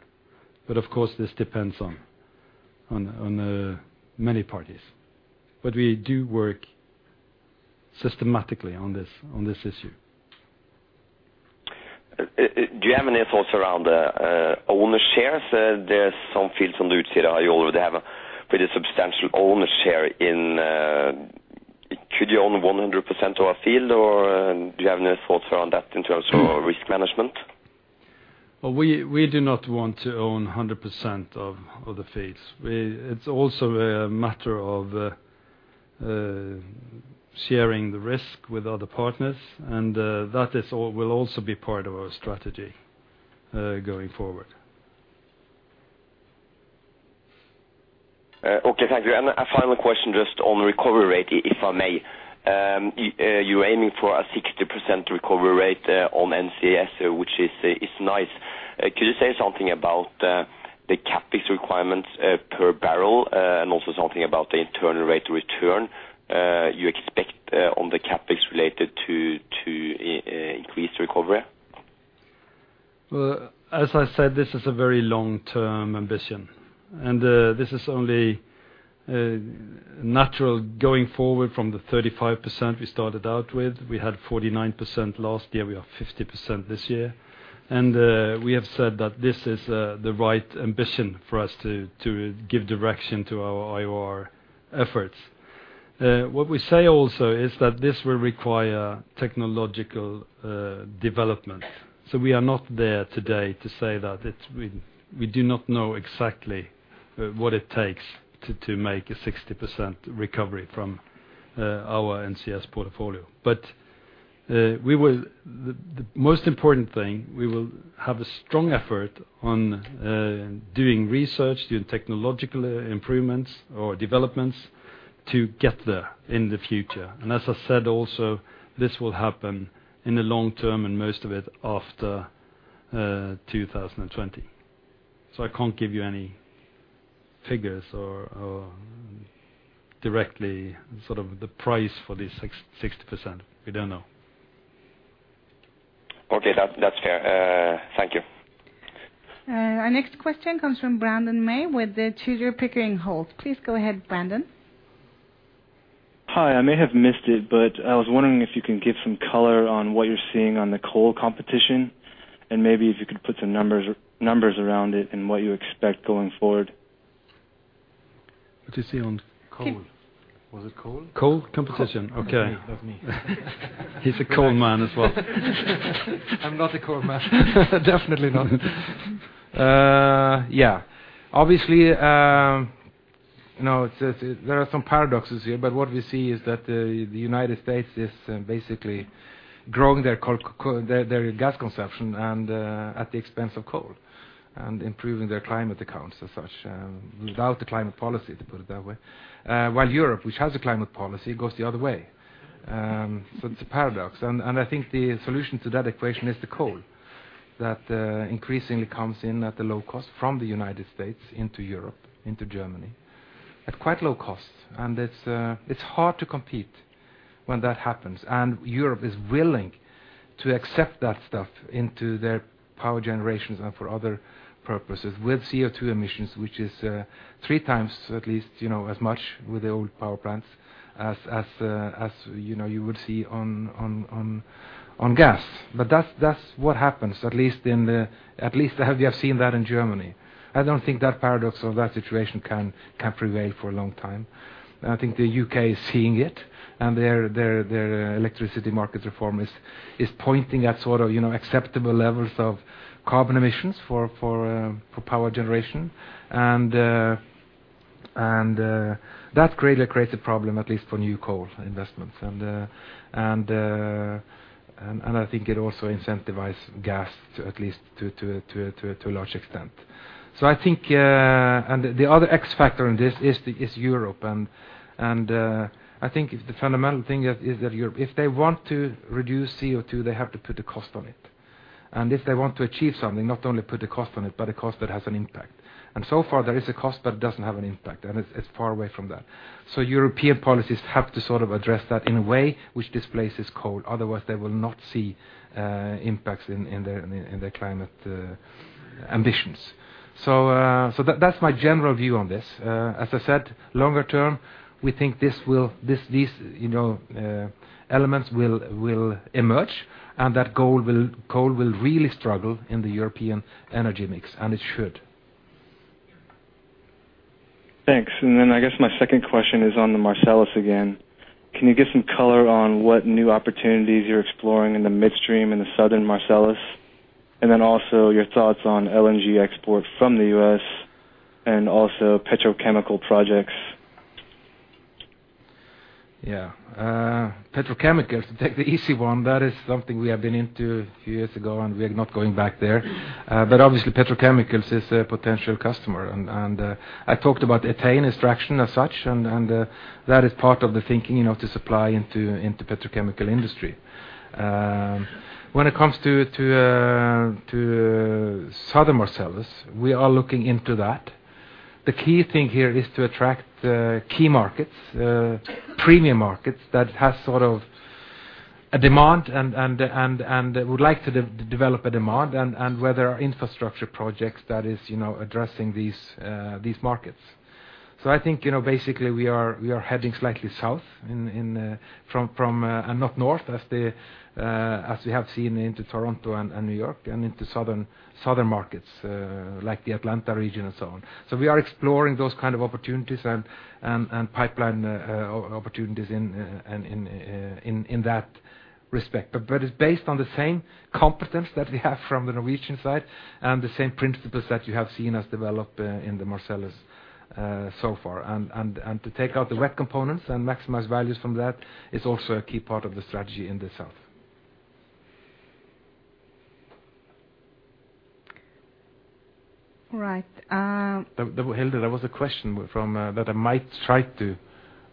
Of course, this depends on many parties. We do work systematically on this issue. Do you have any thoughts around owner shares? There's some fields on the Utsira High you already have a pretty substantial owner share in. Could you own 100% of a field, or do you have any thoughts around that in terms of risk management? Well, we do not want to own 100% of the fields. It's also a matter of sharing the risk with other partners, and that will also be part of our strategy going forward. Okay, thank you. A final question just on recovery rate, if I may. You're aiming for a 60% recovery rate on NCS, which is nice. Could you say something about the CapEx requirements per barrel, and also something about the internal rate of return you expect on the CapEx related to increased recovery? Well, as I said, this is a very long-term ambition. This is only A natural going forward from the 35% we started out with. We had 49% last year, we have 50% this year. We have said that this is the right ambition for us to give direction to our IOR efforts. What we say also is that this will require technological development. We are not there today to say that it's. We do not know exactly what it takes to make a 60% recovery from our NCS portfolio. We will. The most important thing, we will have a strong effort on doing research, doing technological improvements or developments to get there in the future. As I said also, this will happen in the long term and most of it after 2020. I can't give you any figures or directly sort of the price for this 66%. We don't know. Okay. That, that's fair. Thank you. Our next question comes from Brandon Mei with Tudor, Pickering, Holt & Co. Please go ahead, Brandon. Hi. I may have missed it, but I was wondering if you can give some color on what you're seeing on the coal competition, and maybe if you could put some numbers around it and what you expect going forward. What you see on- Coal. Was it coal? Coal competition. Okay. That was me. He's a coal man as well. I'm not a coal man. Definitely not. Obviously, you know, there are some paradoxes here, but what we see is that the United States is basically growing their gas consumption at the expense of coal and improving their climate accounts as such, without the climate policy, to put it that way. While Europe, which has a climate policy, goes the other way. It's a paradox. I think the solution to that equation is the coal that increasingly comes in at a low cost from the United States into Europe, into Germany, at quite low cost. It's hard to compete when that happens. Europe is willing to accept that stuff into their power generations and for other purposes with CO2 emissions, which is 3x at least, you know, as much with the old power plants as you know, you would see on gas. That's what happens, at least we have seen that in Germany. I don't think that paradox or that situation can prevail for a long time. I think the U.K. is seeing it, and their electricity market reform is pointing at sort of, you know, acceptable levels of carbon emissions for power generation. That clearly creates a problem, at least for new coal investments. I think it also incentivizes gas, at least to a large extent. I think the other X factor in this is Europe. I think the fundamental thing is that Europe, if they want to reduce CO2, they have to put a cost on it. If they want to achieve something, not only put a cost on it, but a cost that has an impact. So far, there is a cost that doesn't have an impact, and it's far away from that. European policies have to sort of address that in a way which displaces coal. Otherwise they will not see impacts in their climate ambitions. That's my general view on this. As I said, longer term, we think these, you know, elements will emerge, and that coal will really struggle in the European energy mix, and it should. Thanks. I guess my second question is on the Marcellus again. Can you give some color on what new opportunities you're exploring in the midstream in the Southern Marcellus? Also your thoughts on LNG exports from the U.S. and also petrochemical projects? Yeah. Petrochemicals, to take the easy one, that is something we have been into a few years ago, and we are not going back there. Obviously petrochemicals is a potential customer. I talked about ethane extraction as such, and that is part of the thinking, you know, to supply into petrochemical industry. When it comes to Southern Marcellus, we are looking into that. The key thing here is to attract key markets, premium markets that has sort of a demand and would like to develop a demand and where there are infrastructure projects that is, you know, addressing these markets. I think, you know, basically we are heading slightly south and not north as we have seen into Toronto and New York and into southern markets like the Atlanta region and so on. We are exploring those kind of opportunities and pipeline opportunities in that respect. It's based on the same competence that we have from the Norwegian side and the same principles that you have seen us develop in the Marcellus so far. To take out the wet components and maximize values from that is also a key part of the strategy in the South. All right. Hilde, there was a question from that I might try to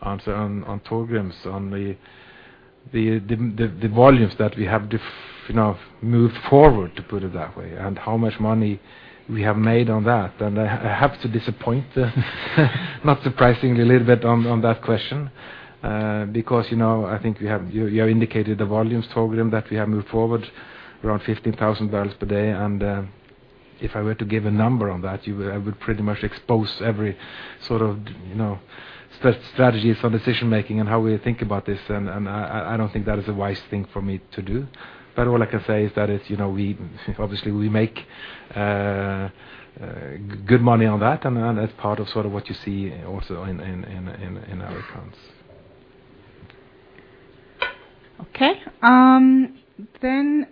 answer on Torgrim's on the volumes that we have you know, moved forward, to put it that way, and how much money we have made on that. I have to disappoint, not surprisingly a little bit on that question. Because, you know, I think we have you have indicated the volumes, Torgrim, that we have moved forward around 15,000 bbl per day. If I were to give a number on that, I would pretty much expose every sort of, you know, strategies for decision-making and how we think about this, and I don't think that is a wise thing for me to do. All I can say is that it's, you know, we obviously make good money on that, and that's part of sort of what you see also in our accounts. Okay.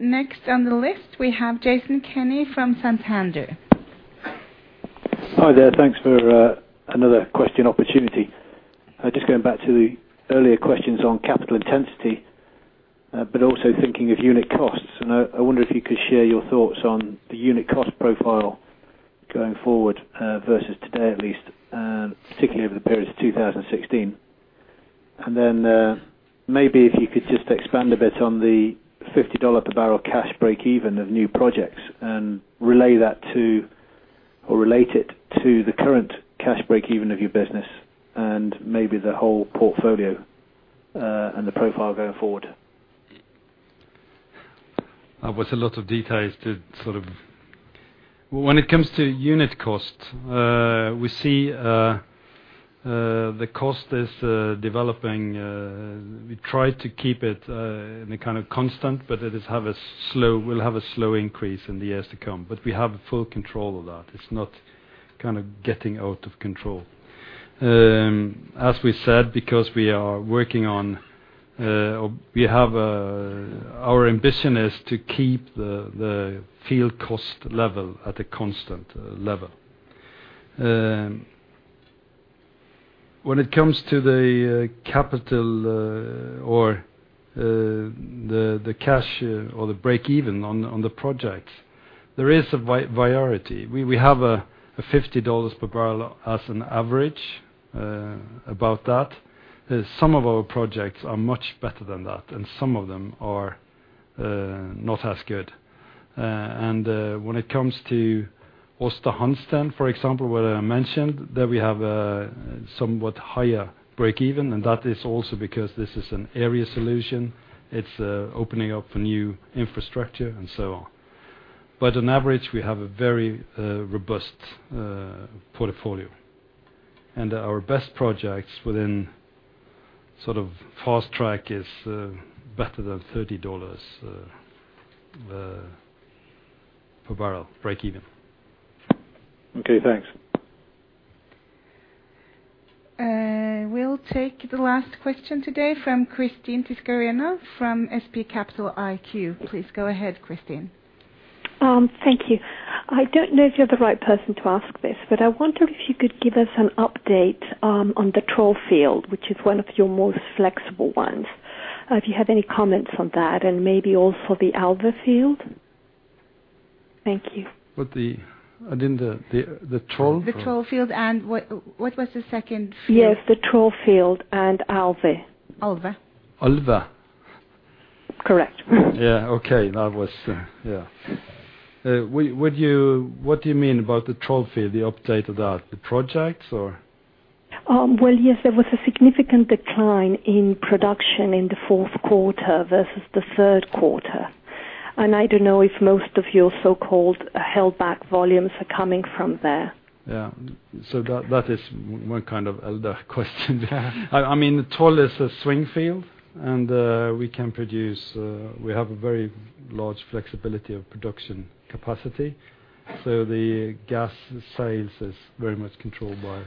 Next on the list, we have Jason Kenney from Santander. Hi there. Thanks for another question opportunity. Just going back to the earlier questions on capital intensity, but also thinking of unit costs. I wonder if you could share your thoughts on the unit cost profile going forward, versus today, at least, particularly over the period of 2016. Then, maybe if you could just expand a bit on the $50 per barrel cash breakeven of new projects and relay that to or relate it to the current cash breakeven of your business and maybe the whole portfolio, and the profile going forward. When it comes to unit cost, we see the cost is developing. We try to keep it in a kind of constant, but it will have a slow increase in the years to come. We have full control of that. It's not kind of getting out of control. As we said, because we are working on, we have our ambition is to keep the field cost level at a constant level. When it comes to the capital or the cash or the break even on the project, there is a variety. We have a $50 per barrel as an average, about that. Some of our projects are much better than that, and some of them are not as good. When it comes to Aasta Hansteen, for example, where I mentioned that we have a somewhat higher breakeven, and that is also because this is an area solution. It's opening up a new infrastructure and so on. But on average, we have a very robust portfolio. Our best projects within sort of fast-track is better than $30 per barrel breakeven. Okay, thanks. We'll take the last question today from Christine Tiscareno from S&P Capital IQ. Please go ahead, Christine. Thank you. I don't know if you're the right person to ask this, but I wonder if you could give us an update on the Troll field, which is one of your most flexible ones. If you have any comments on that and maybe also the Alvheim field. Thank you. The Troll? The Troll field and what was the second field? Yes, the Troll field and Alvheim. Alvheim. Alvheim. Correct. Yeah. Okay. That was. Yeah. What do you mean about the Troll field? The update about the projects or? Well, yes, there was a significant decline in production in the fourth quarter versus the third quarter. I don't know if most of your so-called held back volumes are coming from there. Yeah. That is one kind of older question. I mean, Troll is a swing field. We have a very large flexibility of production capacity. The gas sales is very much controlled by-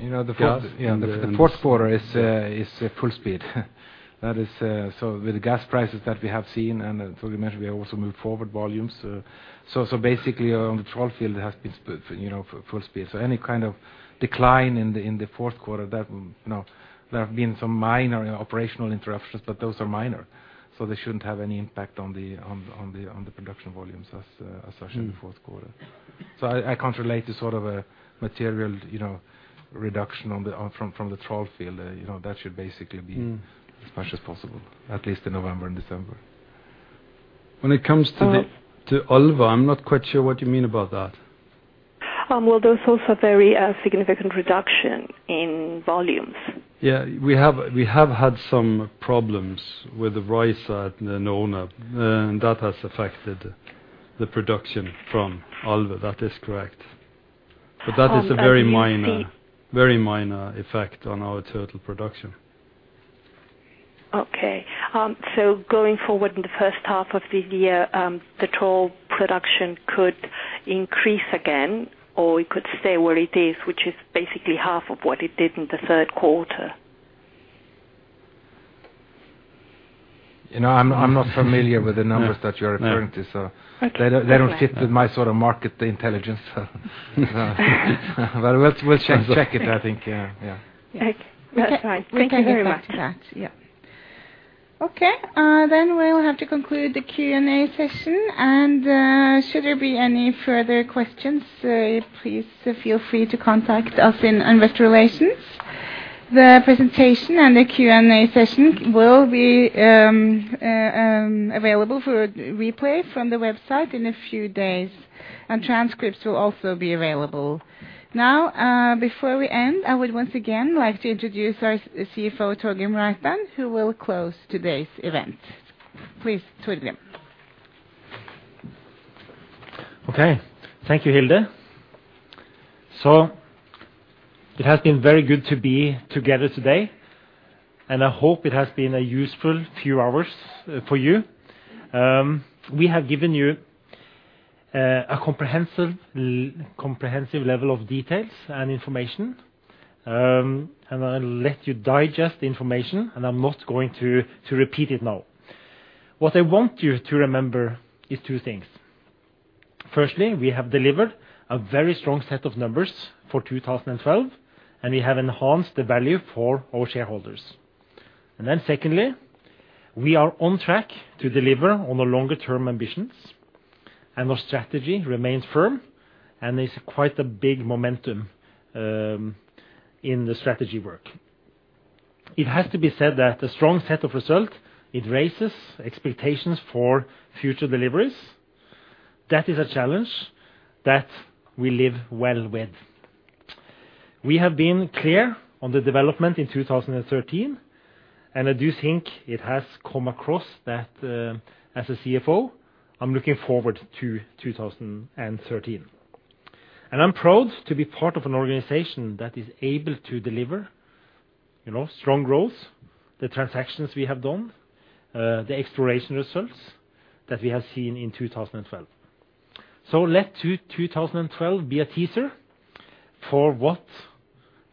You know, the fourth. Gas- Yeah, the fourth quarter is full speed. That is, with the gas prices that we have seen and Torgrim mentioned, we also moved forward volumes. Basically on the Troll field, it has been, you know, full speed. Any kind of decline in the fourth quarter, you know, there have been some minor operational interruptions, but those are minor. They shouldn't have any impact on the production volumes as such in the fourth quarter. I can't relate to sort of a material, you know, reduction from the Troll field. You know, that should basically be as much as possible, at least in November and December. When it comes to the- Or- To Alvheim, I'm not quite sure what you mean about that. Well, there's also very significant reduction in volumes. Yeah. We have had some problems with the riser at the owner, and that has affected the production from Alvheim, that is correct. Um, and you- That is a very minor. See- Very minor effect on our total production. Going forward in the first half of the year, the Troll production could increase again, or it could stay where it is, which is basically half of what it did in the third quarter. You know, I'm not familiar with the numbers that you're referring to. No. They don't fit with my sort of market intelligence. We'll check it, I think. Yeah. Okay. That's fine. Thank you very much. We'll get back to that. Yeah. Okay. We'll have to conclude the Q&A session. Should there be any further questions, please feel free to contact us in Investor Relations. The presentation and the Q&A session will be available for replay from the website in a few days, and transcripts will also be available. Now, before we end, I would once again like to introduce our CFO, Torgrim Reitan, who will close today's event. Please, Torgrim. Okay. Thank you, Hilde. It has been very good to be together today, and I hope it has been a useful few hours for you. We have given you a comprehensive comprehensive level of details and information. I'll let you digest the information, and I'm not going to to repeat it now. What I want you to remember is two things. Firstly, we have delivered a very strong set of numbers for 2012, and we have enhanced the value for our shareholders. Secondly, we are on track to deliver on our longer-term ambitions, and our strategy remains firm, and there's quite a big momentum in the strategy work. It has to be said that the strong set of results raises expectations for future deliveries. That is a challenge that we live well with. We have been clear on the development in 2013, and I do think it has come across that, as a CFO, I'm looking forward to 2013. I'm proud to be part of an organization that is able to deliver, you know, strong growth, the transactions we have done, the exploration results that we have seen in 2012. Let 2012 be a teaser for what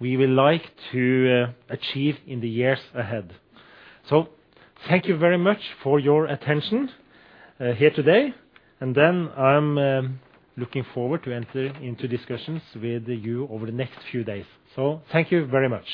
we would like to achieve in the years ahead. Thank you very much for your attention, here today. Then I'm looking forward to enter into discussions with you over the next few days. Thank you very much.